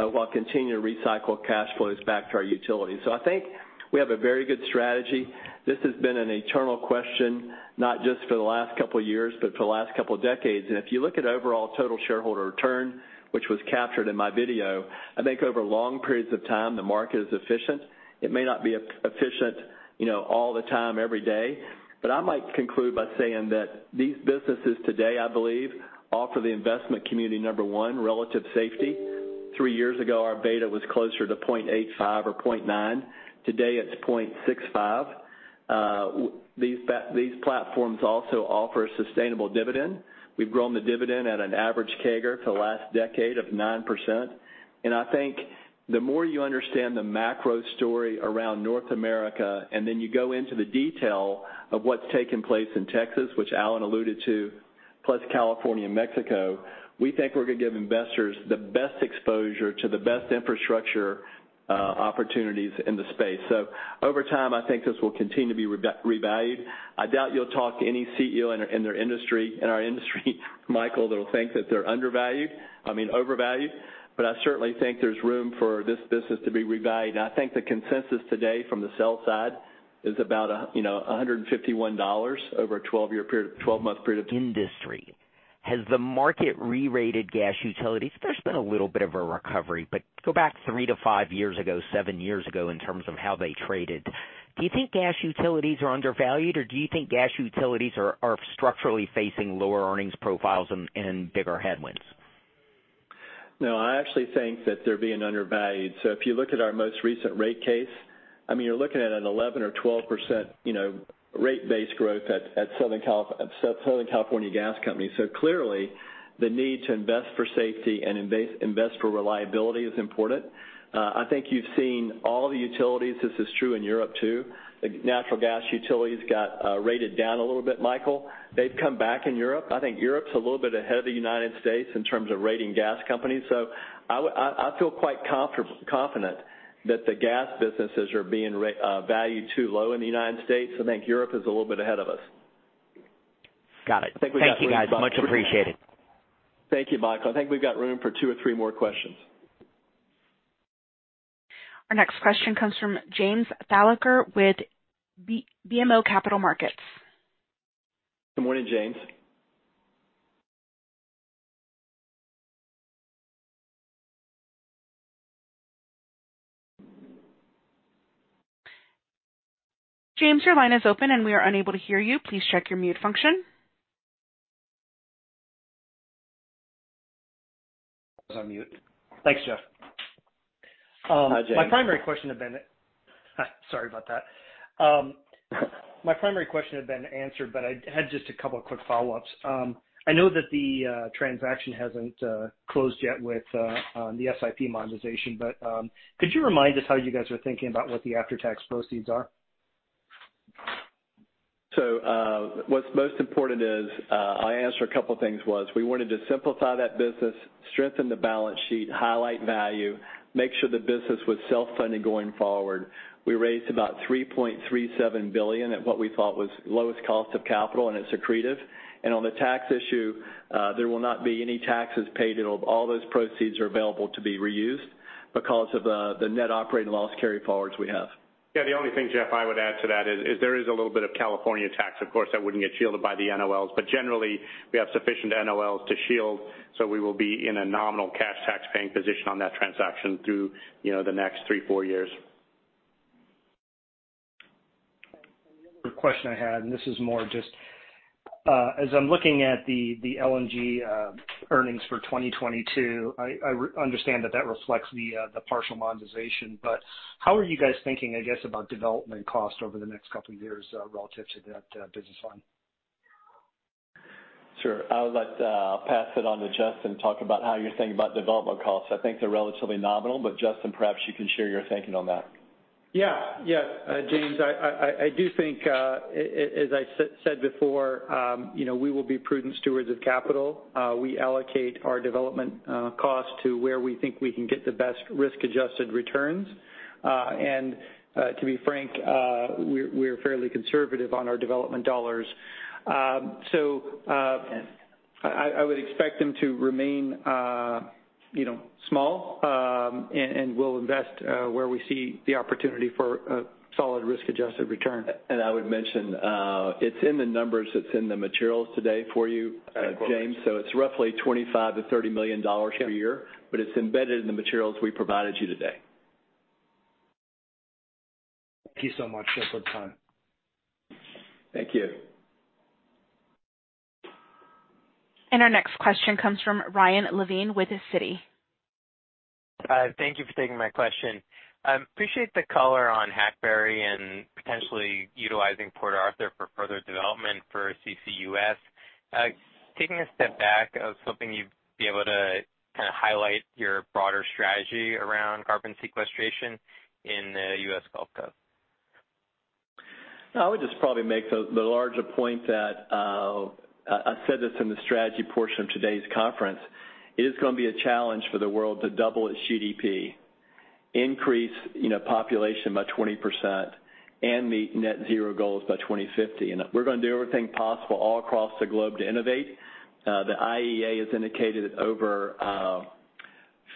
while continuing to recycle cash flows back to our utilities. I think we have a very good strategy. This has been an eternal question, not just for the last couple of years, but for the last couple of decades. If you look at overall total shareholder return, which was captured in my video, I think over long periods of time, the market is efficient. It may not be efficient all the time, every day. I'd like to conclude by saying that these businesses today, I believe, offer the investment community, number one, relative safety. Three years ago, our beta was closer to 0.85 or 0.9. Today, it's 0.65. These platforms also offer a sustainable dividend. We've grown the dividend at an average CAGR for the last decade of 9%. I think the more you understand the macro story around North America, and then you go into the detail of what's taking place in Texas, which Allen alluded to, plus California and Mexico, we think we're going to give investors the best exposure to the best infrastructure opportunities in the space. Over time, I think this will continue to be revalued. I doubt you'll talk to any CEO in our industry, Michael, that'll think that they're overvalued. I certainly think there's room for this business to be revalued, and I think the consensus today from the sell side is about $151 over a 12-month period. Industry. Has the market re-rated gas utilities? There's been a little bit of a recovery, but go back three to five years ago, seven years ago, in terms of how they traded. Do you think gas utilities are undervalued, or do you think gas utilities are structurally facing lower earnings profiles and bigger headwinds? No, I actually think that they're being undervalued. If you look at our most recent rate case, you're looking at an 11% or 12% rate-base growth at Southern California Gas Company. Clearly, the need to invest for safety and invest for reliability is important. I think you've seen all the utilities. This is true in Europe, too. Natural gas utilities got rated down a little bit, Michael. They've come back in Europe. I think Europe's a little bit ahead of the U.S. in terms of rating gas companies. I feel quite confident that the gas businesses are being valued too low in the U.S. I think Europe is a little bit ahead of us. Got it. Thanks, guys. Much appreciated. Thank you, Michael. I think we've got room for two or three more questions. Our next question comes from James Thalacker with BMO Capital Markets. Good morning, James. James, your line is open and we are unable to hear you. Please check your mute function. I was on mute. Thanks, Jeff. Hi, James. Sorry about that. My primary question had been answered, but I had just a couple quick follow-ups. I know that the transaction hasn't closed yet with the SIP monetization. Could you remind us how you guys are thinking about what the after-tax proceeds are? What's most important is I answered a couple of things was we wanted to simplify that business, strengthen the balance sheet, highlight value, make sure the business was self-funding going forward. We raised about $3.37 billion at what we thought was lowest cost of capital, and it's accretive. On the tax issue, there will not be any taxes paid. All those proceeds are available to be reused because of the net operating loss carryforwards we have. Yeah, the only thing, Jeff, I would add to that is there is a little bit of California tax. Of course, that wouldn't be shielded by the NOLs, but generally, we have sufficient NOLs to shield, so we will be in a nominal cash tax paying position on that transaction through the next three, four years. The other question I had, and this is more just as I'm looking at the LNG earnings for 2022, I understand that that reflects the partial monetization, but how are you guys thinking, I guess, about development cost over the next couple of years relative to that business line? Sure. I'll pass it on to Justin to talk about how you're thinking about development costs. I think they're relatively nominal, but Justin, perhaps you can share your thinking on that. Yeah. James, I do think, as I said before, we will be prudent stewards of capital. We allocate our development costs to where we think we can get the best risk-adjusted returns. To be frank, we are fairly conservative on our development dollars. I would expect them to remain small, and we'll invest where we see the opportunity for a solid risk-adjusted return. I would mention, it's in the numbers that's in the materials today for you, James. It's roughly $25 million-$30 million a year, but it's embedded in the materials we provided you today. Thank you so much for your time. Thank you. Our next question comes from Ryan Levine with Citi. Thank you for taking my question. Appreciate the color on Hackberry and potentially utilizing Port Arthur for further development for CCUS. Taking a step back, I was hoping you'd be able to highlight your broader strategy around carbon sequestration in the U.S. Gulf Coast. I would just probably make the larger point that, I said this in the strategy portion of today's conference, it is going to be a challenge for the world to double its GDP, increase population by 20%, and meet net-zero goals by 2050. We're going to do everything possible all across the globe to innovate. The IEA has indicated that over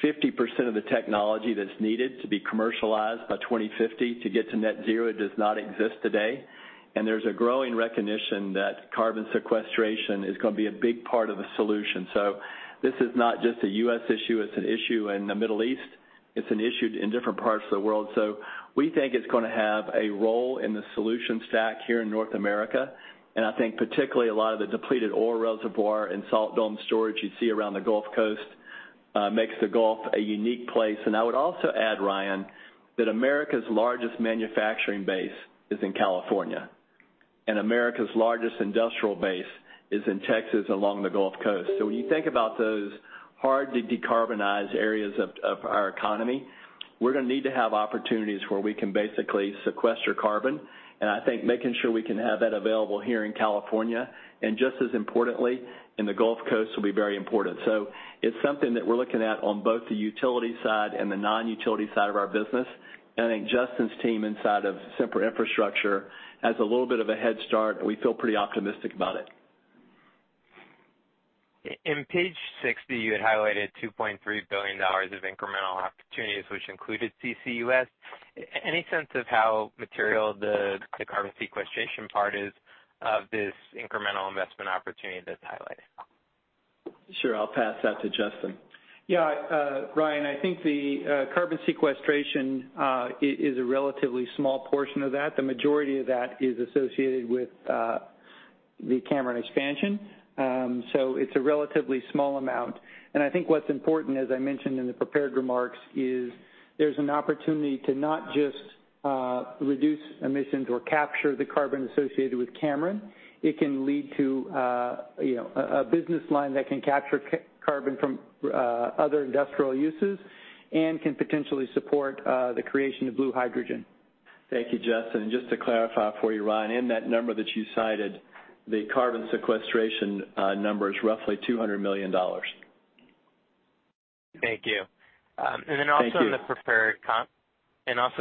50% of the technology that's needed to be commercialized by 2050 to get to net zero does not exist today. There's a growing recognition that carbon sequestration is going to be a big part of the solution. This is not just a U.S. issue, it's an issue in the Middle East. It's an issue in different parts of the world. We think it's going to have a role in the solution stack here in North America. I think particularly a lot of the depleted oil reservoir and salt dome storage you see around the Gulf Coast makes the Gulf a unique place. I would also add, Ryan, that America's largest manufacturing base is in California, and America's largest industrial base is in Texas along the Gulf Coast. When you think about those hard to decarbonize areas of our economy, we're going to need to have opportunities where we can basically sequester carbon. I think making sure we can have that available here in California, and just as importantly, in the Gulf Coast, will be very important. It's something that we're looking at on both the utility side and the non-utility side of our business. I think Justin's team inside of Sempra Infrastructure has a little bit of a head start. We feel pretty optimistic about it. In page 60, you had highlighted $2.3 billion of incremental opportunities, which included CCUS. Any sense of how material the carbon sequestration part is of this incremental investment opportunity that's highlighted? Sure. I'll pass that to Justin. Yeah, Ryan, I think the carbon sequestration is a relatively small portion of that. The majority of that is associated with the Cameron expansion. It's a relatively small amount. I think what's important, as I mentioned in the prepared remarks, is there's an opportunity to not just reduce emissions or capture the carbon associated with Cameron. It can lead to a business line that can capture carbon from other industrial uses and can potentially support the creation of blue hydrogen. Thank you, Justin. Just to clarify for you, Ryan, that number that you cited, the carbon sequestration number is roughly $200 million. Thank you. Thank you. Also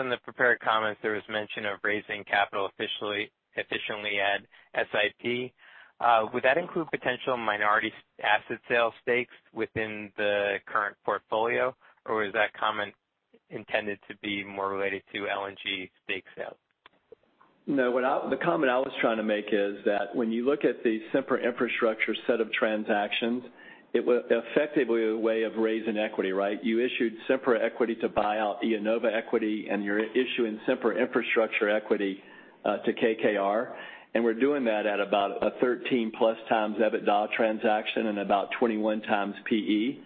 in the prepared comments, there was mention of raising capital efficiently at SIP. Would that include potential minority asset-sale stakes within the current portfolio, or was that comment intended to be more related to LNG stake sales? No. The comment I was trying to make is that when you look at the Sempra Infrastructure set of transactions, it was effectively a way of raising equity, right? You issued Sempra equity to buy out IEnova equity, and you're issuing Sempra Infrastructure equity to KKR. We're doing that at about a 13x+ EBITDA transaction and about 21x PE.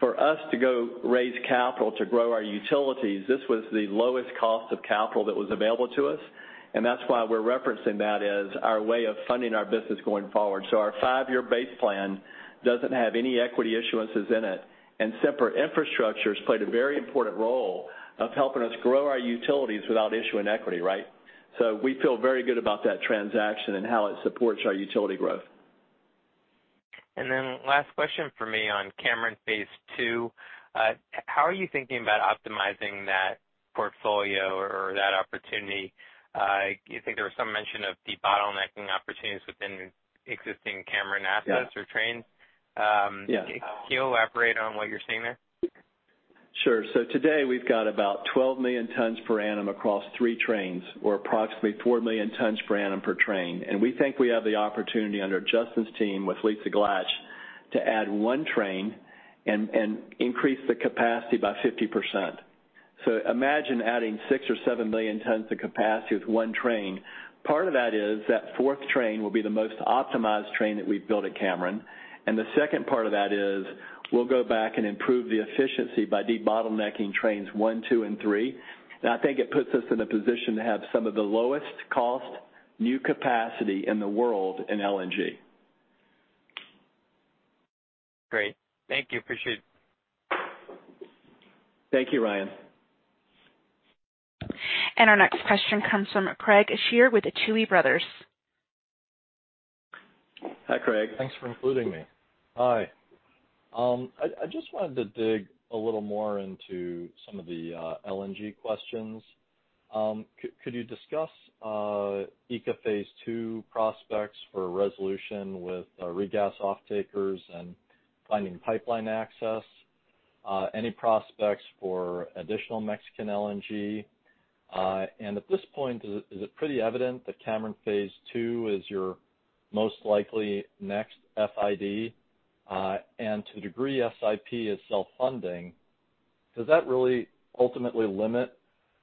For us to go raise capital to grow our utilities, this was the lowest cost of capital that was available to us, and that's why we're referencing that as our way of funding our business going forward. Our five-year base plan doesn't have any equity issuances in it, and Sempra Infrastructure has played a very important role of helping us grow our utilities without issuing equity, right? We feel very good about that transaction and how it supports our utility growth. Last question from me on Cameron phase II. How are you thinking about optimizing that portfolio or that opportunity? I think there was some mention of debottlenecking opportunities within existing Cameron assets or trains. Yes. Can you elaborate on what you're seeing there? Sure. Today we've got about 12 million tons per annum across three trains, or approximately 4 million tons per annum per train. We think we have the opportunity under Justin's team with Lisa Glatch to add one train and increase the capacity by 50%. Imagine adding 6 million or 7 million tons of capacity with one train. Part of that is that fourth train will be the most optimized train that we've built at Cameron. The second part of that is we'll go back and improve the efficiency by debottlenecking trains one, two, and three. I think it puts us in a position to have some of the lowest cost new capacity in the world in LNG. Great. Thank you. Appreciate it. Thank you, Ryan. Our next question comes from Craig Shere with the Tuohy Brothers. Hi, Craig. Thanks for including me. Hi. I just wanted to dig a little more into some of the LNG questions. Could you discuss ECA phase II prospects for a resolution with regas offtakers and finding pipeline access, any prospects for additional Mexican LNG? At this point, is it pretty evident that Cameron phase II is your most likely next FID? To the degree SIP is self-funding, does that really ultimately limit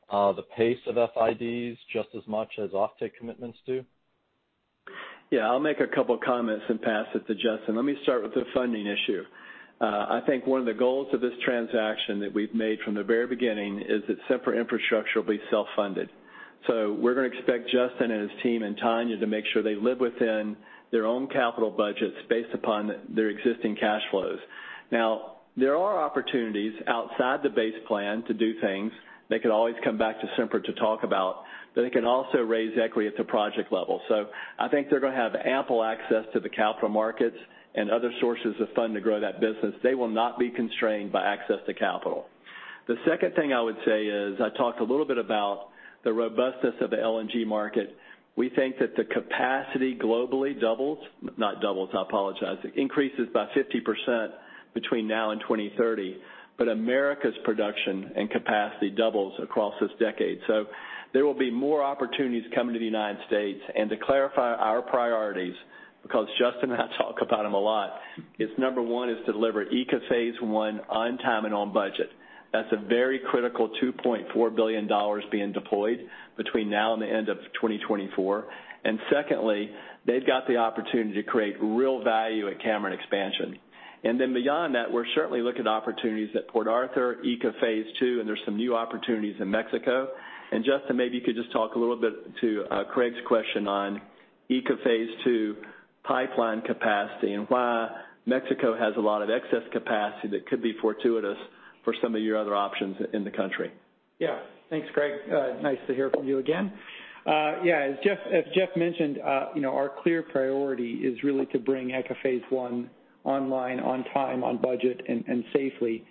the pace of FIDs just as much as offtake commitments do? Yeah. I'll make a couple comments and pass it to Justin. Let me start with the funding issue. I think one of the goals of this transaction that we've made from the very beginning is that Sempra Infrastructure will be self-funded. We're going to expect Justin and his team and Tania to make sure they live within their own capital budgets based upon their existing cash flows. Now, there are opportunities outside the base plan to do things. They can always come back to Sempra to talk about, they can also raise equity at the project level. I think they're going to have ample access to the capital markets and other sources of funding to grow that business. They will not be constrained by access to capital. The second thing I would say is I talked a little bit about the robustness of the LNG market. We think that the capacity globally not doubles, I apologize. Increases by 50% between now and 2030. America's production and capacity doubles across this decade. There will be more opportunities coming to the U.S. To clarify our priorities, because Justin has to talk about them a lot, is number one is deliver ECA LNG phase I on time and on budget. That's a very critical $2.4 billion being deployed between now and the end of 2024. Secondly, they've got the opportunity to create real value at Cameron LNG phase II. Beyond that, we're certainly looking at opportunities at Port Arthur, ECA LNG phase II, and there's some new opportunities in Mexico. Justin, maybe you could just talk a little bit to Craig's question on ECA LNG phase II pipeline capacity and why Mexico has a lot of excess capacity that could be fortuitous for some of your other options in the country. Thanks, Craig. Nice to hear from you again. As Jeff mentioned, our clear priority is really to bring ECA LNG phase I online on time, on budget, and safely.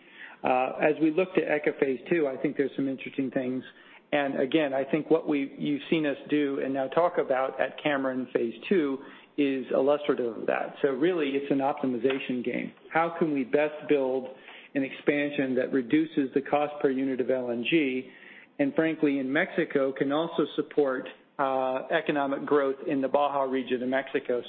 As we look to ECA LNG phase II, I think there's some interesting things. Again, I think what you've seen us do and now talk about at Cameron LNG phase II is illustrative of that. Really it's an optimization game. How can we best build an expansion that reduces the cost per unit of LNG, and frankly, in Mexico, can also support economic growth in the Baja region of Mexico.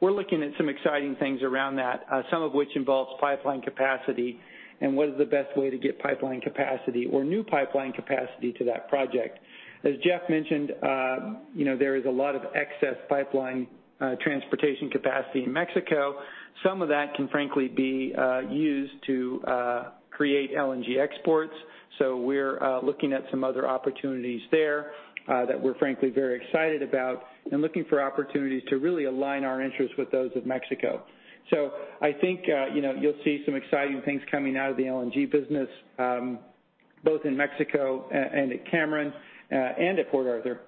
We're looking at some exciting things around that, some of which involves pipeline capacity and what is the best way to get pipeline capacity or new pipeline capacity to that project. As Jeff mentioned, there is a lot of excess pipeline transportation capacity in Mexico. Some of that can frankly be used to create LNG exports. We're looking at some other opportunities there that we're frankly very excited about and looking for opportunities to really align our interests with those of Mexico. I think you'll see some exciting things coming out of the LNG business both in Mexico and at Cameron and at Port Arthur.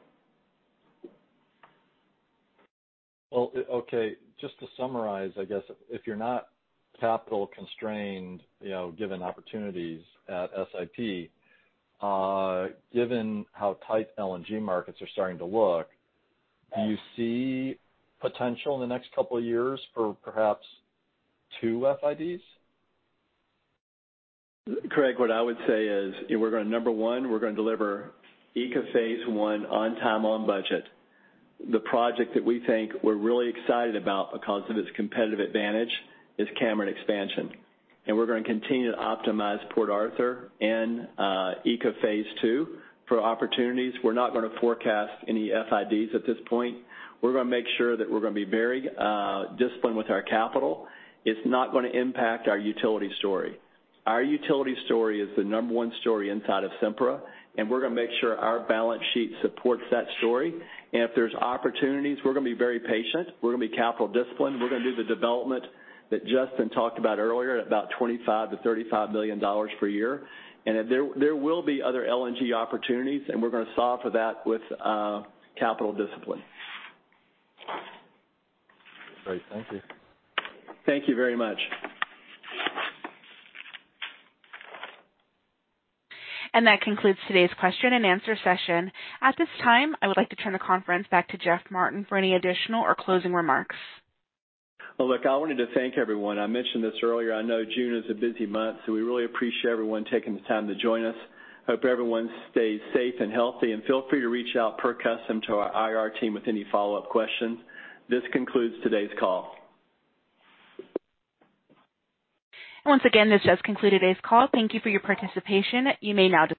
Okay. Just to summarize, I guess if you're not capital constrained given opportunities at SIP, given how tight LNG markets are starting to look, do you see potential in the next couple of years for perhaps two FIDs? Craig, what I would say is, number one, we're going to deliver ECA LNG phase II on time, on budget. The project that we think we're really excited about because of its competitive advantage is Cameron LNG phase II. We're going to continue to optimize Port Arthur and ECA LNG phase II for opportunities. We're not going to forecast any FIDs at this point. We're going to make sure that we're going to be very disciplined with our capital. It's not going to impact our utility story. Our utility story is the number one story inside of Sempra, and we're going to make sure our balance sheet supports that story. If there's opportunities, we're going to be very patient. We're going to be capital disciplined. We're going to do the development that Justin talked about earlier at about $25 million-$35 million per year. There will be other LNG opportunities, and we're going to solve for that with capital discipline. Great. Thank you. Thank you very much. That concludes today's question and answer session. At this time, I would like to turn the conference back to Jeff Martin for any additional or closing remarks. Look, I wanted to thank everyone. I mentioned this earlier. I know June is a busy month, so we really appreciate everyone taking the time to join us. Hope everyone stays safe and healthy. Feel free to reach out per custom to our IR team with any follow-up questions. This concludes today's call. Once again, this does conclude today's call. Thank you for your participation. You may now disconnect.